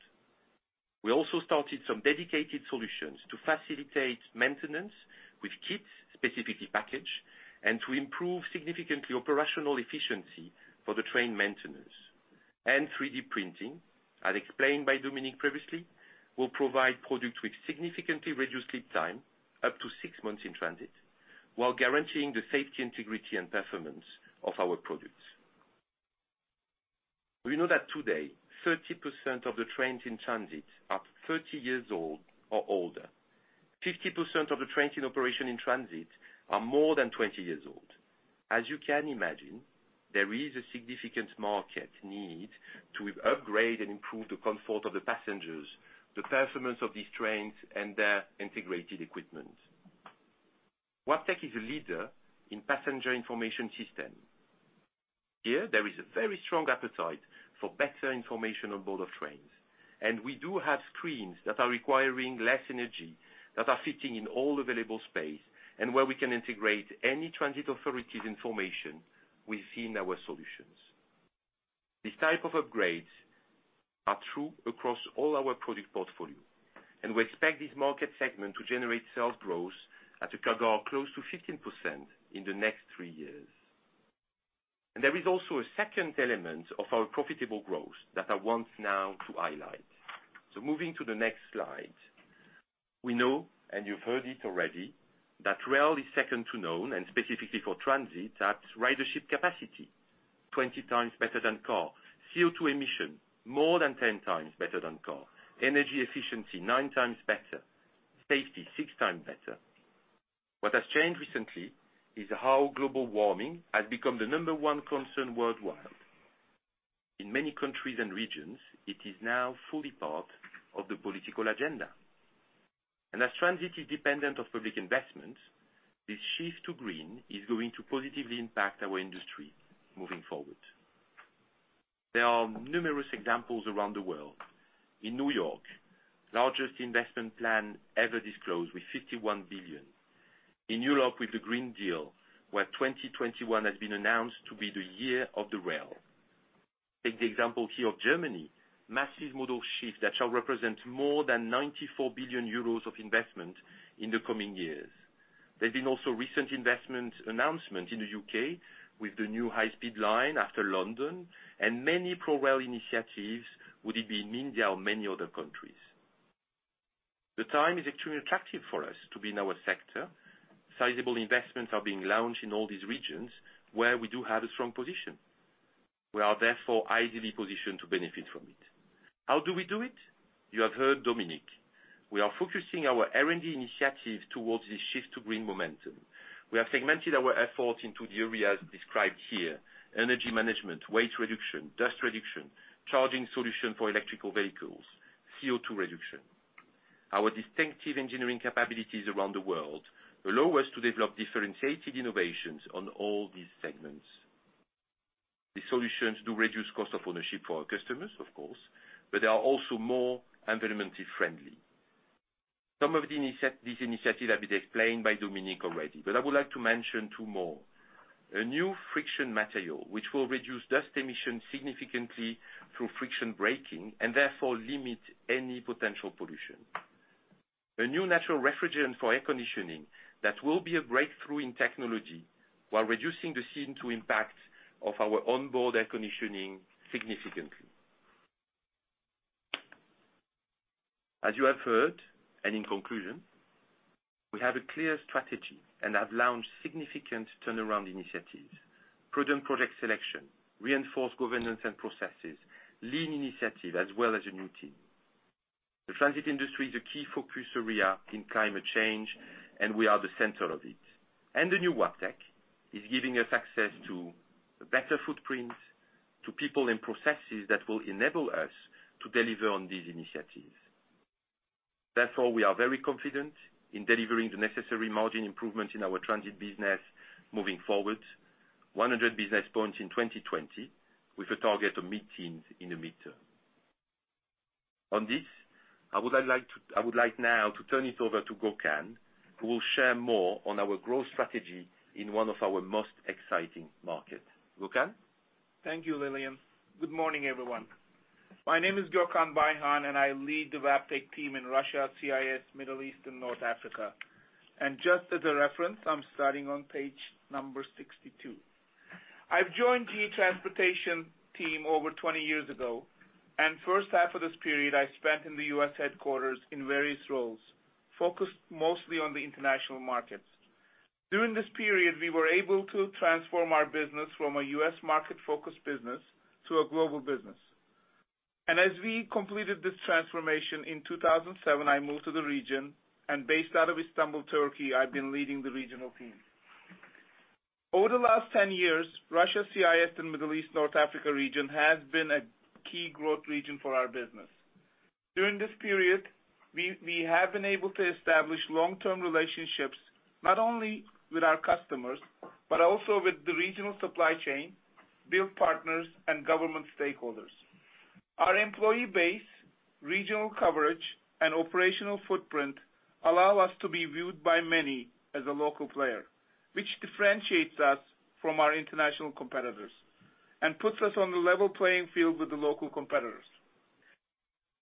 We also started some dedicated solutions to facilitate maintenance with kits, specifically packaged, and to improve significantly operational efficiency for the train maintenance. 3D printing, as explained by Dominique previously, will provide products with significantly reduced lead time, up to six months in transit, while guaranteeing the safety, integrity, and performance of our products. We know that today, 30% of the trains in transit are 30 years old or older. 50% of the trains in operation in transit are more than 20 years old. As you can imagine, there is a significant market need to upgrade and improve the comfort of the passengers, the performance of these trains, and their integrated equipment. Wabtec is a leader in passenger information systems. Here, there is a very strong appetite for better information on board of trains, and we do have screens that are requiring less energy, that are fitting in all available space, and where we can integrate any transit authority's information within our solutions. These types of upgrades are true across all our product portfolio, and we expect this market segment to generate sales growth at a figure close to 15% in the next three years. And there is also a second element of our profitable growth that I want now to highlight. So moving to the next slide, we know, and you've heard it already, that rail is second to none, and specifically for transit, that ridership capacity is 20x better than car, CO2 emission is more than 10x better than car, energy efficiency is 9x better, safety is 6x better. What has changed recently is how global warming has become the number one concern worldwide. In many countries and regions, it is now fully part of the political agenda. As transit is dependent on public investments, this shift to green is going to positively impact our industry moving forward. There are numerous examples around the world. In New York, the largest investment plan ever disclosed with $51 billion. In Europe, with the Green Deal, where 2021 has been announced to be the Year of Rail. Take the example here of Germany, massive modal shifts that shall represent more than 94 billion euros of investment in the coming years. There's been also recent investment announcements in the U.K. with the new high-speed line after London and many pro-rail initiatives within India and many other countries. The timing is extremely attractive for us to be in our sector. Sizable investments are being launched in all these regions where we do have a strong position. We are therefore ideally positioned to benefit from it. How do we do it? You have heard Dominique. We are focusing our R&D initiatives towards this shift to green momentum. We have segmented our efforts into the areas described here: energy management, waste reduction, dust reduction, charging solutions for electric vehicles, CO2 reduction. Our distinctive engineering capabilities around the world allow us to develop differentiated innovations on all these segments. These solutions do reduce cost of ownership for our customers, of course, but they are also more environmentally friendly. Some of these initiatives have been explained by Dominique already, but I would like to mention two more: a new friction material, which will reduce dust emissions significantly through friction braking and therefore limit any potential pollution. A new natural refrigerant for air conditioning that will be a breakthrough in technology while reducing the CO2 impact of our onboard air conditioning significantly. As you have heard, and in conclusion, we have a clear strategy and have launched significant turnaround initiatives: prudent project selection, reinforced governance and processes, lean initiative, as well as a new team. The transit industry is a key focus area in climate change, and we are the center of it. The new Wabtec is giving us access to a better footprint, to people and processes that will enable us to deliver on these initiatives. Therefore, we are very confident in delivering the necessary margin improvement in our transit business moving forward: 100 basis points in 2020 with a target of mid-teens in the midterm. On this, I would like now to turn it over to Gökhan, who will share more on our growth strategy in one of our most exciting markets. Gökhan? Thank you, Lilian. Good morning, everyone. My name is Gökhan Bayhan, and I lead the Wabtec team in Russia, CIS, Middle East, and North Africa, and just as a reference, I'm starting on page number 62. I've joined GE Transportation's team over 20 years ago, and the first half of this period, I spent in the U.S. headquarters in various roles, focused mostly on the international markets. During this period, we were able to transform our business from a U.S. market-focused business to a global business, and as we completed this transformation in 2007, I moved to the region, and based out of Istanbul, Turkey, I've been leading the regional team. Over the last 10 years, Russia, CIS, and Middle East, North Africa region has been a key growth region for our business. During this period, we have been able to establish long-term relationships not only with our customers but also with the regional supply chain, build partners, and government stakeholders. Our employee base, regional coverage, and operational footprint allow us to be viewed by many as a local player, which differentiates us from our international competitors and puts us on the level playing field with the local competitors.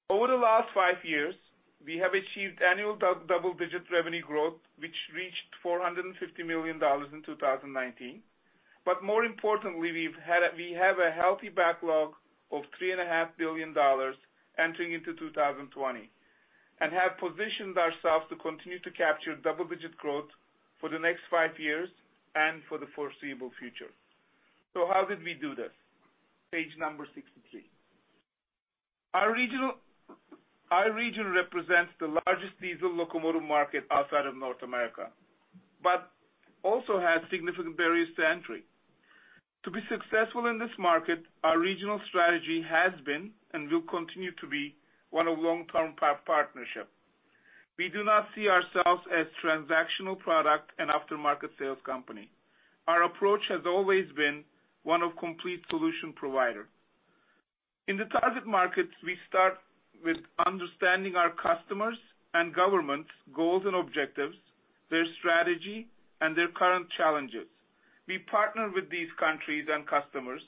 Over the last five years, we have achieved annual double-digit revenue growth, which reached $450 million in 2019. But more importantly, we have a healthy backlog of $3.5 billion entering into 2020 and have positioned ourselves to continue to capture double-digit growth for the next five years and for the foreseeable future. So how did we do this? Page number 63. Our region represents the largest diesel locomotive market outside of North America but also has significant barriers to entry. To be successful in this market, our regional strategy has been and will continue to be one of long-term partnerships. We do not see ourselves as a transactional product and aftermarket sales company. Our approach has always been one of complete solution providers. In the target markets, we start with understanding our customers' and government's goals and objectives, their strategy, and their current challenges. We partner with these countries and customers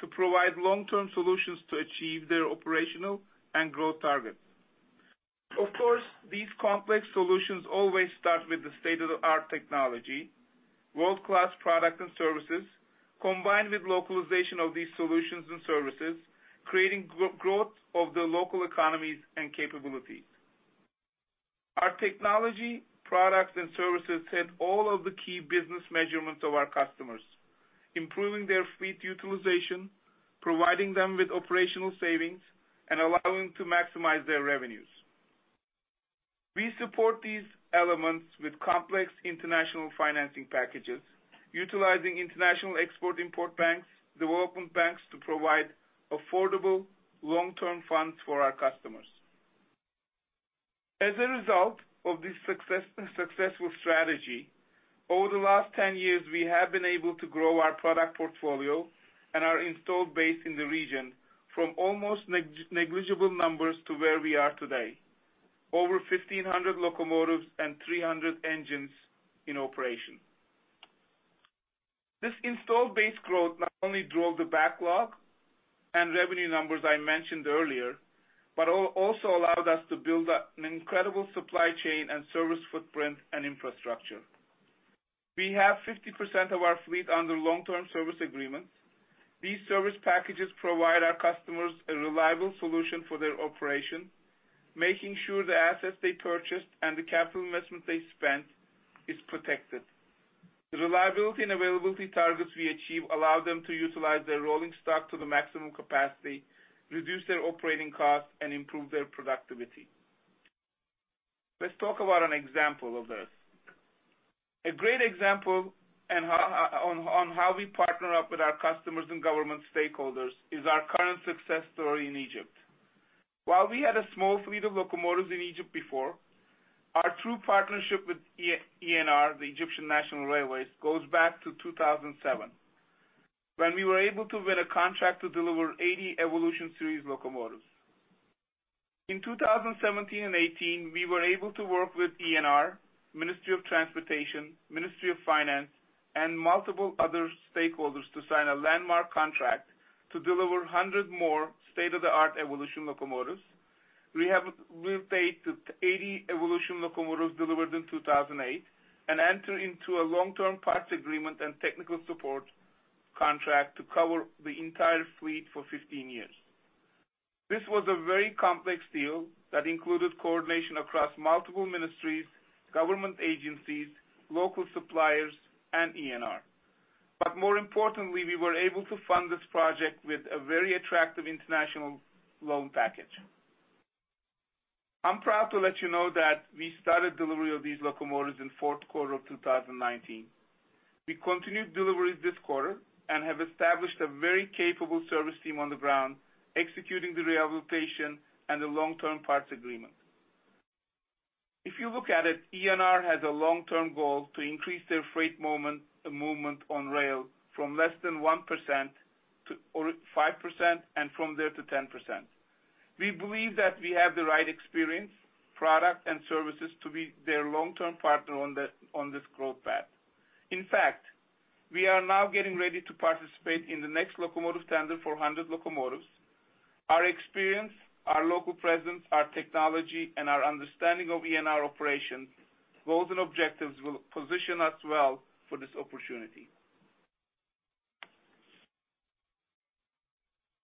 to provide long-term solutions to achieve their operational and growth targets. Of course, these complex solutions always start with the state-of-the-art technology, world-class products and services, combined with localization of these solutions and services, creating growth of the local economies and capabilities. Our technology, products, and services set all of the key business measurements of our customers, improving their fleet utilization, providing them with operational savings, and allowing them to maximize their revenues. We support these elements with complex international financing packages, utilizing international export-import banks, development banks to provide affordable long-term funds for our customers. As a result of this successful strategy, over the last 10 years, we have been able to grow our product portfolio and our installed base in the region from almost negligible numbers to where we are today: over 1,500 locomotives and 300 engines in operation. This installed base growth not only drove the backlog and revenue numbers I mentioned earlier but also allowed us to build an incredible supply chain and service footprint and infrastructure. We have 50% of our fleet under long-term service agreements. These service packages provide our customers a reliable solution for their operation, making sure the assets they purchased and the capital investment they spent is protected. The reliability and availability targets we achieve allow them to utilize their rolling stock to the maximum capacity, reduce their operating costs, and improve their productivity. Let's talk about an example of this. A great example on how we partner up with our customers and government stakeholders is our current success story in Egypt. While we had a small fleet of locomotives in Egypt before, our true partnership with ENR, the Egyptian National Railways, goes back to 2007, when we were able to win a contract to deliver 80 Evolution Series locomotives. In 2017 and 2018, we were able to work with ENR, Ministry of Transportation, Ministry of Finance, and multiple other stakeholders to sign a landmark contract to deliver 100 more state-of-the-art Evolution locomotives. We have 80 Evolution locomotives delivered in 2008 and entered into a long-term parts agreement and technical support contract to cover the entire fleet for 15 years. This was a very complex deal that included coordination across multiple ministries, government agencies, local suppliers, and ENR. But more importantly, we were able to fund this project with a very attractive international loan package. I'm proud to let you know that we started delivery of these locomotives in the fourth quarter of 2019. We continued deliveries this quarter and have established a very capable service team on the ground executing the rehabilitation and the long-term parts agreement. If you look at it, ENR has a long-term goal to increase their freight movement on rail from less than 1% to 5% and from there to 10%. We believe that we have the right experience, product, and services to be their long-term partner on this growth path. In fact, we are now getting ready to participate in the next locomotive tender for 100 locomotives. Our experience, our local presence, our technology, and our understanding of ENR operations, goals, and objectives will position us well for this opportunity.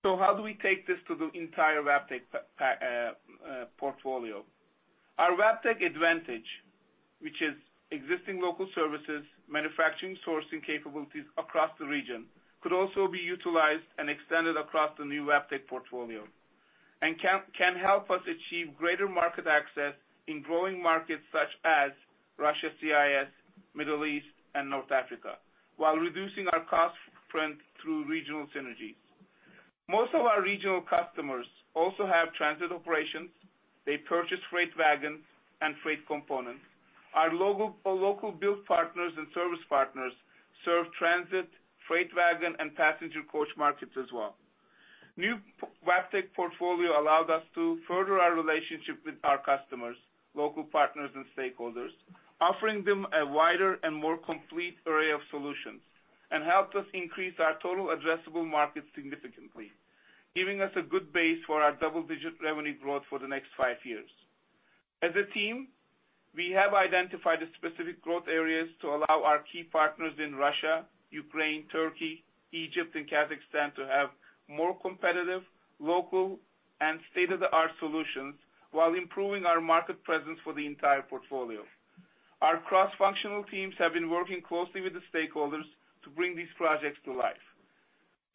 So, how do we take this to the entire Wabtec portfolio? Our Wabtec advantage, which is existing local services, manufacturing, sourcing capabilities across the region, could also be utilized and extended across the new Wabtec portfolio and can help us achieve greater market access in growing markets such as Russia, CIS, Middle East, and North Africa while reducing our cost footprint through regional synergies. Most of our regional customers also have transit operations. They purchase freight wagons and freight components. Our local build partners and service partners serve transit, freight wagon, and passenger coach markets as well. New Wabtec portfolio allowed us to further our relationship with our customers, local partners, and stakeholders, offering them a wider and more complete array of solutions and helped us increase our total addressable market significantly, giving us a good base for our double-digit revenue growth for the next five years. As a team, we have identified the specific growth areas to allow our key partners in Russia, Ukraine, Turkey, Egypt, and Kazakhstan to have more competitive, local, and state-of-the-art solutions while improving our market presence for the entire portfolio. Our cross-functional teams have been working closely with the stakeholders to bring these projects to life.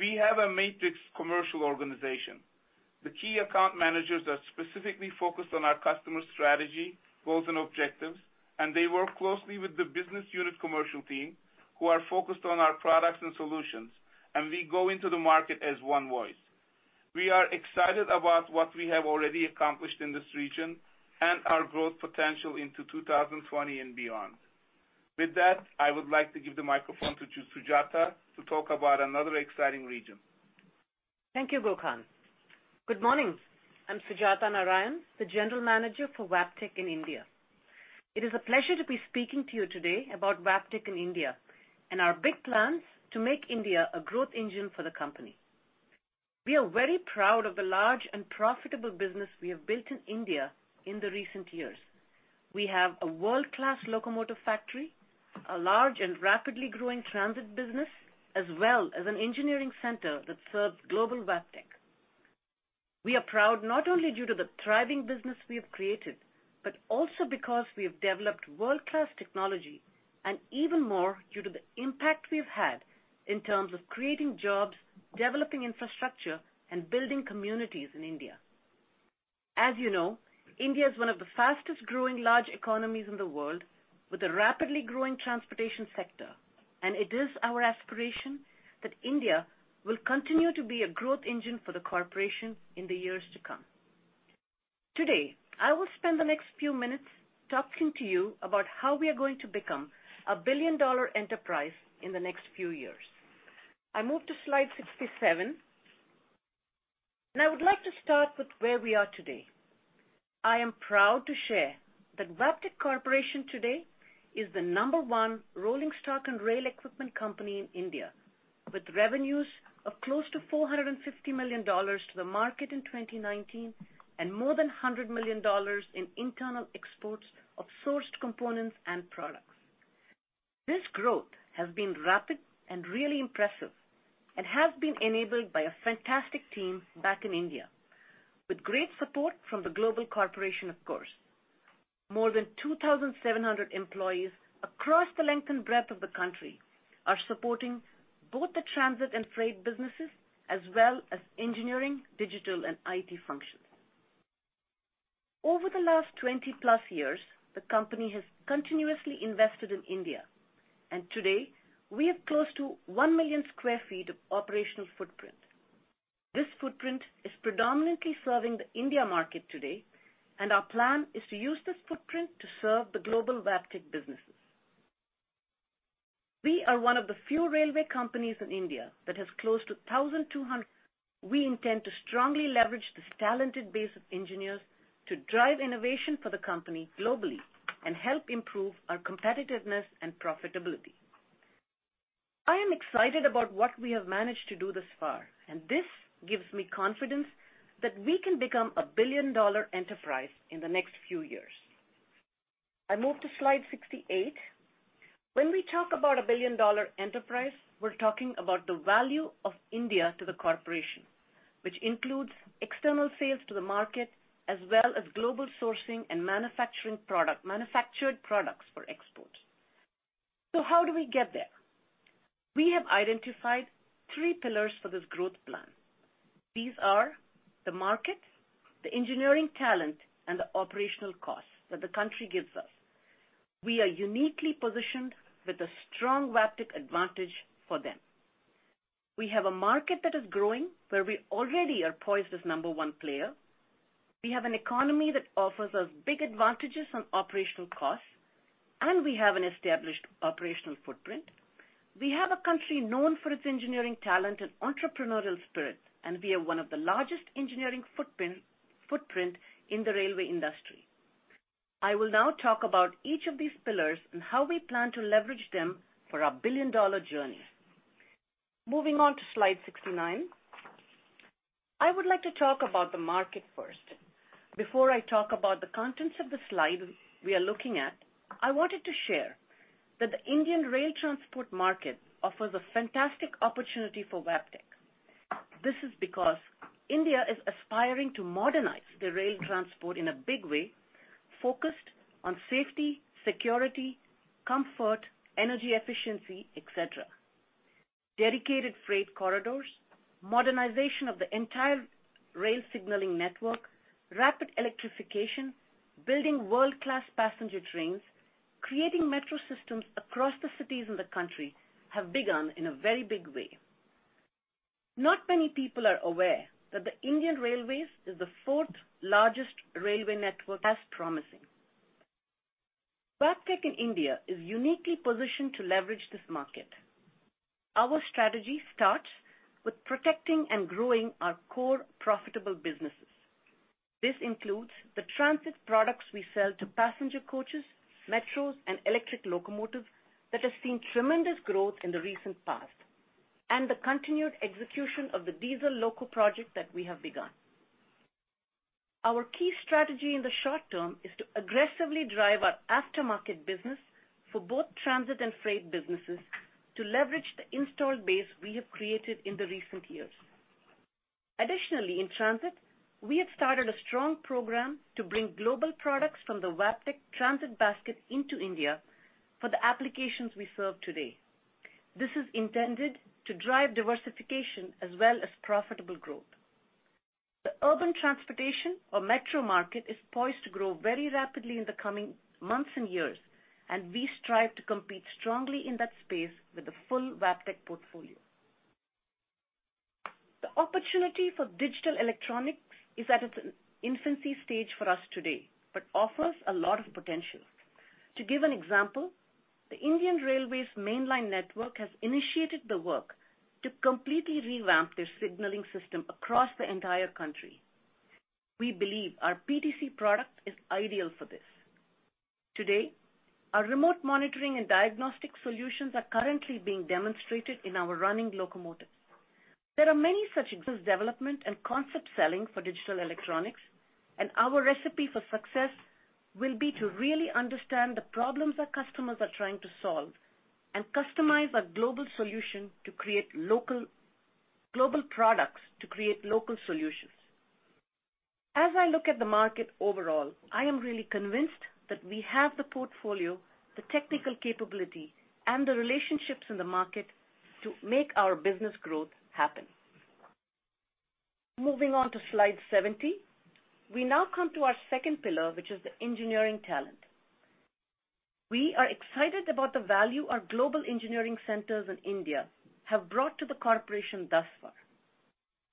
We have a matrix commercial organization. The key account managers are specifically focused on our customer strategy, goals, and objectives, and they work closely with the business unit commercial team who are focused on our products and solutions, and we go into the market as one voice. We are excited about what we have already accomplished in this region and our growth potential into 2020 and beyond. With that, I would like to give the microphone to Sujatha to talk about another exciting region. Thank you, Gökhan. Good morning. I'm Sujatha Narayan, the General Manager for Wabtec in India. It is a pleasure to be speaking to you today about Wabtec in India and our big plans to make India a growth engine for the company. We are very proud of the large and profitable business we have built in India in the recent years. We have a world-class locomotive factory, a large and rapidly growing transit business, as well as an engineering center that serves global Wabtec. We are proud not only due to the thriving business we have created but also because we have developed world-class technology and even more due to the impact we have had in terms of creating jobs, developing infrastructure, and building communities in India. As you know, India is one of the fastest-growing large economies in the world with a rapidly growing transportation sector, and it is our aspiration that India will continue to be a growth engine for the corporation in the years to come. Today, I will spend the next few minutes talking to you about how we are going to become a billion-dollar enterprise in the next few years. I move to slide 67, and I would like to start with where we are today. I am proud to share that Wabtec Corporation today is the number one rolling stock and rail equipment company in India, with revenues of close to $450 million to the market in 2019 and more than $100 million in internal exports of sourced components and products. This growth has been rapid and really impressive and has been enabled by a fantastic team back in India with great support from the global corporation, of course. More than 2,700 employees across the length and breadth of the country are supporting both the transit and freight businesses as well as engineering, digital, and IT functions. Over the last 20+ years, the company has continuously invested in India, and today, we have close to 1 million sq ft of operational footprint. This footprint is predominantly serving the India market today, and our plan is to use this footprint to serve the global Wabtec businesses. We are one of the few railway companies in India that has close to 1,200. We intend to strongly leverage this talented base of engineers to drive innovation for the company globally and help improve our competitiveness and profitability. I am excited about what we have managed to do thus far, and this gives me confidence that we can become a billion-dollar enterprise in the next few years. I move to Slide 68. When we talk about a billion-dollar enterprise, we're talking about the value of India to the corporation, which includes external sales to the market as well as global sourcing and manufactured products for export. So how do we get there? We have identified three pillars for this growth plan. These are the market, the engineering talent, and the operational costs that the country gives us. We are uniquely positioned with a strong Wabtec advantage for them. We have a market that is growing where we already are poised as number one player. We have an economy that offers us big advantages on operational costs, and we have an established operational footprint. We have a country known for its engineering talent and entrepreneurial spirit, and we are one of the largest engineering footprints in the railway industry. I will now talk about each of these pillars and how we plan to leverage them for our billion-dollar journey. Moving on to Slide 69, I would like to talk about the market first. Before I talk about the contents of the slide we are looking at, I wanted to share that the Indian rail transport market offers a fantastic opportunity for Wabtec. This is because India is aspiring to modernize the rail transport in a big way, focused on safety, security, comfort, energy efficiency, etc. Dedicated freight corridors, modernization of the entire rail signaling network, rapid electrification, building world-class passenger trains, creating metro systems across the cities in the country have begun in a very big way. Not many people are aware that the Indian Railways is the fourth largest railway network. As promising, Wabtec in India is uniquely positioned to leverage this market. Our strategy starts with protecting and growing our core profitable businesses. This includes the transit products we sell to passenger coaches, metros, and electric locomotives that have seen tremendous growth in the recent past, and the continued execution of the diesel loco project that we have begun. Our key strategy in the short term is to aggressively drive our aftermarket business for both transit and freight businesses to leverage the installed base we have created in the recent years. Additionally, in transit, we have started a strong program to bring global products from the Wabtec transit basket into India for the applications we serve today. This is intended to drive diversification as well as profitable growth. The urban transportation or metro market is poised to grow very rapidly in the coming months and years, and we strive to compete strongly in that space with the full Wabtec portfolio. The opportunity for digital electronics is at its infancy stage for us today but offers a lot of potential. To give an example, the Indian Railways Mainline Network has initiated the work to completely revamp their signaling system across the entire country. We believe our PTC product is ideal for this. Today, our remote monitoring and diagnostic solutions are currently being demonstrated in our running locomotives. There are many such developments and concept selling for digital electronics, and our recipe for success will be to really understand the problems our customers are trying to solve and customize our global solution to create local products to create local solutions. As I look at the market overall, I am really convinced that we have the portfolio, the technical capability, and the relationships in the market to make our business growth happen. Moving on to Slide 70, we now come to our second pillar, which is the engineering talent. We are excited about the value our global engineering centers in India have brought to the corporation thus far.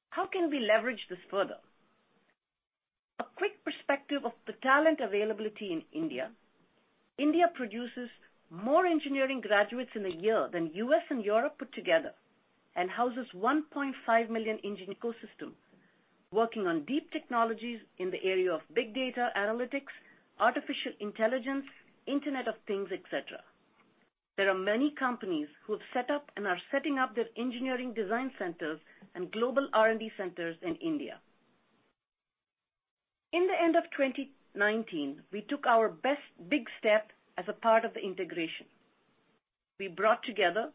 How can we leverage this further? A quick perspective of the talent availability in India. India produces more engineering graduates in a year than the U.S. and Europe put together and houses 1.5 million engine in the ecosystems working on deep technologies in the area of big data, analytics, artificial intelligence, Internet of Things, etc. There are many companies who have set up and are setting up their engineering design centers and global R&D centers in India. In the end of 2019, we took our best big step as a part of the integration. We brought together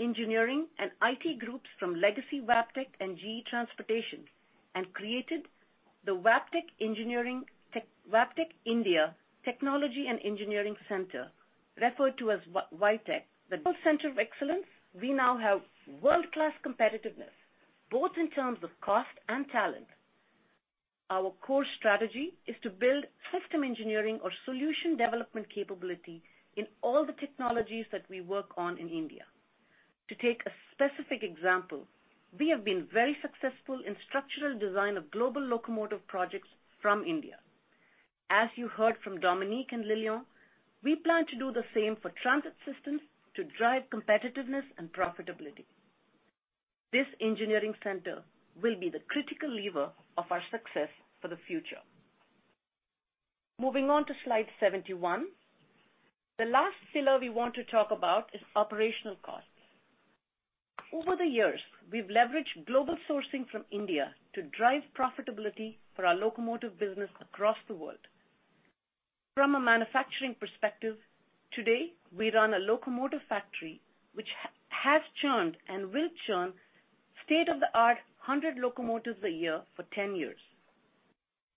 engineering and IT groups from legacy Wabtec and GE Transportation and created the Wabtec India Technology and Engineering Center, referred to as WITEC. The Center of Excellence, we now have world-class competitiveness both in terms of cost and talent. Our core strategy is to build system engineering or solution development capability in all the technologies that we work on in India. To take a specific example, we have been very successful in structural design of global locomotive projects from India. As you heard from Dominique and Lilian, we plan to do the same for transit systems to drive competitiveness and profitability. This engineering center will be the critical lever of our success for the future. Moving on to Slide 71, the last pillar we want to talk about is operational costs. Over the years, we've leveraged global sourcing from India to drive profitability for our locomotive business across the world. From a manufacturing perspective, today, we run a locomotive factory which has churned and will churn state-of-the-art 100 locomotives a year for 10 years.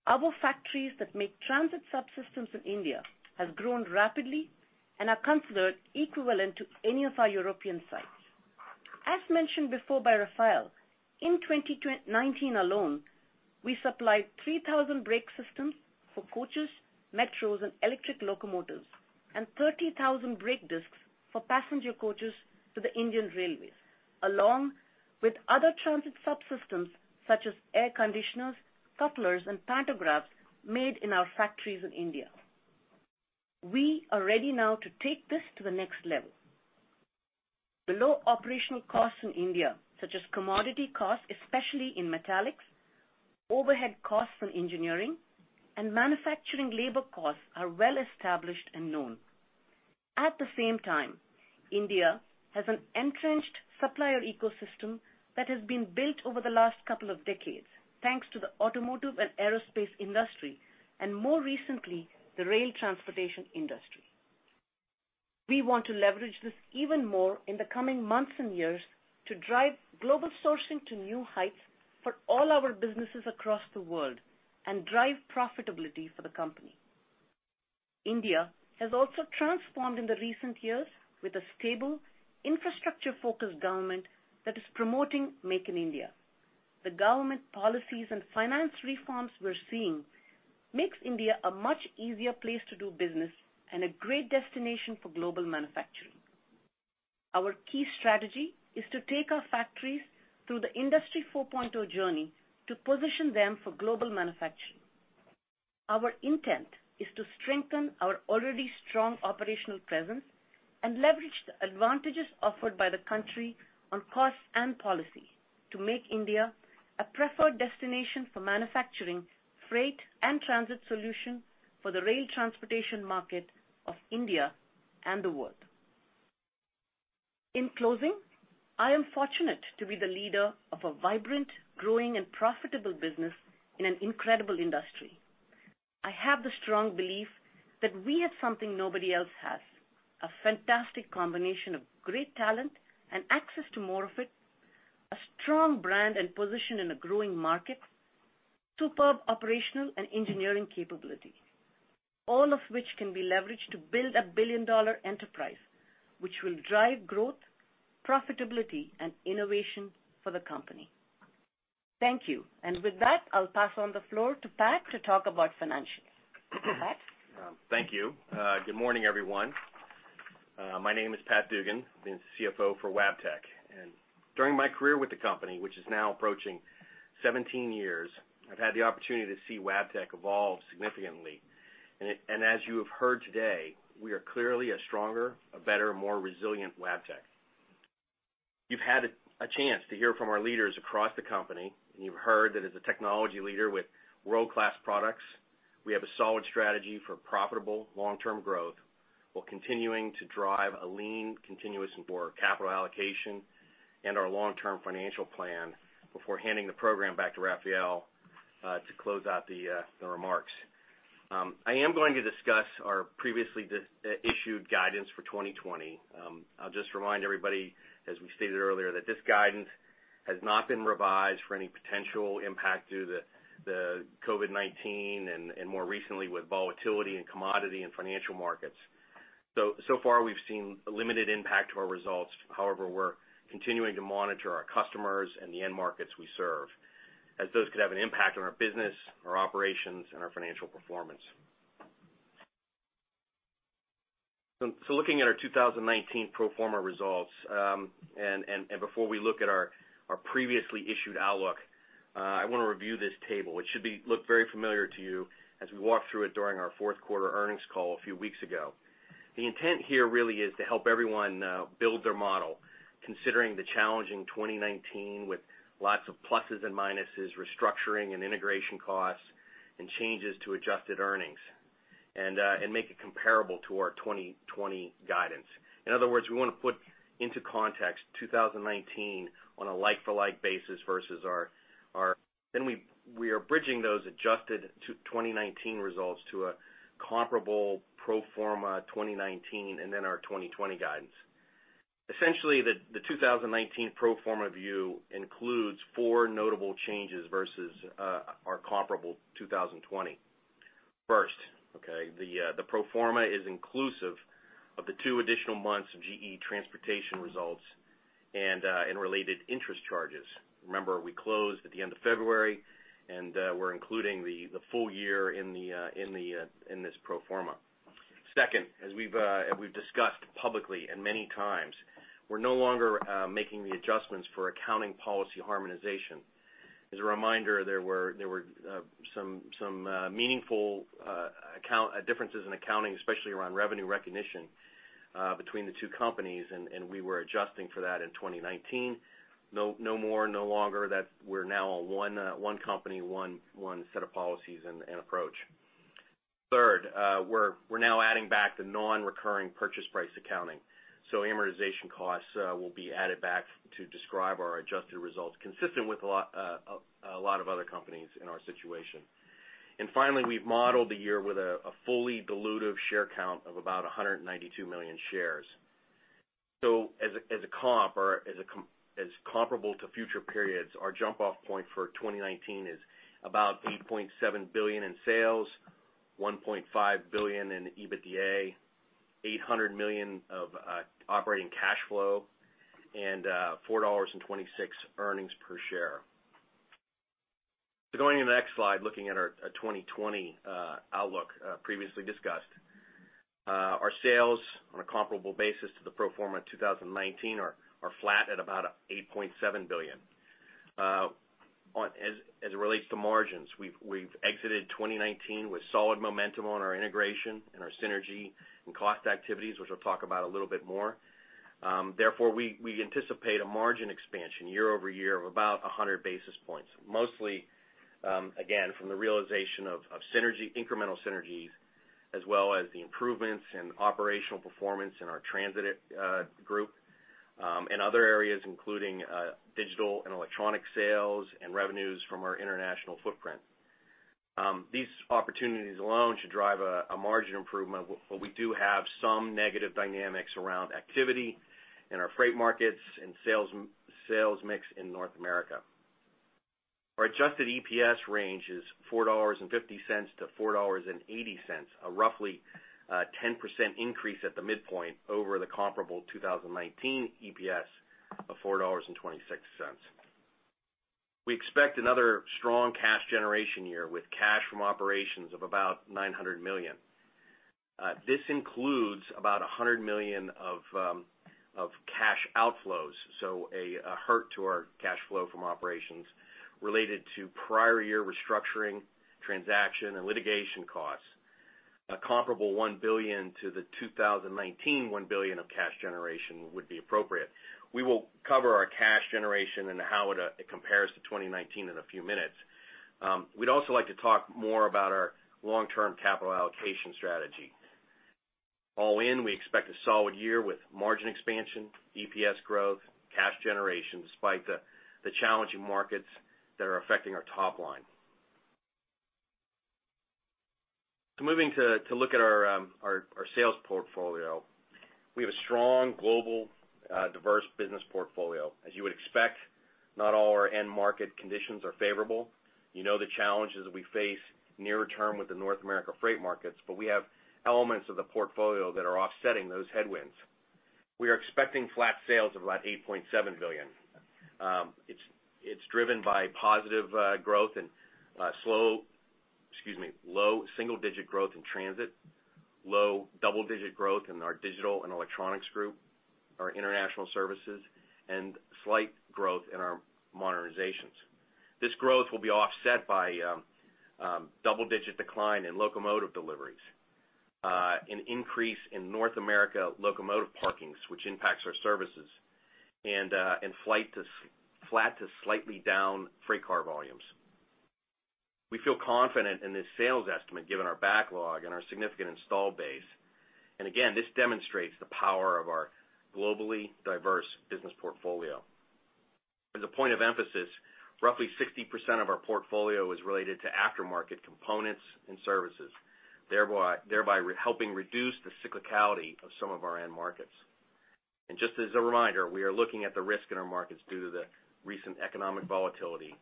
Our factories that make transit subsystems in India have grown rapidly and are considered equivalent to any of our European sites. As mentioned before by Rafael, in 2019 alone, we supplied 3,000 brake systems for coaches, metros, and electric locomotives, and 30,000 brake discs for passenger coaches to the Indian Railways, along with other transit subsystems such as air conditioners, couplers, and pantographs made in our factories in India. We are ready now to take this to the next level. The low operational costs in India, such as commodity costs, especially in metallics, overhead costs for engineering, and manufacturing labor costs, are well established and known. At the same time, India has an entrenched supplier ecosystem that has been built over the last couple of decades, thanks to the automotive and aerospace industry, and more recently, the rail transportation industry. We want to leverage this even more in the coming months and years to drive global sourcing to new heights for all our businesses across the world and drive profitability for the company. India has also transformed in the recent years with a stable infrastructure-focused government that is promoting Make in India. The government policies and finance reforms we're seeing make India a much easier place to do business and a great destination for global manufacturing. Our key strategy is to take our factories through the Industry 4.0 journey to position them for global manufacturing. Our intent is to strengthen our already strong operational presence and leverage the advantages offered by the country on costs and policy to make India a preferred destination for manufacturing, freight, and transit solutions for the rail transportation market of India and the world. In closing, I am fortunate to be the leader of a vibrant, growing, and profitable business in an incredible industry. I have the strong belief that we have something nobody else has: a fantastic combination of great talent and access to more of it, a strong brand and position in a growing market, superb operational and engineering capability, all of which can be leveraged to build a billion-dollar enterprise which will drive growth, profitability, and innovation for the company. Thank you. And with that, I'll pass on the floor to Pat to talk about financials. Thank you. Good morning, everyone. My name is Pat Dugan. I am the CFO for Wabtec. During my career with the company, which is now approaching 17 years, I have had the opportunity to see Wabtec evolve significantly. As you have heard today, we are clearly a stronger, a better, more resilient Wabtec. You have had a chance to hear from our leaders across the company, and you have heard that as a technology leader with world-class products, we have a solid strategy for profitable long-term growth while continuing to drive a lean, continuous capital allocation and our long-term financial plan before handing the program back to Rafael to close out the remarks. I am going to discuss our previously issued guidance for 2020. I will just remind everybody, as we stated earlier, that this guidance has not been revised for any potential impact due to COVID-19 and more recently with volatility in commodity and financial markets. So far, we've seen limited impact to our results. However, we're continuing to monitor our customers and the end markets we serve, as those could have an impact on our business, our operations, and our financial performance. So looking at our 2019 pro forma results, and before we look at our previously issued outlook, I want to review this table. It should look very familiar to you as we walked through it during our fourth quarter earnings call a few weeks ago. The intent here really is to help everyone build their model, considering the challenging 2019 with lots of pluses and minuses, restructuring and integration costs, and changes to adjusted earnings, and make it comparable to our 2020 guidance. In other words, we want to put into context 2019 on a like-for-like basis versus our. Then we are bridging those adjusted 2019 results to a comparable pro forma 2019 and then our 2020 guidance. Essentially, the 2019 pro forma view includes four notable changes versus our comparable 2020. First, the pro forma is inclusive of the two additional months of GE Transportation results and related interest charges. Remember, we closed at the end of February, and we're including the full year in this pro forma. Second, as we've discussed publicly and many times, we're no longer making the adjustments for accounting policy harmonization. As a reminder, there were some meaningful differences in accounting, especially around revenue recognition between the two companies, and we were adjusting for that in 2019. No more, no longer. We're now one company, one set of policies and approach. Third, we're now adding back the non-recurring purchase price accounting. Amortization costs will be added back to describe our adjusted results, consistent with a lot of other companies in our situation. And finally, we've modeled the year with a fully dilutive share count of about 192 million shares. As a comp or as comparable to future periods, our jump-off point for 2019 is about $8.7 billion in sales, $1.5 billion in EBITDA, $800 million of operating cash flow, and $4.26 earnings per share. Going to the next slide, looking at our 2020 outlook previously discussed, our sales on a comparable basis to the pro forma 2019 are flat at about $8.7 billion. As it relates to margins, we've exited 2019 with solid momentum on our integration and our synergy and cost activities, which I'll talk about a little bit more. Therefore, we anticipate a margin expansion year over year of about 100 basis points, mostly, again, from the realization of incremental synergies, as well as the improvements in operational performance in our transit group and other areas, including digital and electronic sales and revenues from our international footprint. These opportunities alone should drive a margin improvement, but we do have some negative dynamics around activity in our freight markets and sales mix in North America. Our adjusted EPS range is $4.50-$4.80, a roughly 10% increase at the midpoint over the comparable 2019 EPS of $4.26. We expect another strong cash generation year with cash from operations of about $900 million. This includes about $100 million of cash outflows, so a hurt to our cash flow from operations related to prior year restructuring, transaction, and litigation costs. A comparable $1 billion to the 2019 $1 billion of cash generation would be appropriate. We will cover our cash generation and how it compares to 2019 in a few minutes. We'd also like to talk more about our long-term capital allocation strategy. All in, we expect a solid year with margin expansion, EPS growth, cash generation, despite the challenging markets that are affecting our top line. So moving to look at our sales portfolio, we have a strong, global, diverse business portfolio. As you would expect, not all our end market conditions are favorable. You know the challenges that we face near term with the North America freight markets, but we have elements of the portfolio that are offsetting those headwinds. We are expecting flat sales of about $8.7 billion. It's driven by positive growth and slow, excuse me, low single-digit growth in transit, low double-digit growth in our digital and electronics group, our international services, and slight growth in our modernizations. This growth will be offset by double-digit decline in locomotive deliveries, an increase in North America locomotive parkings, which impacts our services, and flat to slightly down freight car volumes. We feel confident in this sales estimate given our backlog and our significant installed base. And again, this demonstrates the power of our globally diverse business portfolio. As a point of emphasis, roughly 60% of our portfolio is related to aftermarket components and services, thereby helping reduce the cyclicality of some of our end markets. And just as a reminder, we are looking at the risk in our markets due to the recent economic volatility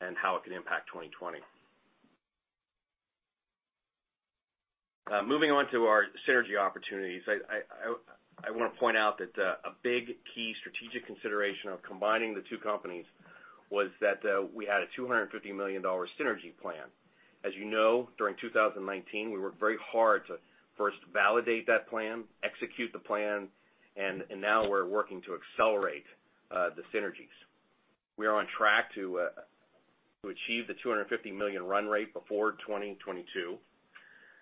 and how it can impact 2020. Moving on to our synergy opportunities, I want to point out that a big key strategic consideration of combining the two companies was that we had a $250 million synergy plan. As you know, during 2019, we worked very hard to first validate that plan, execute the plan, and now we're working to accelerate the synergies. We are on track to achieve the $250 million run rate before 2022.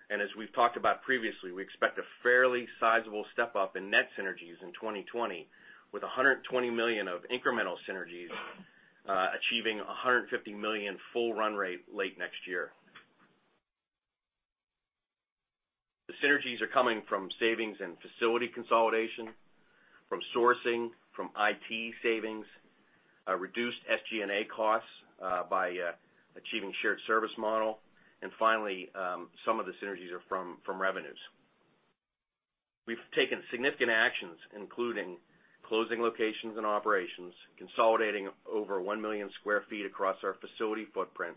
And as we've talked about previously, we expect a fairly sizable step-up in net synergies in 2020, with $120 million of incremental synergies achieving $150 million full run rate late next year. The synergies are coming from savings and facility consolidation, from sourcing, from IT savings, reduced SG&A costs by achieving shared service model, and finally, some of the synergies are from revenues. We've taken significant actions, including closing locations and operations, consolidating over 1 million sq ft across our facility footprint,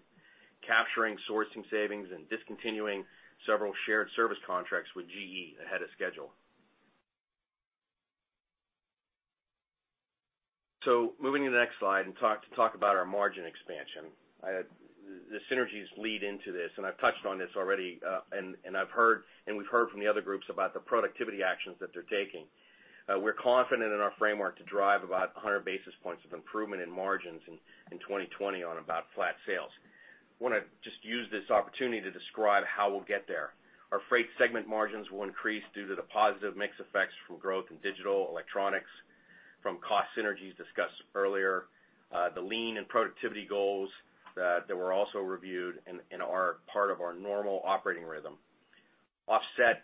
capturing sourcing savings, and discontinuing several shared service contracts with GE ahead of schedule. Moving to the next slide and talk about our margin expansion, the synergies lead into this, and I've touched on this already, and we've heard from the other groups about the productivity actions that they're taking. We're confident in our framework to drive about 100 basis points of improvement in margins in 2020 on about flat sales. I want to just use this opportunity to describe how we'll get there. Our freight segment margins will increase due to the positive mix effects from growth in digital electronics, from cost synergies discussed earlier, the lean and productivity goals that were also reviewed and are part of our normal operating rhythm. Offset,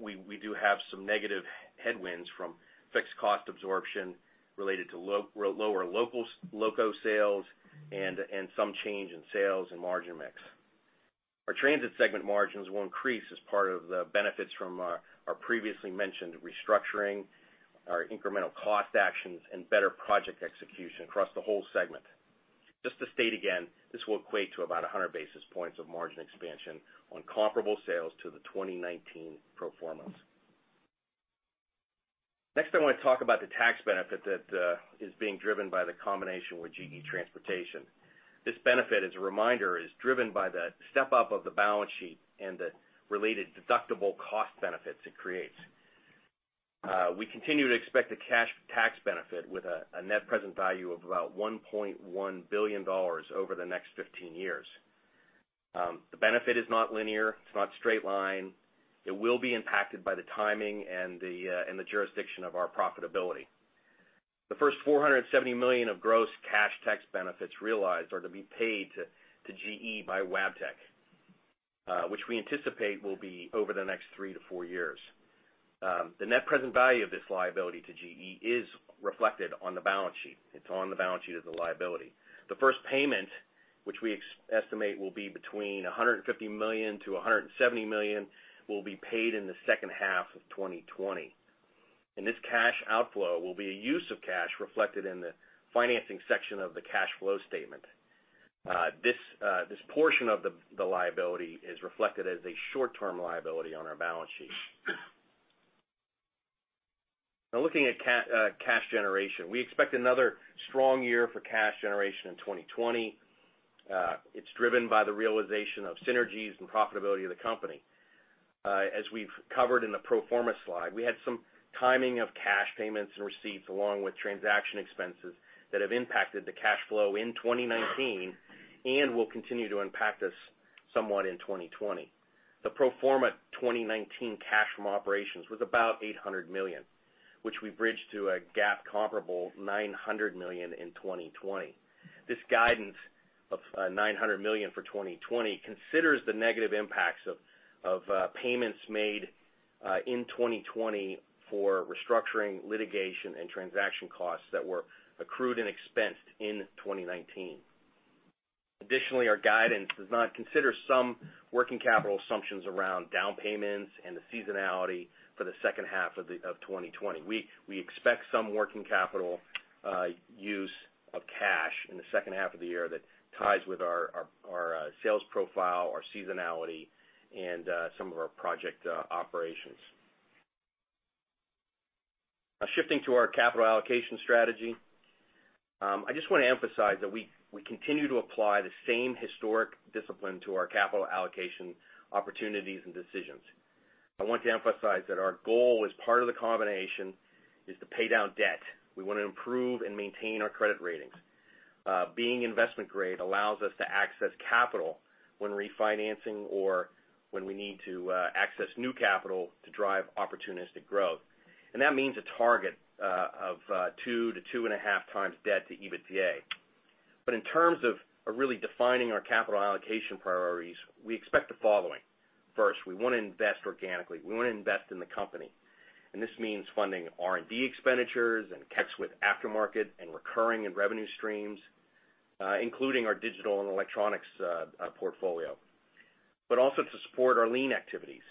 we do have some negative headwinds from fixed cost absorption related to lower loco sales and some change in sales and margin mix. Our transit segment margins will increase as part of the benefits from our previously mentioned restructuring, our incremental cost actions, and better project execution across the whole segment. Just to state again, this will equate to about 100 basis points of margin expansion on comparable sales to the 2019 pro formas. Next, I want to talk about the tax benefit that is being driven by the combination with GE Transportation. This benefit, as a reminder, is driven by the step-up of the balance sheet and the related deductible cost benefits it creates. We continue to expect a cash tax benefit with a net present value of about $1.1 billion over the next 15 years. The benefit is not linear. It's not straight line. It will be impacted by the timing and the jurisdiction of our profitability. The first $470 million of gross cash tax benefits realized are to be paid to GE by Wabtec, which we anticipate will be over the next three to four years. The net present value of this liability to GE is reflected on the balance sheet. It's on the balance sheet as a liability. The first payment, which we estimate will be between $150 million-$170 million, will be paid in the second half of 2020. And this cash outflow will be a use of cash reflected in the financing section of the cash flow statement. This portion of the liability is reflected as a short-term liability on our balance sheet. Now, looking at cash generation, we expect another strong year for cash generation in 2020. It's driven by the realization of synergies and profitability of the company. As we've covered in the pro forma slide, we had some timing of cash payments and receipts along with transaction expenses that have impacted the cash flow in 2019 and will continue to impact us somewhat in 2020. The pro forma 2019 cash from operations was about $800 million, which we bridged to a GAAP comparable to $900 million in 2020. This guidance of $900 million for 2020 considers the negative impacts of payments made in 2020 for restructuring, litigation, and transaction costs that were accrued and expensed in 2019. Additionally, our guidance does not consider some working capital assumptions around down payments and the seasonality for the second half of 2020. We expect some working capital use of cash in the second half of the year that ties with our sales profile, our seasonality, and some of our project operations. Now, shifting to our capital allocation strategy, I just want to emphasize that we continue to apply the same historic discipline to our capital allocation opportunities and decisions. I want to emphasize that our goal as part of the combination is to pay down debt. We want to improve and maintain our credit ratings. Being investment-grade allows us to access capital when refinancing or when we need to access new capital to drive opportunistic growth. And that means a target of two to 2.5x debt to EBITDA. But in terms of really defining our capital allocation priorities, we expect the following. First, we want to invest organically. We want to invest in the company. And this means funding R&D expenditures and with aftermarket and recurring and revenue streams, including our digital and electronics portfolio, but also to support our lean activities.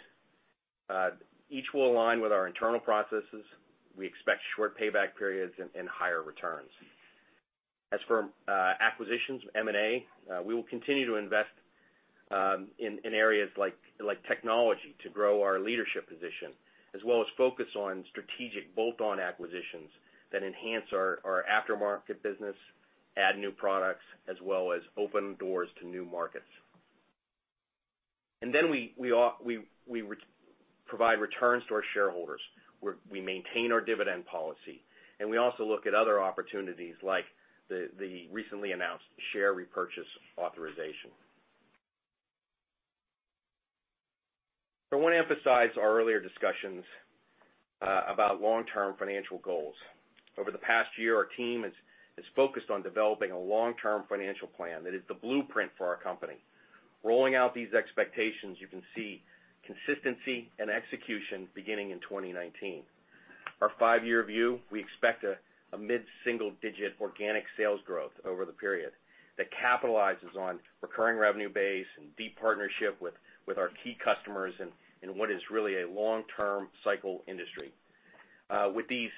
Each will align with our internal processes. We expect short payback periods and higher returns. As for acquisitions, M&A, we will continue to invest in areas like technology to grow our leadership position, as well as focus on strategic bolt-on acquisitions that enhance our aftermarket business, add new products, as well as open doors to new markets. And then we provide returns to our shareholders. We maintain our dividend policy. And we also look at other opportunities like the recently announced share repurchase authorization. I want to emphasize our earlier discussions about long-term financial goals. Over the past year, our team has focused on developing a long-term financial plan that is the blueprint for our company. Rolling out these expectations, you can see consistency and execution beginning in 2019. Our five-year view, we expect a mid-single-digit organic sales growth over the period that capitalizes on recurring revenue base and deep partnership with our key customers in what is really a long-term cycle industry. With these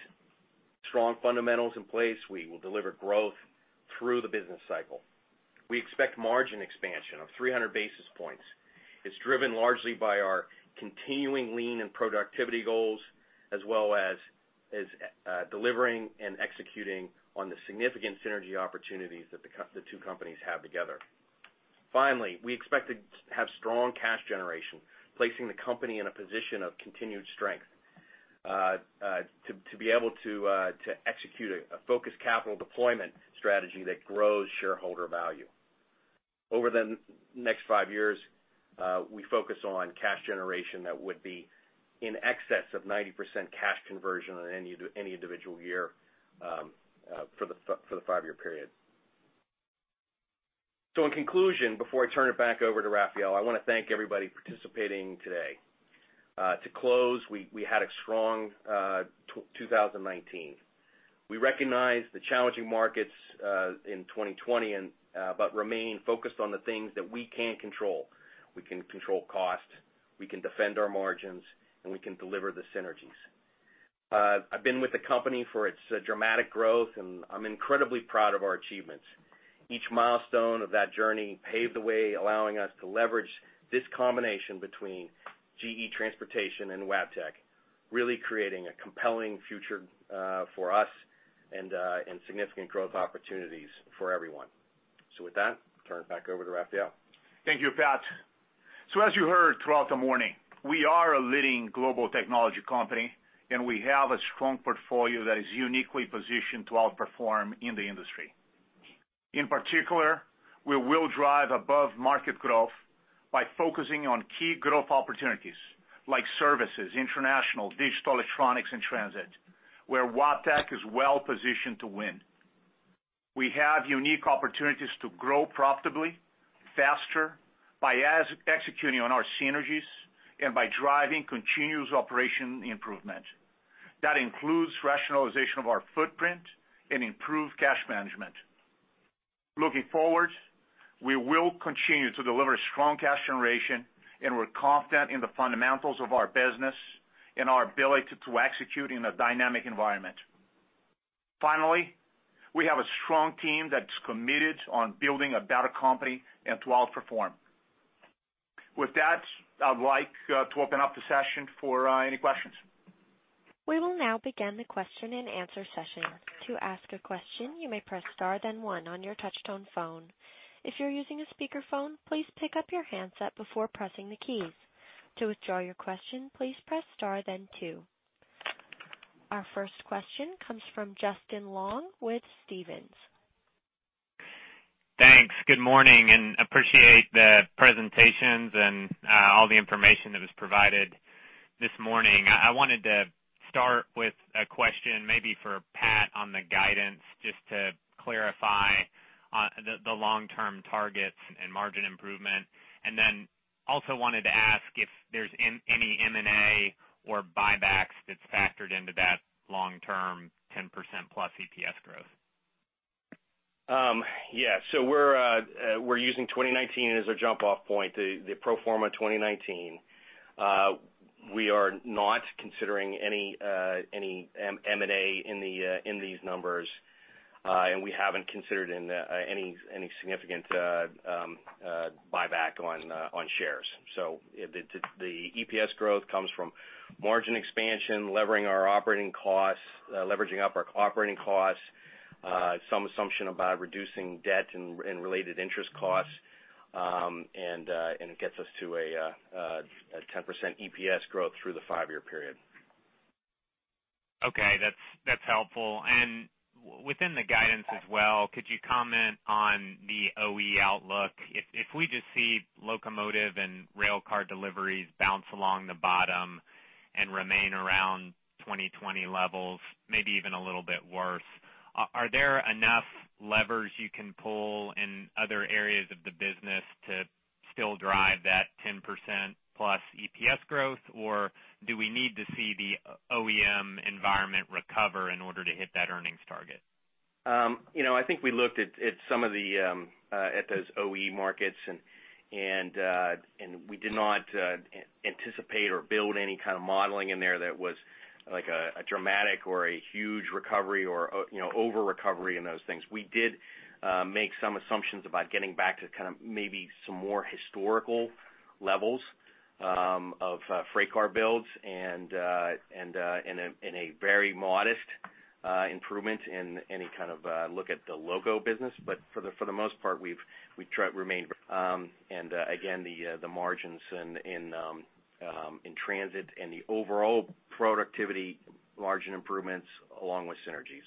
strong fundamentals in place, we will deliver growth through the business cycle. We expect margin expansion of 300 basis points. It's driven largely by our continuing lean and productivity goals, as well as delivering and executing on the significant synergy opportunities that the two companies have together. Finally, we expect to have strong cash generation, placing the company in a position of continued strength to be able to execute a focused capital deployment strategy that grows shareholder value. Over the next five years, we focus on cash generation that would be in excess of 90% cash conversion in any individual year for the five-year period. So in conclusion, before I turn it back over to Rafael, I want to thank everybody participating today. To close, we had a strong 2019. We recognize the challenging markets in 2020, but remain focused on the things that we can control. We can control costs, we can defend our margins, and we can deliver the synergies. I've been with the company for its dramatic growth, and I'm incredibly proud of our achievements. Each milestone of that journey paved the way, allowing us to leverage this combination between GE Transportation and Wabtec, really creating a compelling future for us and significant growth opportunities for everyone. So with that, I'll turn it back over to Rafael. Thank you, Pat. So as you heard throughout the morning, we are a leading global technology company, and we have a strong portfolio that is uniquely positioned to outperform in the industry. In particular, we will drive above market growth by focusing on key growth opportunities like services, international, digital electronics, and transit, where Wabtec is well-positioned to win. We have unique opportunities to grow profitably faster by executing on our synergies and by driving continuous operation improvement. That includes rationalization of our footprint and improved cash management. Looking forward, we will continue to deliver strong cash generation, and we're confident in the fundamentals of our business and our ability to execute in a dynamic environment. Finally, we have a strong team that's committed on building a better company and to outperform. With that, I'd like to open up the session for any questions. We will now begin the question and answer session. To ask a question, you may press star, then one on your touch-tone phone. If you're using a speakerphone, please pick up your handset before pressing the keys. To withdraw your question, please press star, then two. Our first question comes from Justin Long with Stephens. Thanks. Good morning, and I appreciate the presentations and all the information that was provided this morning. I wanted to start with a question maybe for Pat on the guidance, just to clarify the long-term targets and margin improvement, and then also wanted to ask if there's any M&A or buybacks that's factored into that long-term 10% plus EPS growth. Yeah. So we're using 2019 as a jump-off point, the pro forma 2019. We are not considering any M&A in these numbers, and we haven't considered any significant buyback on shares. So the EPS growth comes from margin expansion, leveraging our operating costs, leveraging up our operating costs, some assumption about reducing debt and related interest costs, and it gets us to a 10% EPS growth through the five-year period. Okay. That's helpful. And within the guidance as well, could you comment on the OE outlook? If we just see locomotive and railcar deliveries bounce along the bottom and remain around 2020 levels, maybe even a little bit worse, are there enough levers you can pull in other areas of the business to still drive that 10% plus EPS growth, or do we need to see the OEM environment recover in order to hit that earnings target? I think we looked at some of those OE markets, and we did not anticipate or build any kind of modeling in there that was a dramatic or a huge recovery or over-recovery in those things. We did make some assumptions about getting back to kind of maybe some more historical levels of freight car builds and a very modest improvement in any kind of look at the loco business. But for the most part, we've remained, and again, the margins in transit and the overall productivity margin improvements along with synergies.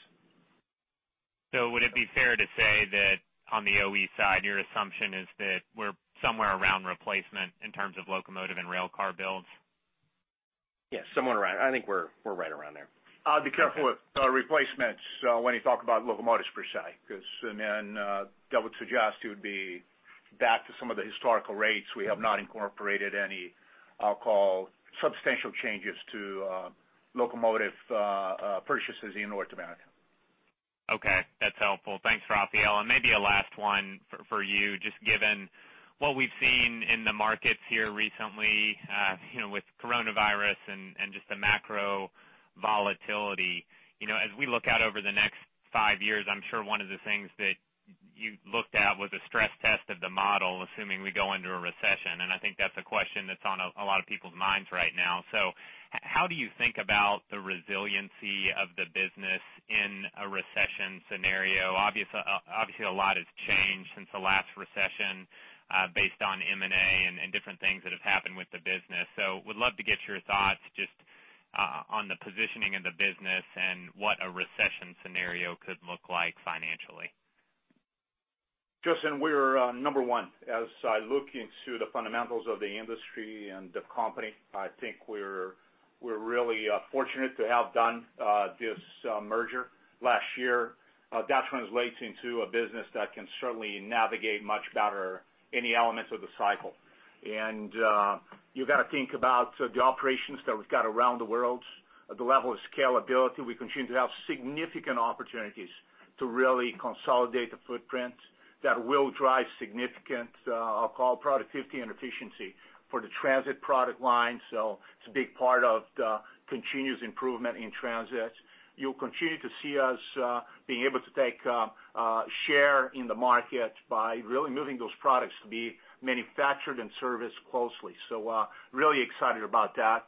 So would it be fair to say that on the OE side, your assumption is that we're somewhere around replacement in terms of locomotive and railcar builds? Yes. Somewhere around. I think we're right around there. I'll be careful with replacements when you talk about locomotives per se, because then that would suggest you would be back to some of the historical rates. We have not incorporated any, I'll call, substantial changes to locomotive purchases in North America. Okay. That's helpful. Thanks, Rafael. And maybe a last one for you, just given what we've seen in the markets here recently with coronavirus and just the macro volatility. As we look out over the next five years, I'm sure one of the things that you looked at was a stress test of the model, assuming we go into a recession. And I think that's a question that's on a lot of people's minds right now. So how do you think about the resiliency of the business in a recession scenario? Obviously, a lot has changed since the last recession based on M&A and different things that have happened with the business. So we'd love to get your thoughts just on the positioning of the business and what a recession scenario could look like financially. Justin, we're number one as I look into the fundamentals of the industry and the company. I think we're really fortunate to have done this merger last year. That translates into a business that can certainly navigate much better any element of the cycle, and you've got to think about the operations that we've got around the world. At the level of scalability, we continue to have significant opportunities to really consolidate the footprint that will drive significant, I'll call, productivity and efficiency for the transit product line, so it's a big part of the continuous improvement in transit. You'll continue to see us being able to take a share in the market by really moving those products to be manufactured and serviced closely, so really excited about that.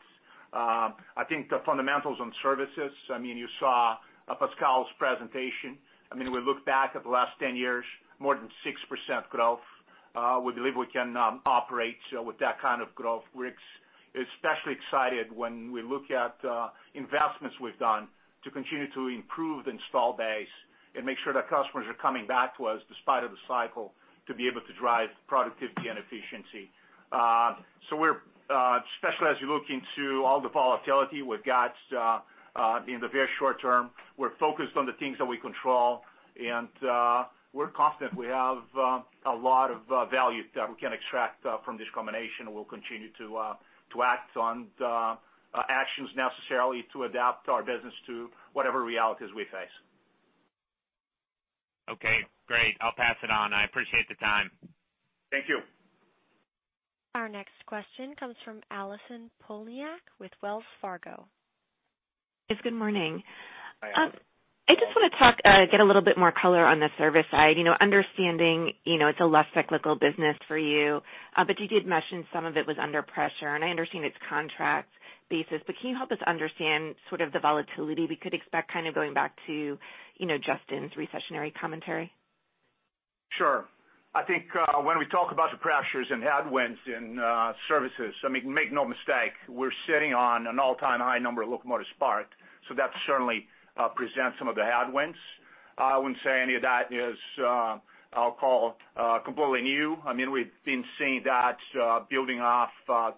I think the fundamentals on services, I mean, you saw Pascal's presentation. I mean, we look back at the last 10 years, more than 6% growth. We believe we can operate with that kind of growth. We're especially excited when we look at investments we've done to continue to improve the install base and make sure that customers are coming back to us despite the cycle to be able to drive productivity and efficiency. So we're especially as you look into all the volatility we've got in the very short term, we're focused on the things that we control, and we're confident we have a lot of value that we can extract from this combination. We'll continue to act on the actions necessarily to adapt our business to whatever realities we face. Okay. Great. I'll pass it on. I appreciate the time. Thank you. Our next question comes from Allison Poliniak with Wells Fargo. Yes. Good morning. I just want to get a little bit more color on the service. Understanding it's a less cyclical business for you, but you did mention some of it was under pressure, and I understand it's contract basis, but can you help us understand sort of the volatility we could expect kind of going back to Justin's recessionary commentary? Sure. I think when we talk about the pressures and headwinds in services, I mean, make no mistake, we're sitting on an all-time high number of locomotives parked. So that certainly presents some of the headwinds. I wouldn't say any of that is, I'll call, completely new. I mean, we've been seeing that building off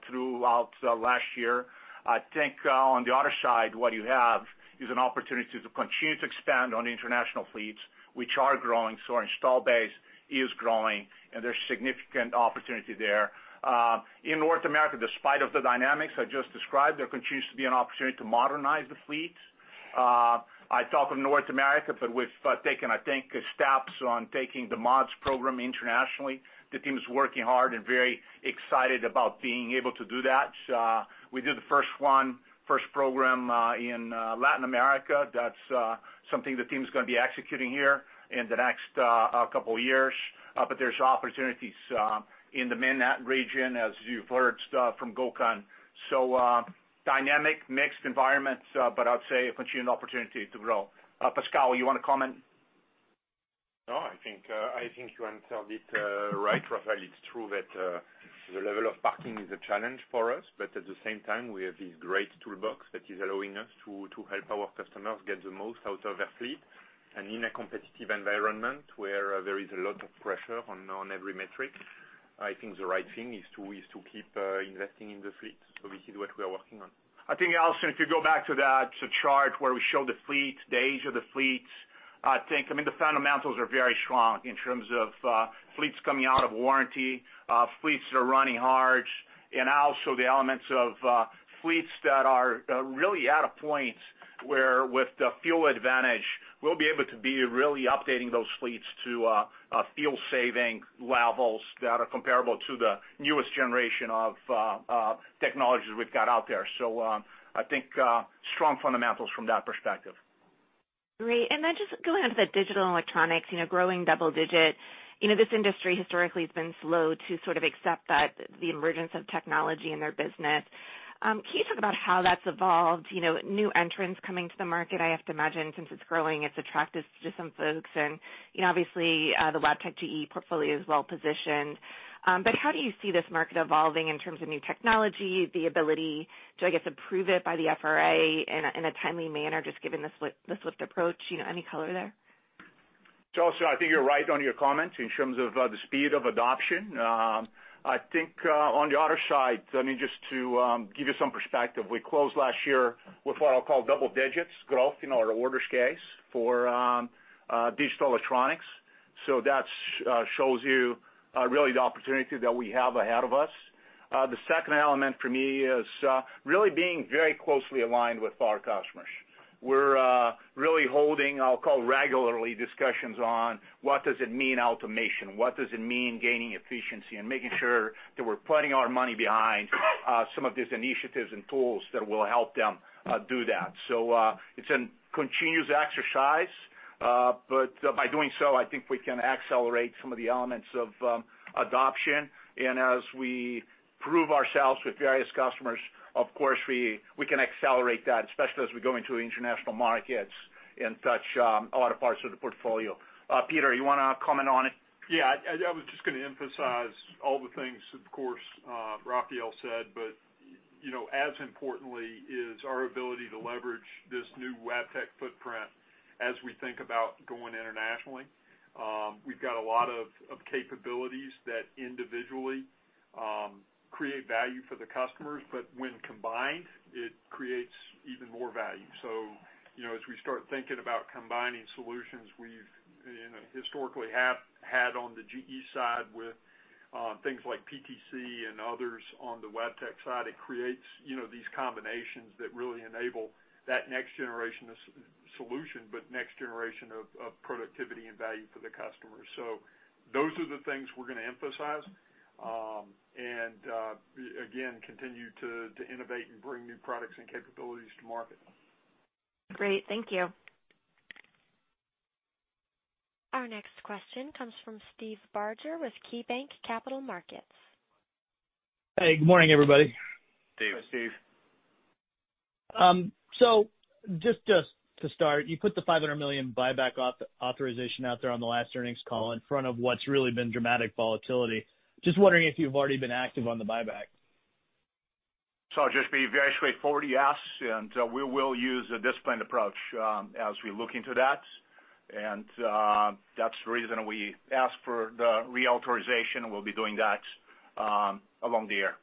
throughout last year. I think on the other side, what you have is an opportunity to continue to expand on the international fleets, which are growing. So our installed base is growing, and there's significant opportunity there. In North America, despite the dynamics I just described, there continues to be an opportunity to modernize the fleets. I talk of North America, but we've taken, I think, steps on taking the mods program internationally. The team is working hard and very excited about being able to do that. We did the first one, first program in Latin America. That's something the team is going to be executing here in the next couple of years. But there's opportunities in the MENAT region, as you've heard from Gökhan. So dynamic, mixed environments, but I'd say a continued opportunity to grow. Pascal, you want to comment? No, I think you answered it right, Rafael. It's true that the level of parking is a challenge for us, but at the same time, we have this great toolbox that is allowing us to help our customers get the most out of their fleet, and in a competitive environment where there is a lot of pressure on every metric, I think the right thing is to keep investing in the fleet, so this is what we are working on. I think, Alison, if you go back to that chart where we show the fleet, the age of the fleets, I think, I mean, the fundamentals are very strong in terms of fleets coming out of warranty, fleets that are running hard, and also the elements of fleets that are really at a point where with the fuel advantage, we'll be able to be really updating those fleets to fuel-saving levels that are comparable to the newest generation of technologies we've got out there. So I think strong fundamentals from that perspective. Great. And then just going on to the digital electronics, growing double-digit. This industry historically has been slow to sort of accept the emergence of technology in their business. Can you talk about how that's evolved? New entrants coming to the market, I have to imagine, since it's growing, it's attractive to some folks. And obviously, the Wabtec GE portfolio is well-positioned. But how do you see this market evolving in terms of new technology, the ability to, I guess, approve it by the FRA in a timely manner, just given the swift approach? Any color there? To your point, I think you're right on your comment in terms of the speed of adoption. I think on the other side, I mean, just to give you some perspective, we closed last year with what I'll call double-digit growth in our order base for digital electronics. So that shows you really the opportunity that we have ahead of us. The second element for me is really being very closely aligned with our customers. We're really holding, I'll call, regular discussions on what does it mean automation, what does it mean gaining efficiency, and making sure that we're putting our money behind some of these initiatives and tools that will help them do that. So it's a continuous exercise. But by doing so, I think we can accelerate some of the elements of adoption. As we prove ourselves with various customers, of course, we can accelerate that, especially as we go into international markets and touch other parts of the portfolio. Peter, you want to comment on it? Yeah. I was just going to emphasize all the things, of course, Rafael said, but as importantly is our ability to leverage this new Wabtec footprint as we think about going internationally. We've got a lot of capabilities that individually create value for the customers, but when combined, it creates even more value. So as we start thinking about combining solutions we've historically had on the GE side with things like PTC and others on the Wabtec side, it creates these combinations that really enable that next-generation solution, but next-generation of productivity and value for the customers. So those are the things we're going to emphasize and, again, continue to innovate and bring new products and capabilities to market. Great. Thank you. Our next question comes from Steve Barger with KeyBanc Capital Markets. Hey. Good morning, everybody. Steve. Hi, Steve. So just to start, you put the $500 million buyback authorization out there on the last earnings call in front of what's really been dramatic volatility. Just wondering if you've already been active on the buyback? So I'll just be very straightforward. Yes. And we will use a disciplined approach as we look into that. And that's the reason we ask for the reauthorization. We'll be doing that along the year.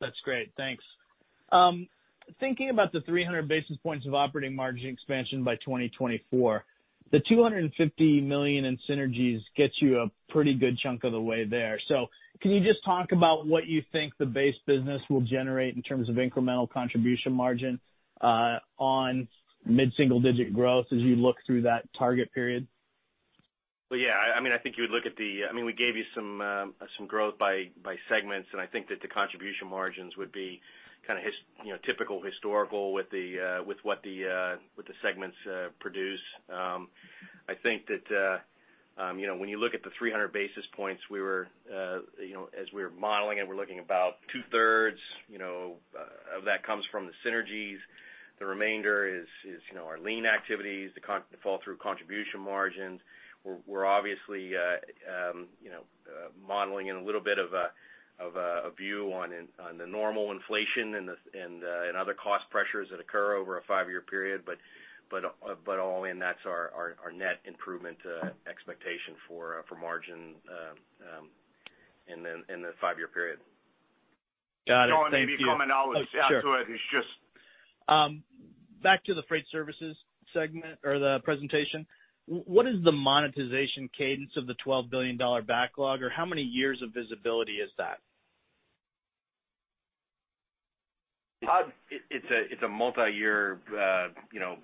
That's great. Thanks. Thinking about the 300 basis points of operating margin expansion by 2024, the $250 million in synergies gets you a pretty good chunk of the way there. So can you just talk about what you think the base business will generate in terms of incremental contribution margin on mid-single-digit growth as you look through that target period? Yeah. I mean, I think you would look at. I mean, we gave you some growth by segments, and I think that the contribution margins would be kind of typical historical with what the segments produce. I think that when you look at the 300 basis points, as we were modeling, we're looking about two-thirds of that comes from the synergies. The remainder is our lean activities, the fall-through contribution margins. We're obviously modeling in a little bit of a view on the normal inflation and other cost pressures that occur over a five-year period. But all in, that's our net improvement expectation for margin in the five-year period. Got it. Thank you. Thank you. Comment I'll add to it is just. Back to the freight services segment or the presentation. What is the monetization cadence of the $12 billion backlog, or how many years of visibility is that? It's a multi-year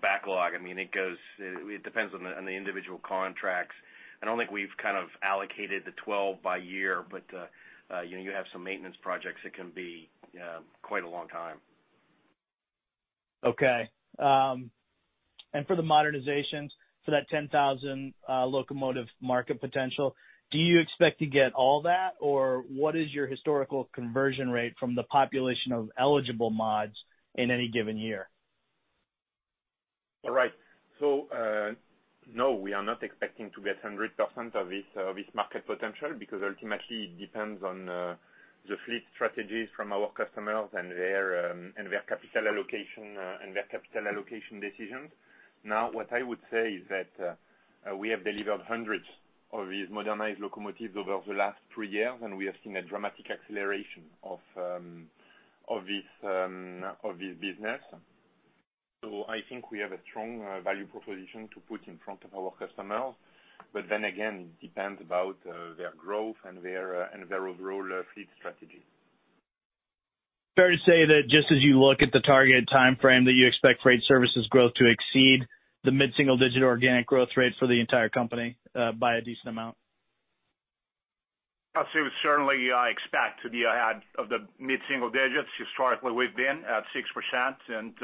backlog. I mean, it depends on the individual contracts. I don't think we've kind of allocated the 12 by year, but you have some maintenance projects that can be quite a long time. Okay. And for the modernizations, for that 10,000 locomotive market potential, do you expect to get all that, or what is your historical conversion rate from the population of eligible mods in any given year? All right. So no, we are not expecting to get 100% of this market potential because ultimately it depends on the fleet strategies from our customers and their capital allocation and their capital allocation decisions. Now, what I would say is that we have delivered hundreds of these modernized locomotives over the last three years, and we have seen a dramatic acceleration of this business. So I think we have a strong value proposition to put in front of our customers. But then again, it depends about their growth and their overall fleet strategy. Fair to say that just as you look at the targeted timeframe that you expect freight services growth to exceed the mid-single-digit organic growth rate for the entire company by a decent amount? I'd say we certainly expect to be ahead of the mid-single digits. Historically, we've been at 6%, and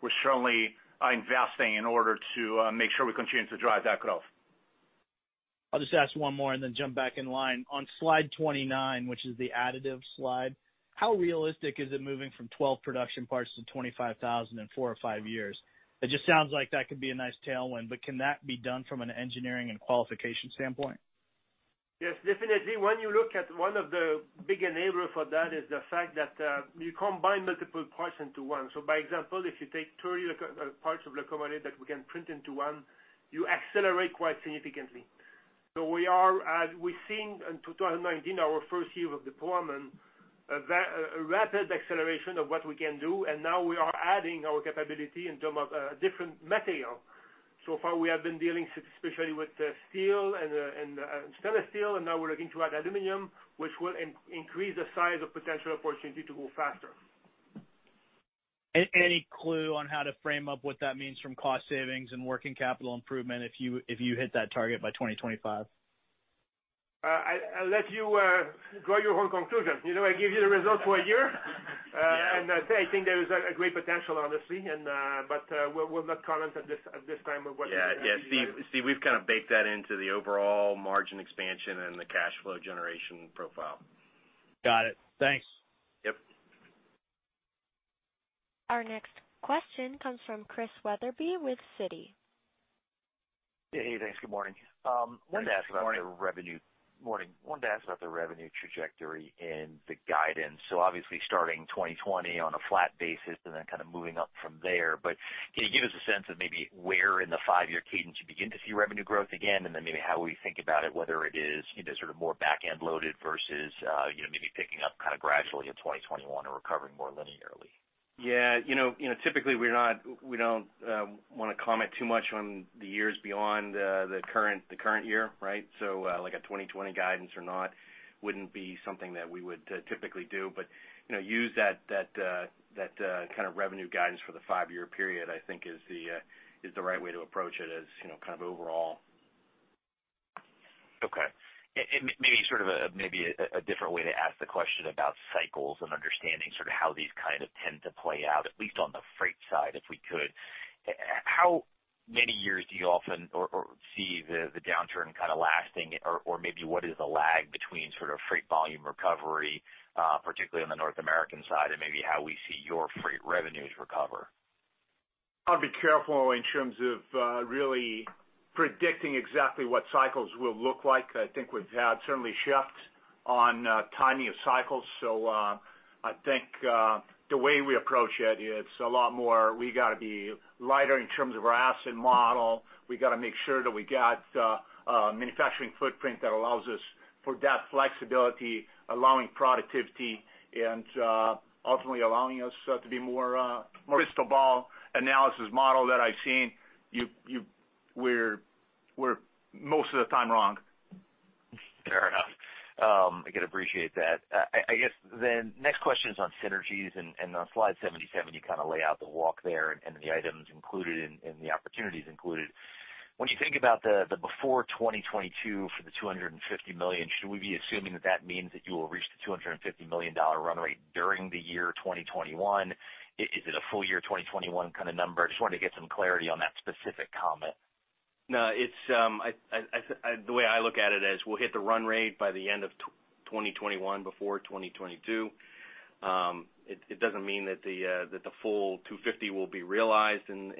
we're certainly investing in order to make sure we continue to drive that growth. I'll just ask one more and then jump back in line. On Slide 29, which is the additive slide, how realistic is it moving from 12 production parts to 25,000 in four or five years? It just sounds like that could be a nice tailwind, but can that be done from an engineering and qualification standpoint? Yes. Definitely. When you look at one of the big enablers for that is the fact that you combine multiple parts into one. So by example, if you take 30 parts of locomotive that we can print into one, you accelerate quite significantly. So we are seeing in 2019, our first year of deployment, a rapid acceleration of what we can do. And now we are adding our capability in terms of different material. So far, we have been dealing especially with steel and stainless steel, and now we're looking to add aluminum, which will increase the size of potential opportunity to go faster. Any clue on how to frame up what that means from cost savings and working capital improvement if you hit that target by 2025? I'll let you draw your own conclusion. I give you the result for a year, and I think there is a great potential, honestly, but we'll not comment at this time on what we've done. Yeah. Yeah. Steve, we've kind of baked that into the overall margin expansion and the cash flow generation profile. Got it. Thanks. Yep. Our next question comes from Chris Wetherbee with Citigroup. Hey, thanks. Good morning. Good morning. Wanted to ask about the revenue. Morning. Wanted to ask about the revenue trajectory and the guidance. So obviously, starting 2020 on a flat basis and then kind of moving up from there. But can you give us a sense of maybe where in the five-year cadence you begin to see revenue growth again? And then maybe how we think about it, whether it is sort of more back-end loaded versus maybe picking up kind of gradually in 2021 or recovering more linearly? Yeah. Typically, we don't want to comment too much on the years beyond the current year, right? So like a 2020 guidance or not wouldn't be something that we would typically do. But use that kind of revenue guidance for the five-year period, I think, is the right way to approach it as kind of overall. Okay. Maybe sort of a different way to ask the question about cycles and understanding sort of how these kind of tend to play out, at least on the freight side, if we could. How many years do you often see the downturn kind of lasting? Or maybe what is the lag between sort of freight volume recovery, particularly on the North American side, and maybe how we see your freight revenues recover? I'll be careful in terms of really predicting exactly what cycles will look like. I think we've had certainly shifts on timing of cycles. So I think the way we approach it, it's a lot more we got to be lighter in terms of our asset model. We got to make sure that we got a manufacturing footprint that allows us for that flexibility, allowing productivity, and ultimately allowing us to be more. Crystal ball analysis model that I've seen, we're most of the time wrong. Fair enough. I can appreciate that. I guess the next question is on synergies. And on Slide 77, you kind of lay out the walk there and the items included and the opportunities included. When you think about the before 2022 for the 250 million, should we be assuming that that means that you will reach the $250 million run rate during the year 2021? Is it a full year 2021 kind of number? I just wanted to get some clarity on that specific comment. No, the way I look at it is we'll hit the run rate by the end of 2021, before 2022. It doesn't mean that the full 250 will be realized in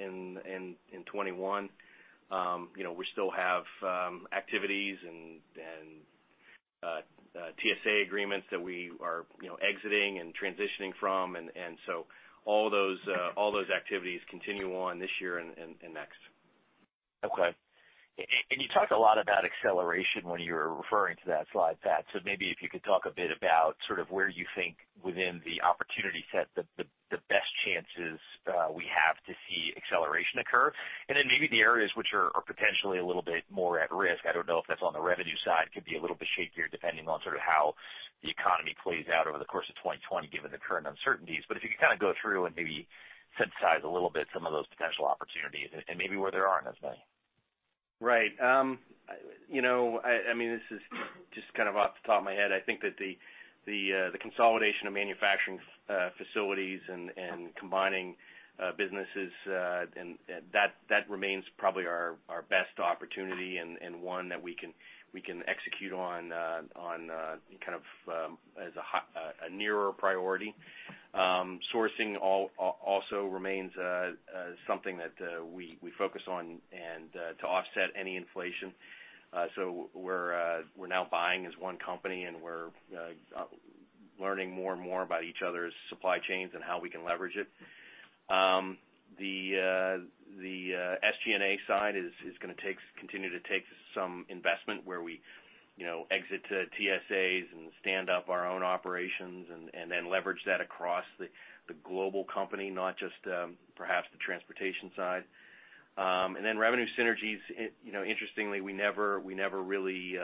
2021. We still have activities and TSA agreements that we are exiting and transitioning from. And so all those activities continue on this year and next. Okay. And you talked a lot about acceleration when you were referring to that slide, Pat. So maybe if you could talk a bit about sort of where you think within the opportunity set the best chances we have to see acceleration occur. And then maybe the areas which are potentially a little bit more at risk. I don't know if that's on the revenue side. It could be a little bit shakier depending on sort of how the economy plays out over the course of 2020 given the current uncertainties. But if you could kind of go through and maybe synthesize a little bit some of those potential opportunities and maybe where there aren't as many. Right. I mean, this is just kind of off the top of my head. I think that the consolidation of manufacturing facilities and combining businesses, that remains probably our best opportunity and one that we can execute on kind of as a nearer priority. Sourcing also remains something that we focus on to offset any inflation. So we're now buying as one company, and we're learning more and more about each other's supply chains and how we can leverage it. The SG&A side is going to continue to take some investment where we exit to TSAs and stand up our own operations and then leverage that across the global company, not just perhaps the transportation side. And then revenue synergies, interestingly, we never really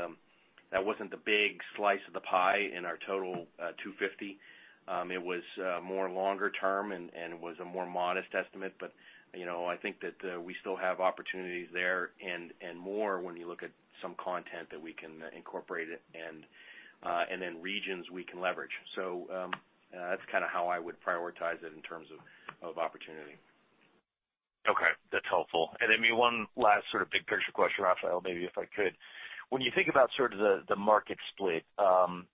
that wasn't the big slice of the pie in our total 250. It was more longer term and was a more modest estimate. But I think that we still have opportunities there and more when you look at some content that we can incorporate and then regions we can leverage. So that's kind of how I would prioritize it in terms of opportunity. Okay. That's helpful. And then maybe one last sort of big picture question, Rafael, maybe if I could. When you think about sort of the market split, 60%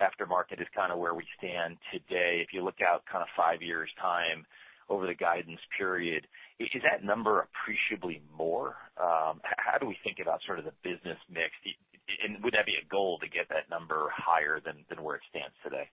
aftermarket is kind of where we stand today. If you look out kind of five years' time over the guidance period, is that number appreciably more? How do we think about sort of the business mix? And would that be a goal to get that number higher than where it stands today?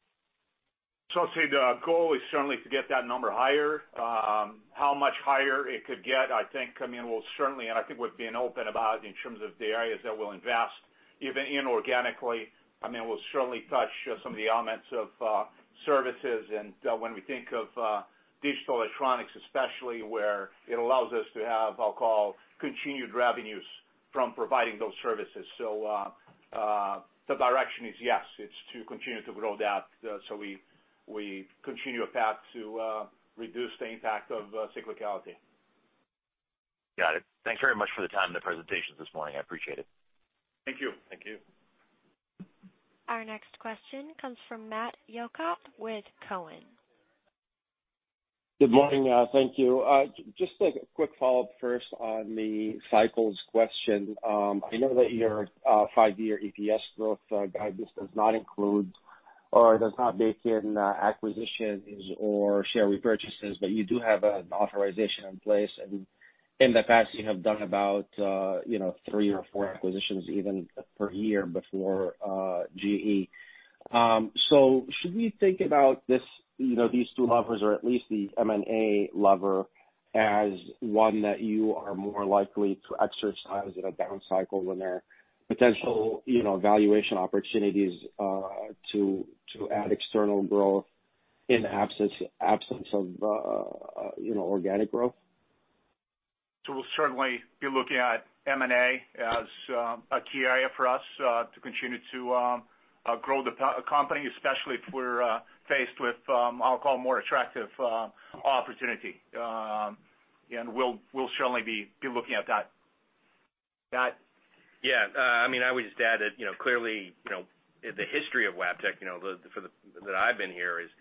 I'd say the goal is certainly to get that number higher. How much higher it could get, I think, I mean, we'll certainly and I think we've been open about in terms of the areas that we'll invest even inorganically. I mean, we'll certainly touch some of the elements of services. When we think of digital electronics, especially, where it allows us to have, I'll call, continued revenues from providing those services. The direction is yes. It's to continue to grow that so we continue a path to reduce the impact of cyclicality. Got it. Thanks very much for the time and the presentations this morning. I appreciate it. Thank you. Thank you. Our next question comes from Matt Elkott with Cowen. Good morning. Thank you. Just a quick follow-up first on the cycles question. I know that your five-year EPS growth guidance does not include or does not bake in acquisitions or share repurchases, but you do have an authorization in place. And in the past, you have done about three or four acquisitions even per year before GE. So should we think about these two levers, or at least the M&A lever, as one that you are more likely to exercise in a down cycle when there are potential valuation opportunities to add external growth in the absence of organic growth? So we'll certainly be looking at M&A as a key area for us to continue to grow the company, especially if we're faced with, I'll call, more attractive opportunity. And we'll certainly be looking at that. Pat. Yeah. I mean, I would just add that clearly, the history of Wabtec, for the time that I've been here, is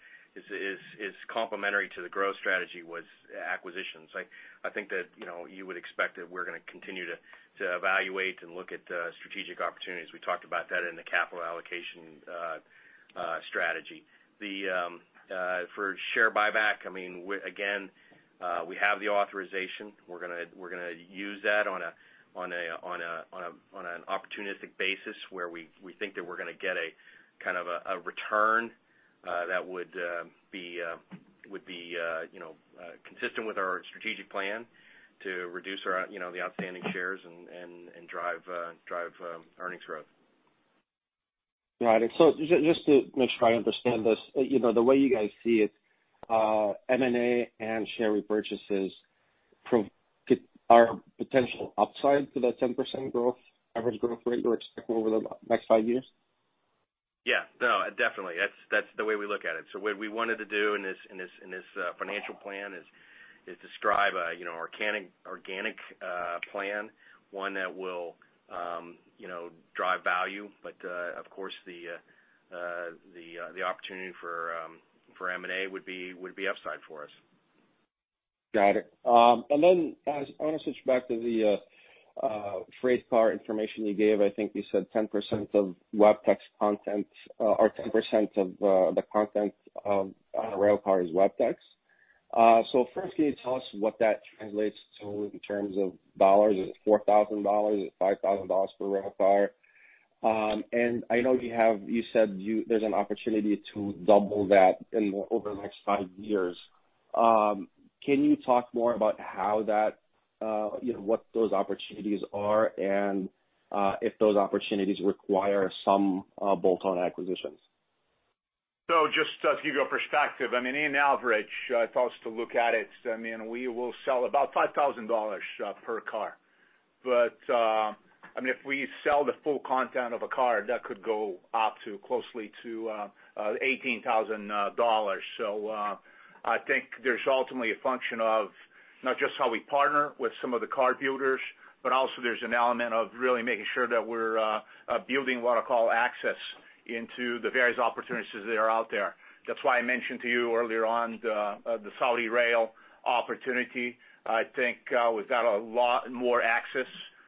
complementary to the growth strategy, was acquisitions. I think that you would expect that we're going to continue to evaluate and look at strategic opportunities. We talked about that in the capital allocation strategy. For share buyback, I mean, again, we have the authorization. We're going to use that on an opportunistic basis where we think that we're going to get a kind of a return that would be consistent with our strategic plan to reduce the outstanding shares and drive earnings growth. Got it. So just to make sure I understand this, the way you guys see it, M&A and share repurchases are potential upside to that 10% growth, average growth rate you expect over the next five years? Yeah. No, definitely. That's the way we look at it. So what we wanted to do in this financial plan is describe an organic plan, one that will drive value. But of course, the opportunity for M&A would be upside for us. Got it. And then I want to switch back to the freight car information you gave. I think you said 10% of Wabtec's content or 10% of the content on a rail car is Wabtec. So first, can you tell us what that translates to in terms of dollars? Is it $4,000? Is it $5,000 per rail car? And I know you said there's an opportunity to double that over the next five years. Can you talk more about how that what those opportunities are and if those opportunities require some bolt-on acquisitions? So just to give you a perspective, I mean, on average, if I was to look at it, I mean, we will sell about $5,000 per car. But I mean, if we sell the full content of a car, that could go up to closely to $18,000. So I think there's ultimately a function of not just how we partner with some of the car builders, but also there's an element of really making sure that we're building what I call access into the various opportunities that are out there. That's why I mentioned to you earlier on the Saudi rail opportunity. I think we've got a lot more access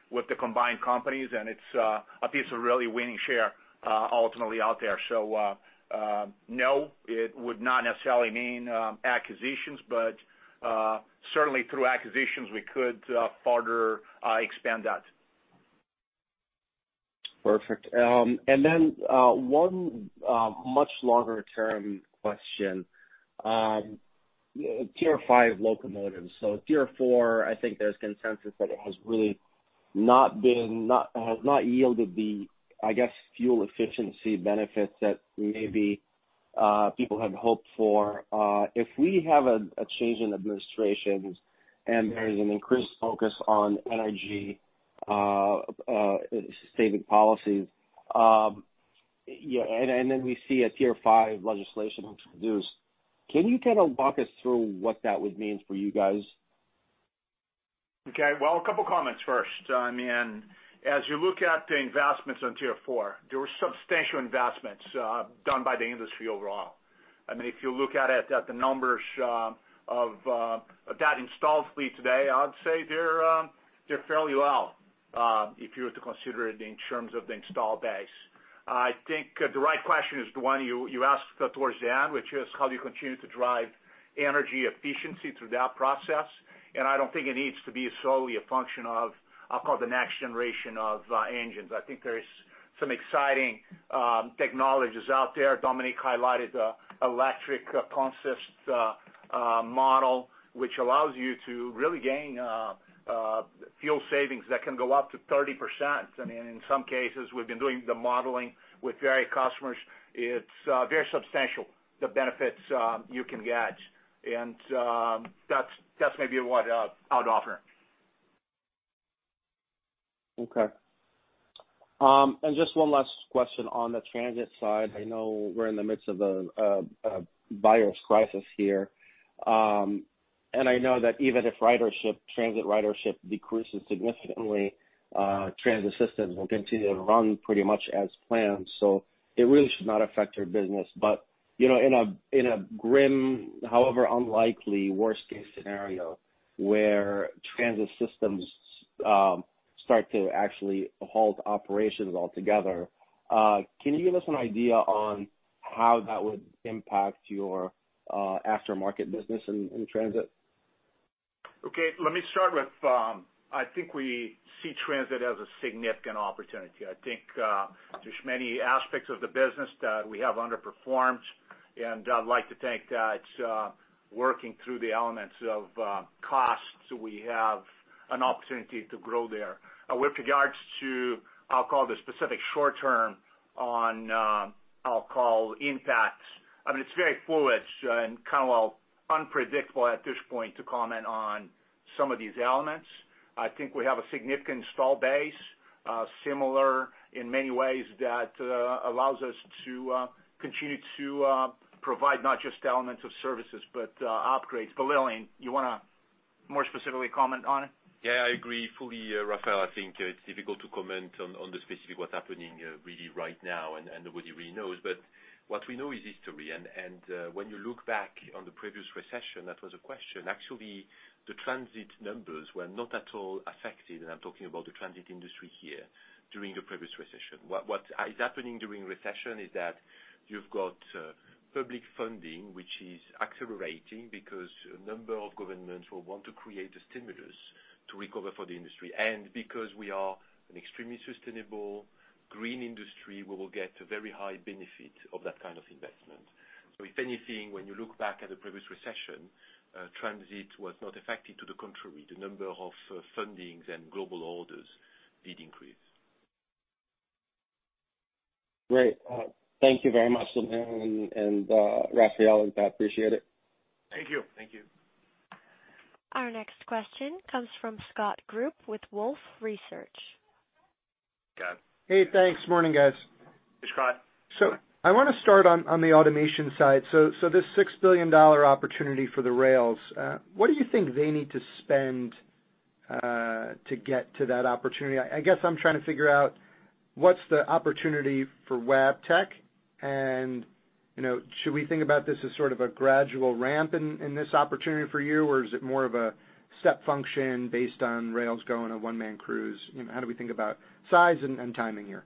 with the combined companies, and it's a piece of really winning share ultimately out there. So no, it would not necessarily mean acquisitions, but certainly through acquisitions, we could further expand that. Perfect. Then one much longer-term question. Tier 5 locomotives. So, Tier 4, I think there's consensus that it has really not yielded the, I guess, fuel efficiency benefits that maybe people had hoped for. If we have a change in administrations and there's an increased focus on energy-saving policies, and then we see a Tier 5 legislation introduced, can you kind of walk us through what that would mean for you guys? Okay, well, a couple of comments first. I mean, as you look at the investments on Tier 4, there were substantial investments done by the industry overall. I mean, if you look at it at the numbers of that installed fleet today, I'd say they're fairly low if you were to consider it in terms of the install base. I think the right question is the one you asked towards the end, which is how do you continue to drive energy efficiency through that process? And I don't think it needs to be solely a function of, I'll call, the next generation of engines. I think there's some exciting technologies out there. Dominique highlighted the electric consist model, which allows you to really gain fuel savings that can go up to 30%. I mean, in some cases, we've been doing the modeling with various customers. It's very substantial, the benefits you can get, and that's maybe what I'd offer. Okay. And just one last question on the transit side. I know we're in the midst of a virus crisis here. And I know that even if transit ridership decreases significantly, transit systems will continue to run pretty much as planned. So it really should not affect your business. But in a grim, however unlikely worst-case scenario where transit systems start to actually halt operations altogether, can you give us an idea on how that would impact your aftermarket business in transit? Okay. Let me start with I think we see transit as a significant opportunity. I think there's many aspects of the business that we have underperformed. And I'd like to think that working through the elements of cost, we have an opportunity to grow there. With regards to, I'll call, the specific short-term on, I'll call, impacts, I mean, it's very fluid and kind of unpredictable at this point to comment on some of these elements. I think we have a significant installed base, similar in many ways, that allows us to continue to provide not just elements of services, but upgrades. But Lilian, you want to more specifically comment on it? Yeah, I agree fully, Rafael. I think it's difficult to comment on the specifics of what's happening really right now, and nobody really knows. But what we know is history. And when you look back on the previous recession, that was a question. Actually, the transit numbers were not at all affected. And I'm talking about the transit industry here during the previous recession. What is happening during recession is that you've got public funding, which is accelerating because a number of governments will want to create the stimulus to recover for the industry. And because we are an extremely sustainable, green industry, we will get a very high benefit of that kind of investment. So if anything, when you look back at the previous recession, transit was not affected. To the contrary, the number of fundings and global orders did increase. Great. Thank you very much, Lilian and Rafael. I appreciate it. Thank you. Thank you. Our next question comes from Scott Group with Wolfe Research. Got it. Hey, thanks. Morning, guys. Hey, Scott. I want to start on the automation side. This $6 billion opportunity for the rails, what do you think they need to spend to get to that opportunity? I guess I'm trying to figure out what's the opportunity for Wabtec, and should we think about this as sort of a gradual ramp in this opportunity for you, or is it more of a step function based on rails going on one-man crews? How do we think about size and timing here?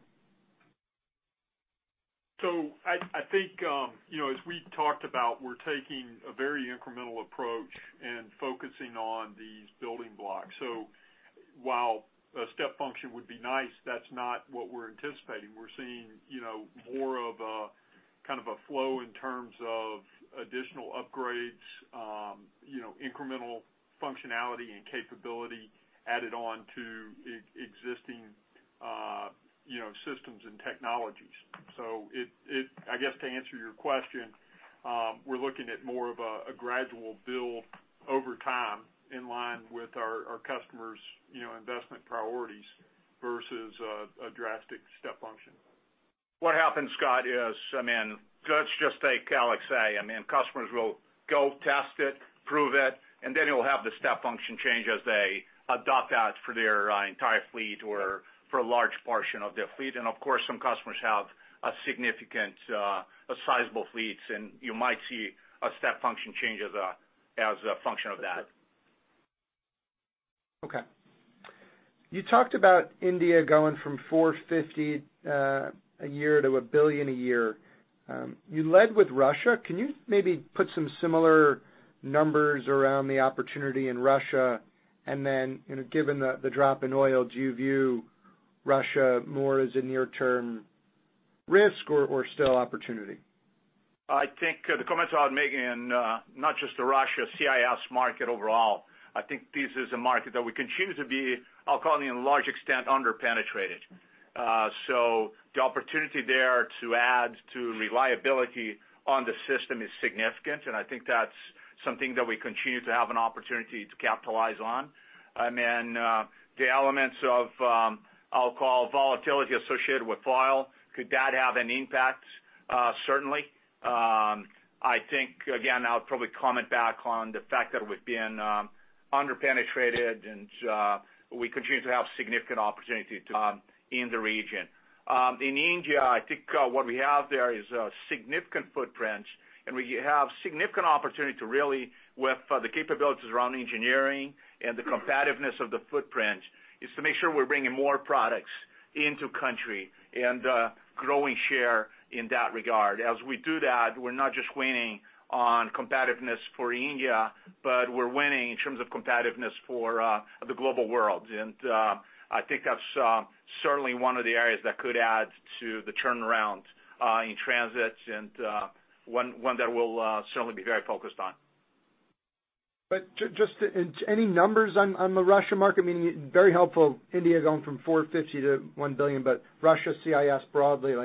So I think, as we talked about, we're taking a very incremental approach and focusing on these building blocks. While a step function would be nice, that's not what we're anticipating. We're seeing more of a kind of a flow in terms of additional upgrades, incremental functionality and capability added on to existing systems and technologies. I guess to answer your question, we're looking at more of a gradual build over time in line with our customers' investment priorities versus a drastic step function. What happens, Scott, is I mean, let's just take [LXA]. I mean, customers will go test it, prove it, and then you'll have the step function change as they adopt that for their entire fleet or for a large portion of their fleet. Of course, some customers have a significant, sizable fleets, and you might see a step function change as a function of that. Okay. You talked about India going from 450 a year to a billion a year. You led with Russia. Can you maybe put some similar numbers around the opportunity in Russia? And then given the drop in oil, do you view Russia more as a near-term risk or still opportunity? I think the comments I had made in not just the Russia CIS market overall. I think this is a market that we continue to be, I'll call it, in large extent underpenetrated. So the opportunity there to add to reliability on the system is significant. And I think that's something that we continue to have an opportunity to capitalize on. I mean, the elements of, I'll call, volatility associated with oil, could that have an impact? Certainly. I think, again, I'll probably comment back on the fact that we've been underpenetrated and we continue to have significant opportunity in the region. In India, I think what we have there is significant footprints. And we have significant opportunity to really, with the capabilities around engineering and the competitiveness of the footprint, is to make sure we're bringing more products into country and growing share in that regard. As we do that, we're not just winning on competitiveness for India, but we're winning in terms of competitiveness for the global world. And I think that's certainly one of the areas that could add to the turnaround in transits and one that will certainly be very focused on. But just any numbers on the Russia market? I mean, very helpful, India going from 450 to 1 billion, but Russia CIS broadly,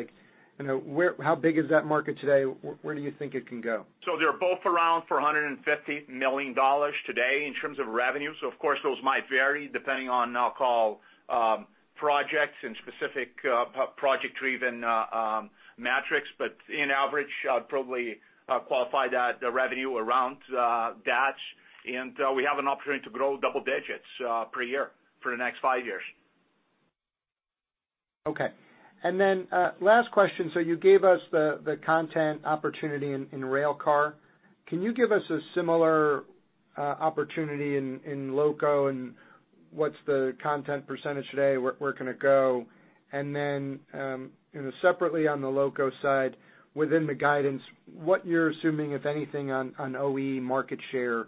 how big is that market today? Where do you think it can go? So they're both around for $150 million today in terms of revenue. So of course, those might vary depending on, I'll call, projects and specific project-driven metrics. But in average, I'd probably qualify that revenue around that. And we have an opportunity to grow double digits per year for the next five years. Okay. And then, last question. So, you gave us the content opportunity in rail car. Can you give us a similar opportunity in loco, and what's the content percentage today? Where can it go? And then, separately, on the loco side, within the guidance, what you're assuming, if anything, on OE market share?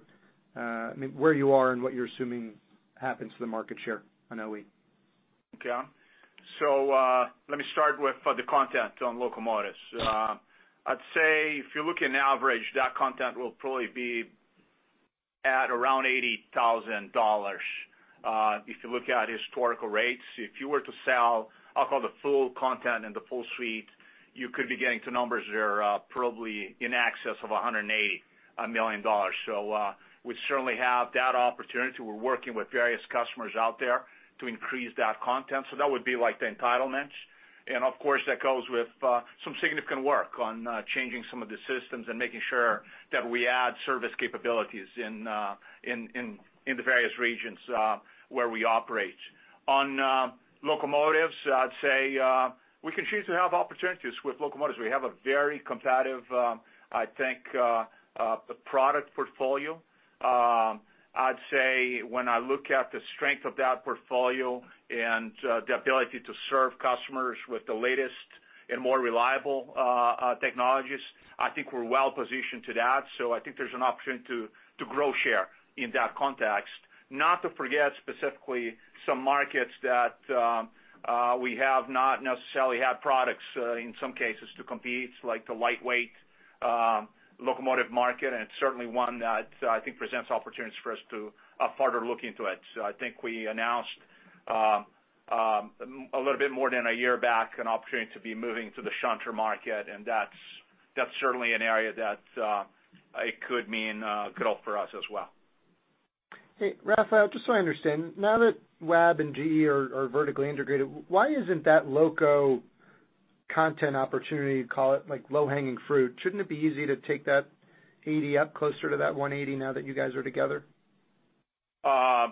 I mean, where you are and what you're assuming happens to the market share on OE. Okay. So let me start with the content on locomotives. I'd say if you look on average, that content will probably be at around $80,000 if you look at historical rates. If you were to sell, I'll call, the full content and the full suite, you could be getting to numbers that are probably in excess of $180 million. So we certainly have that opportunity. We're working with various customers out there to increase that content. So that would be like the entitlements. And of course, that goes with some significant work on changing some of the systems and making sure that we add service capabilities in the various regions where we operate. On locomotives, I'd say we continue to have opportunities with locomotives. We have a very competitive, I think, product portfolio. I'd say when I look at the strength of that portfolio and the ability to serve customers with the latest and more reliable technologies, I think we're well positioned to that, so I think there's an opportunity to grow share in that context, not to forget specifically some markets that we have not necessarily had products in some cases to compete, like the lightweight locomotive market, and it's certainly one that I think presents opportunities for us to further look into it, so I think we announced a little bit more than a year back an opportunity to be moving to the shunt market, and that's certainly an area that it could mean growth for us as well. Hey, Rafael, just so I understand, now that Wab and GE are vertically integrated, why isn't that loco content opportunity, call it low-hanging fruit? Shouldn't it be easy to take that 80 up closer to that 180 now that you guys are together? I'd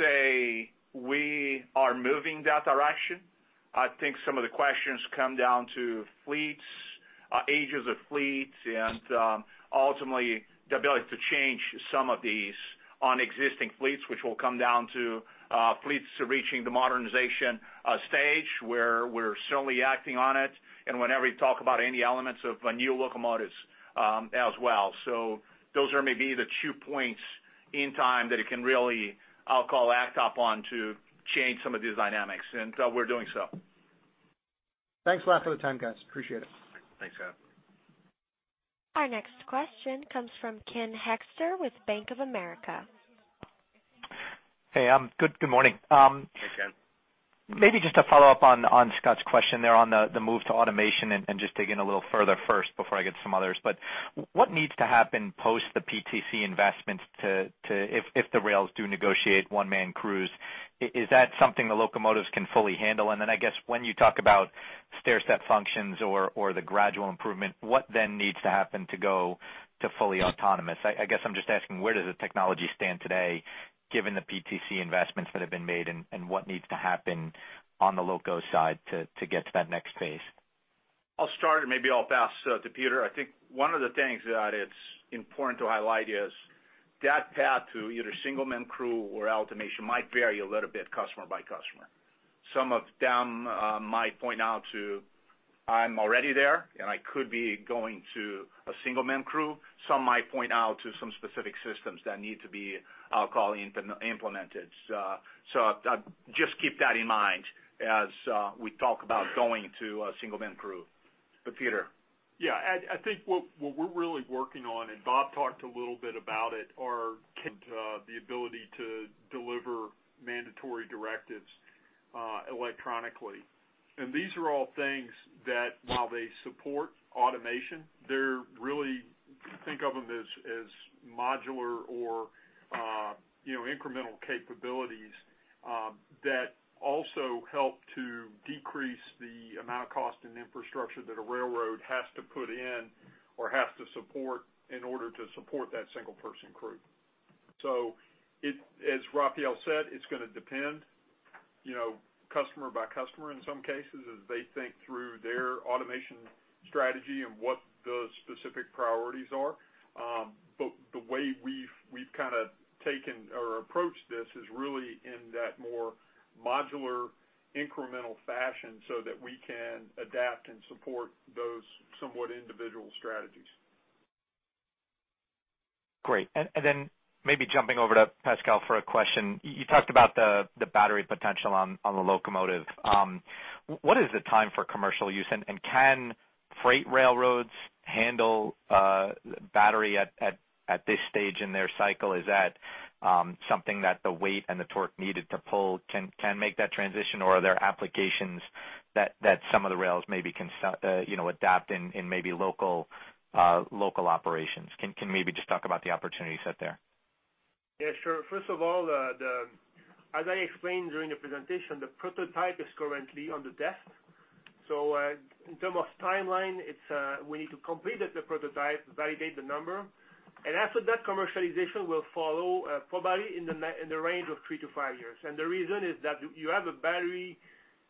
say we are moving that direction. I think some of the questions come down to fleets, ages of fleets, and ultimately the ability to change some of these on existing fleets, which will come down to fleets reaching the modernization stage where we're certainly acting on it, and whenever you talk about any elements of new locomotives as well, so those are maybe the two points in time that it can really, I'll call, act upon to change some of these dynamics, and we're doing so. Thanks a lot for the time, guys. Appreciate it. Thanks, Scott. Our next question comes from Ken Hoexter with Bank of America. Hey, good morning. Hey, Ken. Maybe just to follow up on Scott's question there on the move to automation and just dig in a little further first before I get to some others. But what needs to happen post the PTC investments if the rails do negotiate one-man crews? Is that something the locomotives can fully handle? And then I guess when you talk about stair step functions or the gradual improvement, what then needs to happen to go to fully autonomous? I guess I'm just asking where does the technology stand today given the PTC investments that have been made and what needs to happen on the loco side to get to that next phase? I'll start, and maybe I'll pass to Peter. I think one of the things that it's important to highlight is that path to either single-man crew or automation might vary a little bit customer by customer. Some of them might point out to, "I'm already there, and I could be going to a single-man crew." Some might point out to some specific systems that need to be, I'll call, implemented. So just keep that in mind as we talk about going to a single-man crew. But, Peter. Yeah, I think what we're really working on, and Bob talked a little bit about it, are the ability to deliver mandatory directives electronically. And these are all things that, while they support automation, they're really think of them as modular or incremental capabilities that also help to decrease the amount of cost and infrastructure that a railroad has to put in or has to support in order to support that single-person crew. So as Rafael said, it's going to depend customer by customer in some cases as they think through their automation strategy and what the specific priorities are. But the way we've kind of taken or approached this is really in that more modular incremental fashion so that we can adapt and support those somewhat individual strategies. Great. And then maybe jumping over to Pascal for a question. You talked about the battery potential on the locomotive. What is the time for commercial use? And can freight railroads handle battery at this stage in their cycle? Is that something that the weight and the torque needed to pull can make that transition? Or are there applications that some of the rails maybe can adapt in maybe local operations? Can maybe just talk about the opportunities out there. Yeah, sure. First of all, as I explained during the presentation, the prototype is currently on the desk. So in terms of timeline, we need to complete the prototype, validate the number. And after that, commercialization will follow probably in the range of three to five years. And the reason is that you have a battery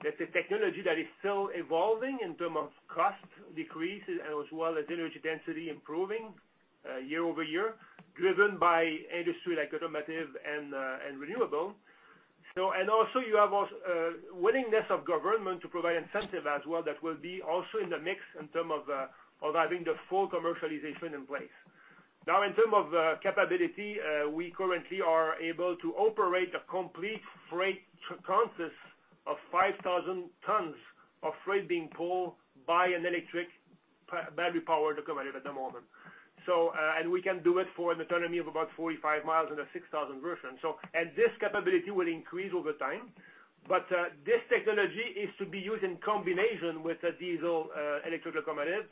technology that is still evolving in terms of cost decrease as well as energy density improving year over year, driven by industry like automotive and renewable. And also you have willingness of government to provide incentive as well that will be also in the mix in terms of having the full commercialization in place. Now, in terms of capability, we currently are able to operate a complete freight consist of 5,000 tons of freight being pulled by an electric battery-powered locomotive at the moment. We can do it for an autonomy of about 45 mi in a 6,000 version. This capability will increase over time. This technology is to be used in combination with a diesel electric locomotive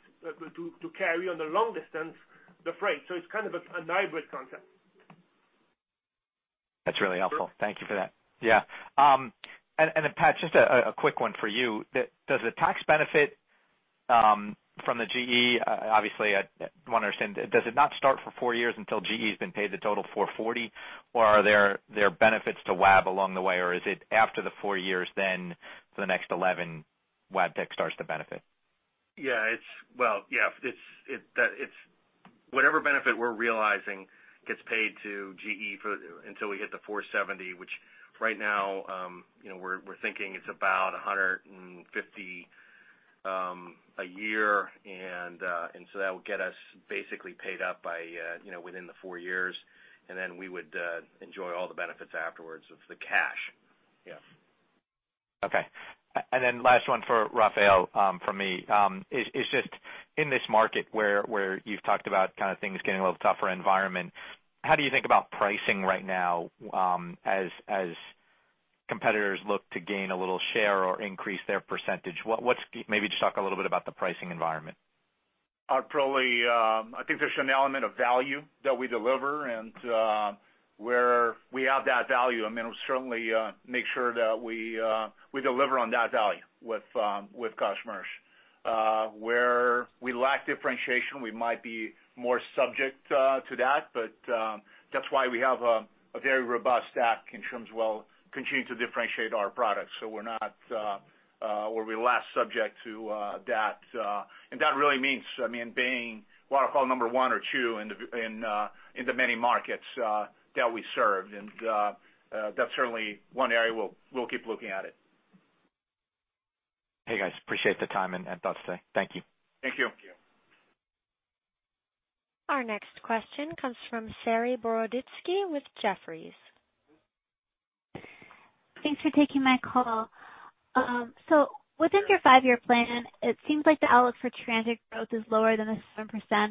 to carry on the long distance the freight. It's kind of a hybrid concept. That's really helpful. Thank you for that. Yeah. And then, Pat, just a quick one for you. Does the tax benefit from the GE, obviously, I want to understand, does it not start for four years until GE has been paid the total 440? Or are there benefits to Wab along the way? Or is it after the four years then for the next 11 Wabtec starts to benefit? Yeah. Well, yeah. Whatever benefit we're realizing gets paid to GE until we hit the $470 million, which right now we're thinking it's about $150 million a year. And so that will get us basically paid up within the four years. And then we would enjoy all the benefits afterwards of the cash. Yeah. Okay. And then last one for Rafael from me is just in this market where you've talked about kind of things getting a little tougher environment, how do you think about pricing right now as competitors look to gain a little share or increase their percentage? Maybe just talk a little bit about the pricing environment. I think there's an element of value that we deliver. And where we have that value, I mean, we'll certainly make sure that we deliver on that value with customers. Where we lack differentiation, we might be more subject to that. But that's why we have a very robust stack in terms of continuing to differentiate our products. So we're not or we're less subject to that. And that really means, I mean, being what I'll call number one or two in the many markets that we serve. And that's certainly one area we'll keep looking at it. Hey, guys. Appreciate the time and thoughts today. Thank you. Thank you. Our next question comes from Saree Boroditsky with Jefferies. Thanks for taking my call. So within your five-year plan, it seems like the outlook for transit growth is lower than the 7%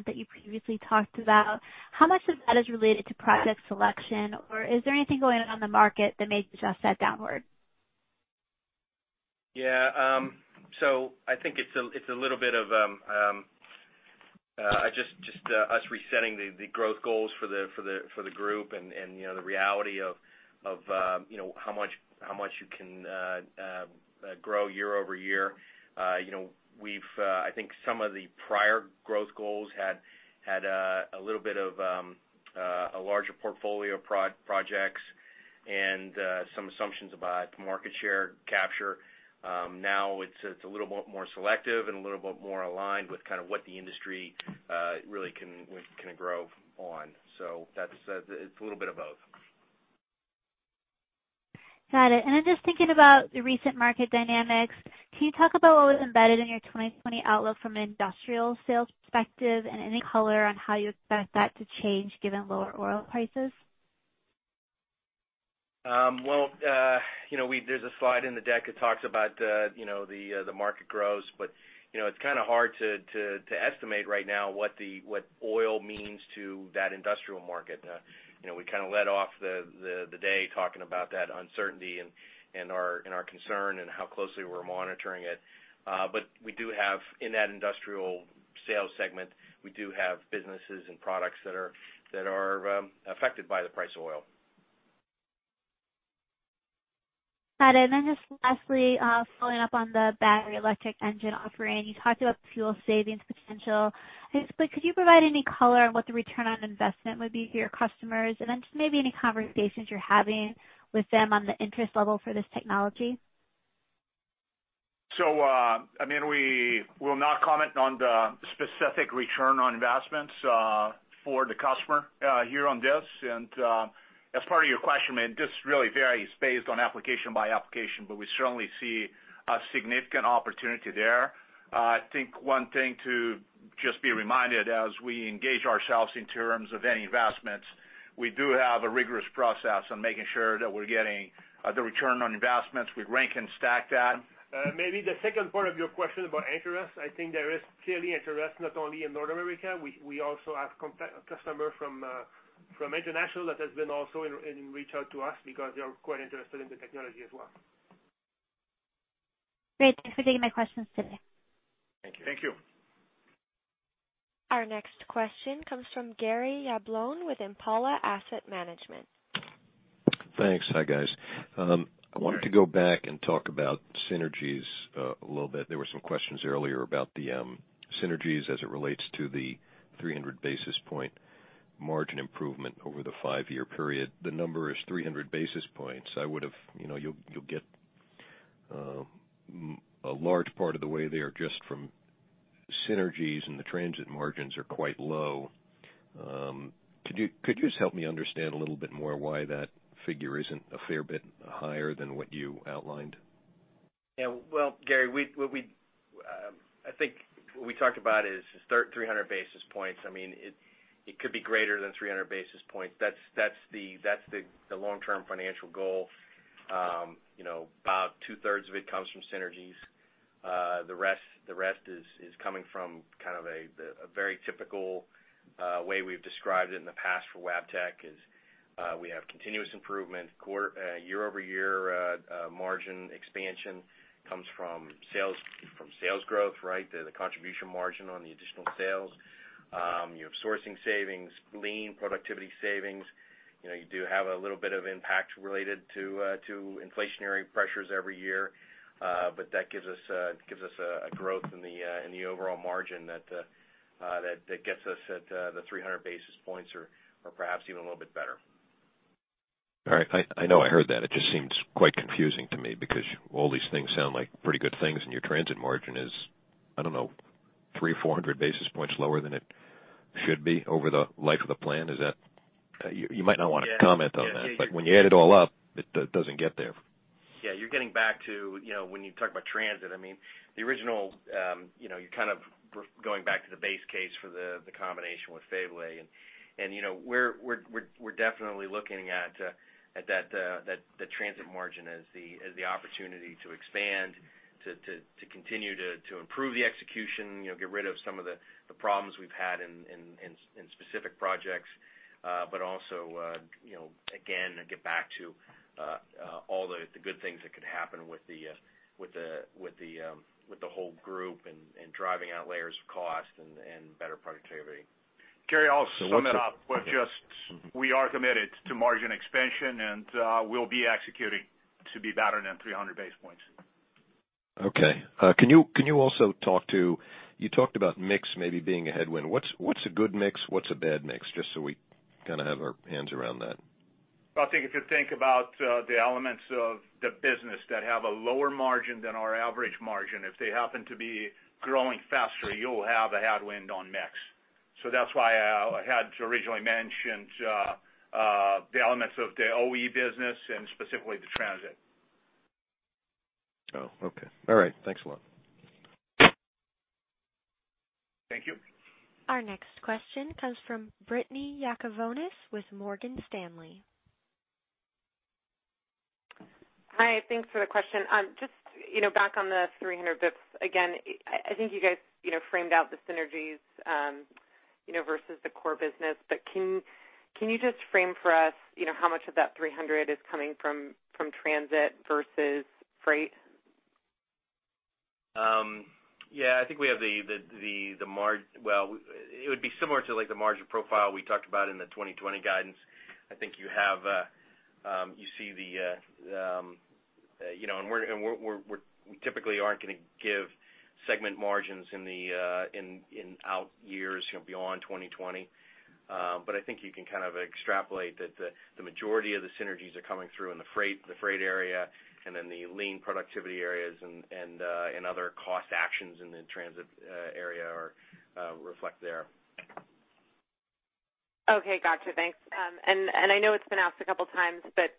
that you previously talked about. How much of that is related to project selection? Or is there anything going on in the market that may just set downward? Yeah. So I think it's a little bit of just us resetting the growth goals for the group and the reality of how much you can grow year over year. I think some of the prior growth goals had a little bit of a larger portfolio of projects and some assumptions about market share capture. Now it's a little bit more selective and a little bit more aligned with kind of what the industry really can grow on. So it's a little bit of both. Got it, and then just thinking about the recent market dynamics, can you talk about what was embedded in your 2020 outlook from an industrial sales perspective and any color on how you expect that to change given lower oil prices? Well, there's a slide in the deck that talks about the market growth. But it's kind of hard to estimate right now what oil means to that industrial market. We kind of led off the day talking about that uncertainty and our concern and how closely we're monitoring it. But we do have in that industrial sales segment, we do have businesses and products that are affected by the price of oil. Got it. And then just lastly, following up on the battery electric engine offering, you talked about the fuel savings potential. Could you provide any color on what the return on investment would be for your customers? And then just maybe any conversations you're having with them on the interest level for this technology? So I mean, we will not comment on the specific return on investments for the customer here on this. And as part of your question, I mean, this really varies based on application by application. But we certainly see a significant opportunity there. I think one thing to just be reminded as we engage ourselves in terms of any investments, we do have a rigorous process on making sure that we're getting the return on investments. We rank and stack that. Maybe the second part of your question about interest, I think there is clearly interest not only in North America. We also have customers from international that have been also reached out to us because they are quite interested in the technology as well. Great. Thanks for taking my questions today. Thank you. Thank you. Our next question comes from Gary Yablon with Impala Asset Management. Thanks. Hi, guys. I wanted to go back and talk about synergies a little bit. There were some questions earlier about the synergies as it relates to the 300 basis point margin improvement over the five-year period. The number is 300 basis points. I would have thought you'd get a large part of the way there just from synergies and the transit margins are quite low. Could you just help me understand a little bit more why that figure isn't a fair bit higher than what you outlined? Yeah. Well, Gary, I think what we talked about is 300 basis points. I mean, it could be greater than 300 basis points. That's the long-term financial goal. About two-thirds of it comes from synergies. The rest is coming from kind of a very typical way we've described it in the past for Wabtec is we have continuous improvement, year-over-year margin expansion comes from sales growth, right? The contribution margin on the additional sales. You have sourcing savings, lean productivity savings. You do have a little bit of impact related to inflationary pressures every year. But that gives us a growth in the overall margin that gets us at the 300 basis points or perhaps even a little bit better. All right. I know I heard that. It just seems quite confusing to me because all these things sound like pretty good things. And your transit margin is, I don't know, 300-400 basis points lower than it should be over the life of the plan. You might not want to comment on that. But when you add it all up, it doesn't get there. Yeah. You're getting back to when you talk about transit, I mean, the original you're kind of going back to the base case for the combination with Faiveley. And we're definitely looking at that transit margin as the opportunity to expand, to continue to improve the execution, get rid of some of the problems we've had in specific projects. But also, again, get back to all the good things that could happen with the whole group and driving out layers of cost and better productivity. Gary, I'll sum it up with just we are committed to margin expansion and we'll be executing to be better than 300 basis points. Okay. Can you also talk to you talked about mix maybe being a headwind? What's a good mix? What's a bad mix? Just so we kind of have our hands around that. I think if you think about the elements of the business that have a lower margin than our average margin, if they happen to be growing faster, you'll have a headwind on mix. So that's why I had originally mentioned the elements of the OE business and specifically the transit. Oh, okay. All right. Thanks a lot. Thank you. Our next question comes from Courtney Yakavonis with Morgan Stanley. Hi. Thanks for the question. Just back on the 300 bips again, I think you guys framed out the synergies versus the core business. But can you just frame for us how much of that 300 is coming from transit versus freight? Yeah. I think we have the well, it would be similar to the margin profile we talked about in the 2020 guidance. I think you see the and we typically aren't going to give segment margins in out years beyond 2020. But I think you can kind of extrapolate that the majority of the synergies are coming through in the freight area and then the lean productivity areas and other cost actions in the transit area reflect there. Okay. Gotcha. Thanks. And I know it's been asked a couple of times. But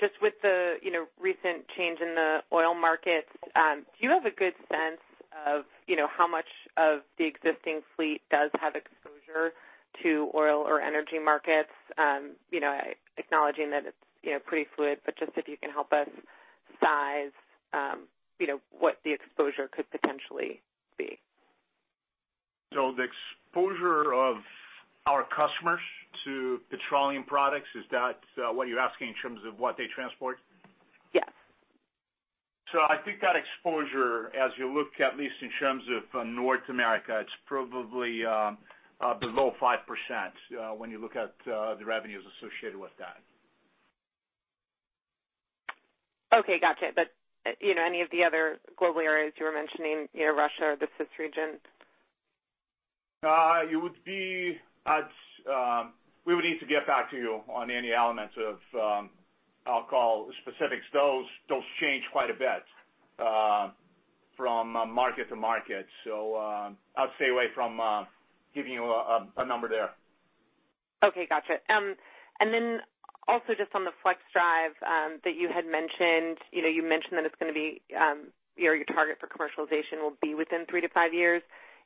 just with the recent change in the oil markets, do you have a good sense of how much of the existing fleet does have exposure to oil or energy markets? Acknowledging that it's pretty fluid. But just if you can help us size what the exposure could potentially be. So the exposure of our customers to petroleum products, is that what you're asking in terms of what they transport? Yes. So I think that exposure, as you look at least in terms of North America, it's probably below 5% when you look at the revenues associated with that. Okay. Gotcha, but any of the other global areas you were mentioning, Russia or the CIS region? We would need to get back to you on any elements of, I'll call, specifics. Those change quite a bit from market to market. So I'll stay away from giving you a number there. Okay. Gotcha. And then also just on the FLXdrive that you had mentioned, you mentioned that it's going to be your target for commercialization will be within three to five years.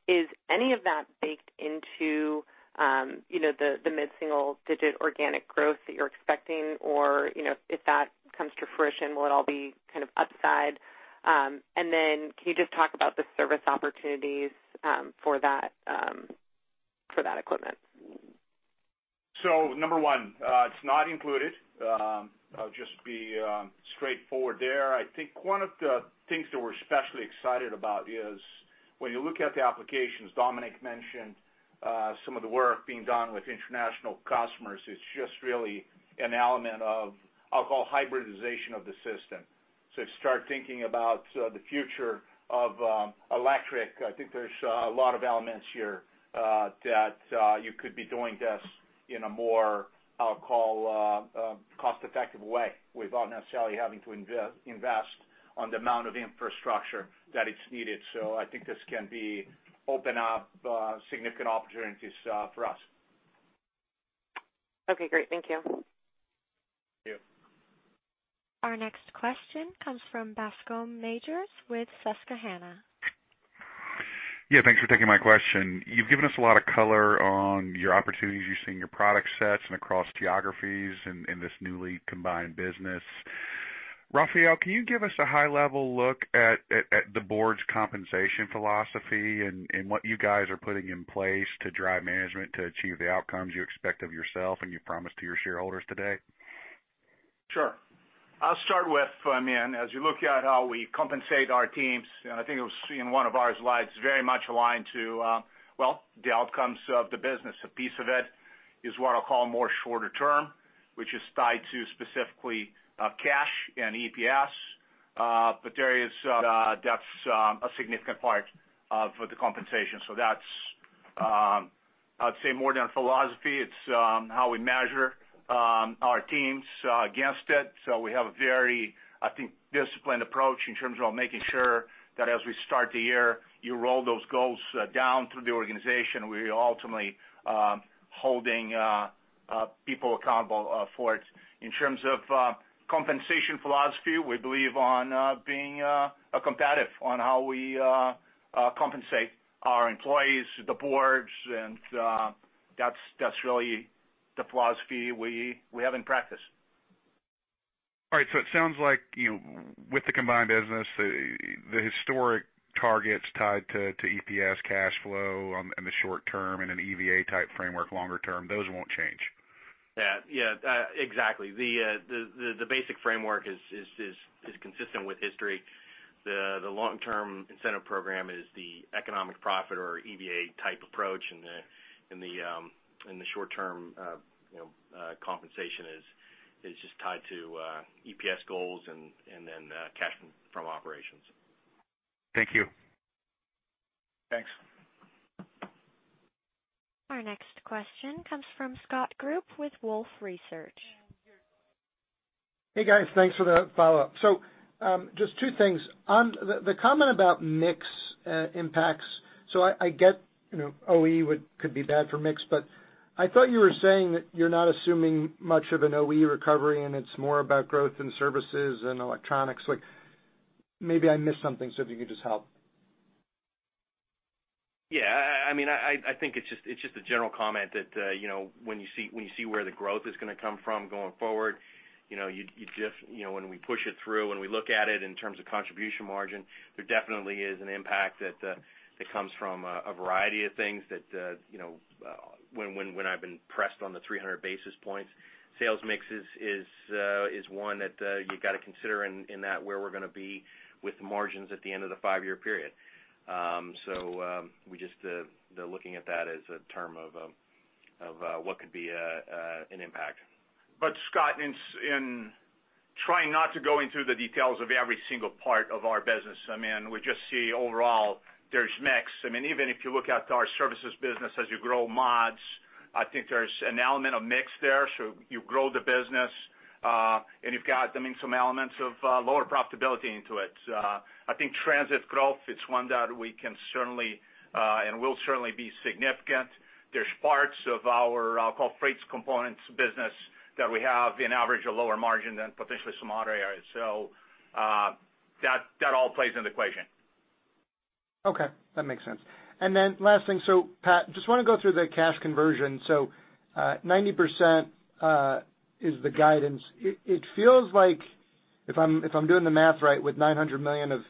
Is any of that baked into the mid-single-digit organic growth that you're expecting? Or if that comes to fruition, will it all be kind of upside? And then can you just talk about the service opportunities for that equipment? So number one, it's not included. I'll just be straightforward there. I think one of the things that we're especially excited about is when you look at the applications. Dominique mentioned some of the work being done with international customers. It's just really an element of, I'll call, hybridization of the system. So if you start thinking about the future of electric, I think there's a lot of elements here that you could be doing this in a more, I'll call, cost-effective way without necessarily having to invest on the amount of infrastructure that it's needed. So I think this can open up significant opportunities for us. Okay. Great. Thank you. Thank you. Our next question comes from Bascome Majors with Susquehanna. Yeah. Thanks for taking my question. You've given us a lot of color on your opportunities you're seeing in your product sets and across geographies in this newly combined business. Rafael, can you give us a high-level look at the board's compensation philosophy and what you guys are putting in place to drive management to achieve the outcomes you expect of yourself and you promised to your shareholders today? Sure. I'll start with, I mean, as you look at how we compensate our teams, and I think it was in one of our slides very much aligned to, well, the outcomes of the business. A piece of it is what I'll call more shorter term, which is tied to specifically cash and EPS. But there is. That's a significant part of the compensation, so that's, I'd say, more than philosophy. It's how we measure our teams against it, so we have a very, I think, disciplined approach in terms of making sure that as we start the year, you roll those goals down through the organization. We are ultimately holding people accountable for it. In terms of compensation philosophy, we believe on being competitive on how we compensate our employees, the boards, and that's really the philosophy we have in practice. All right, so it sounds like with the combined business, the historic targets tied to EPS, cash flow in the short term, and an EVA-type framework longer term, those won't change. Yeah. Yeah. Exactly. The basic framework is consistent with history. The long-term incentive program is the economic profit or EVA-type approach. And the short-term compensation is just tied to EPS goals and then cash from operations. Thank you. Thanks. Our next question comes from Scott Group with Wolfe Research. Hey, guys. Thanks for the follow-up. So just two things. The comment about mix impacts so I get OE could be bad for mix. But I thought you were saying that you're not assuming much of an OE recovery and it's more about growth in services and electronics. Maybe I missed something. So if you could just help. Yeah. I mean, I think it's just a general comment that when you see where the growth is going to come from going forward, when we push it through, when we look at it in terms of contribution margin, there definitely is an impact that comes from a variety of things that when I've been pressed on the 300 basis points, sales mix is one that you've got to consider in that where we're going to be with margins at the end of the five-year period. So we're just looking at that as a term of what could be an impact. But, Scott, in trying not to go into the details of every single part of our business, I mean, we just see overall there's mix. I mean, even if you look at our services business as you grow mods, I think there's an element of mix there. So you grow the business and you've got some elements of lower profitability into it. I think transit growth, it's one that we can certainly and will certainly be significant. There's parts of our, I'll call, freight components business that we have in average a lower margin than potentially some other areas. So that all plays into equation. Okay. That makes sense, and then last thing. So Pat, just want to go through the cash conversion. So 90% is the guidance. It feels like if I'm doing the math right with $900 million of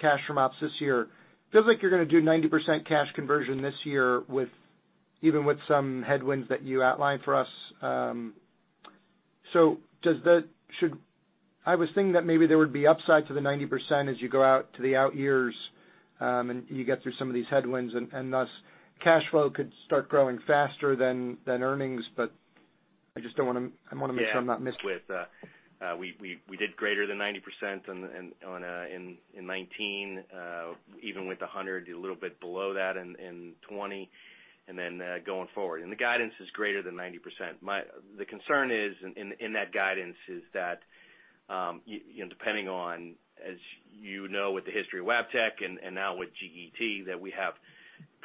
cash from ops this year, it feels like you're going to do 90% cash conversion this year even with some headwinds that you outlined for us. So I was thinking that maybe there would be upside to the 90% as you go out to the out years and you get through some of these headwinds. And thus, cash flow could start growing faster than earnings. But I just don't want to I want to make sure I'm not. What we did greater than 90% in 2019, even with 100, a little bit below that in 2020, and then going forward. The guidance is greater than 90%. The concern in that guidance is that depending on, as you know, with the history of Wabtec and now with GE, that we have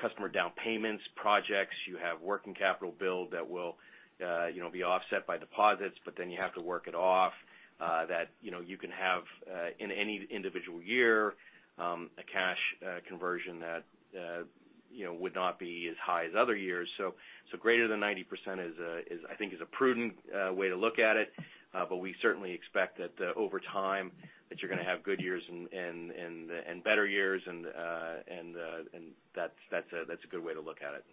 customer down payments, projects. You have working capital build that will be offset by deposits. But then you have to work it off that you can have in any individual year a cash conversion that would not be as high as other years. Greater than 90%, I think, is a prudent way to look at it. We certainly expect that over time that you're going to have good years and better years. That's a good way to look at it.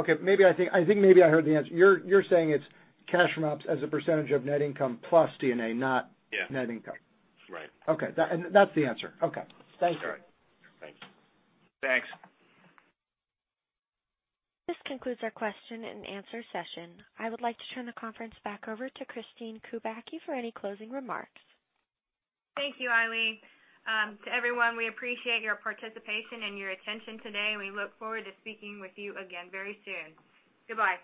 Okay. I think maybe I heard the answer. You're saying it's cash from ops as a percentage of net income plus D&A, not net income. Right. Okay. And that's the answer. Okay. Thank you. All right. Thanks. Thanks. This concludes our question and answer session. I would like to turn the conference back over to Kristine Kubacki for any closing remarks. Thank you, Elisa. To everyone, we appreciate your participation and your attention today. We look forward to speaking with you again very soon. Goodbye.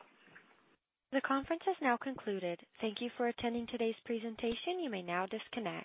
The conference has now concluded. Thank you for attending today's presentation. You may now disconnect.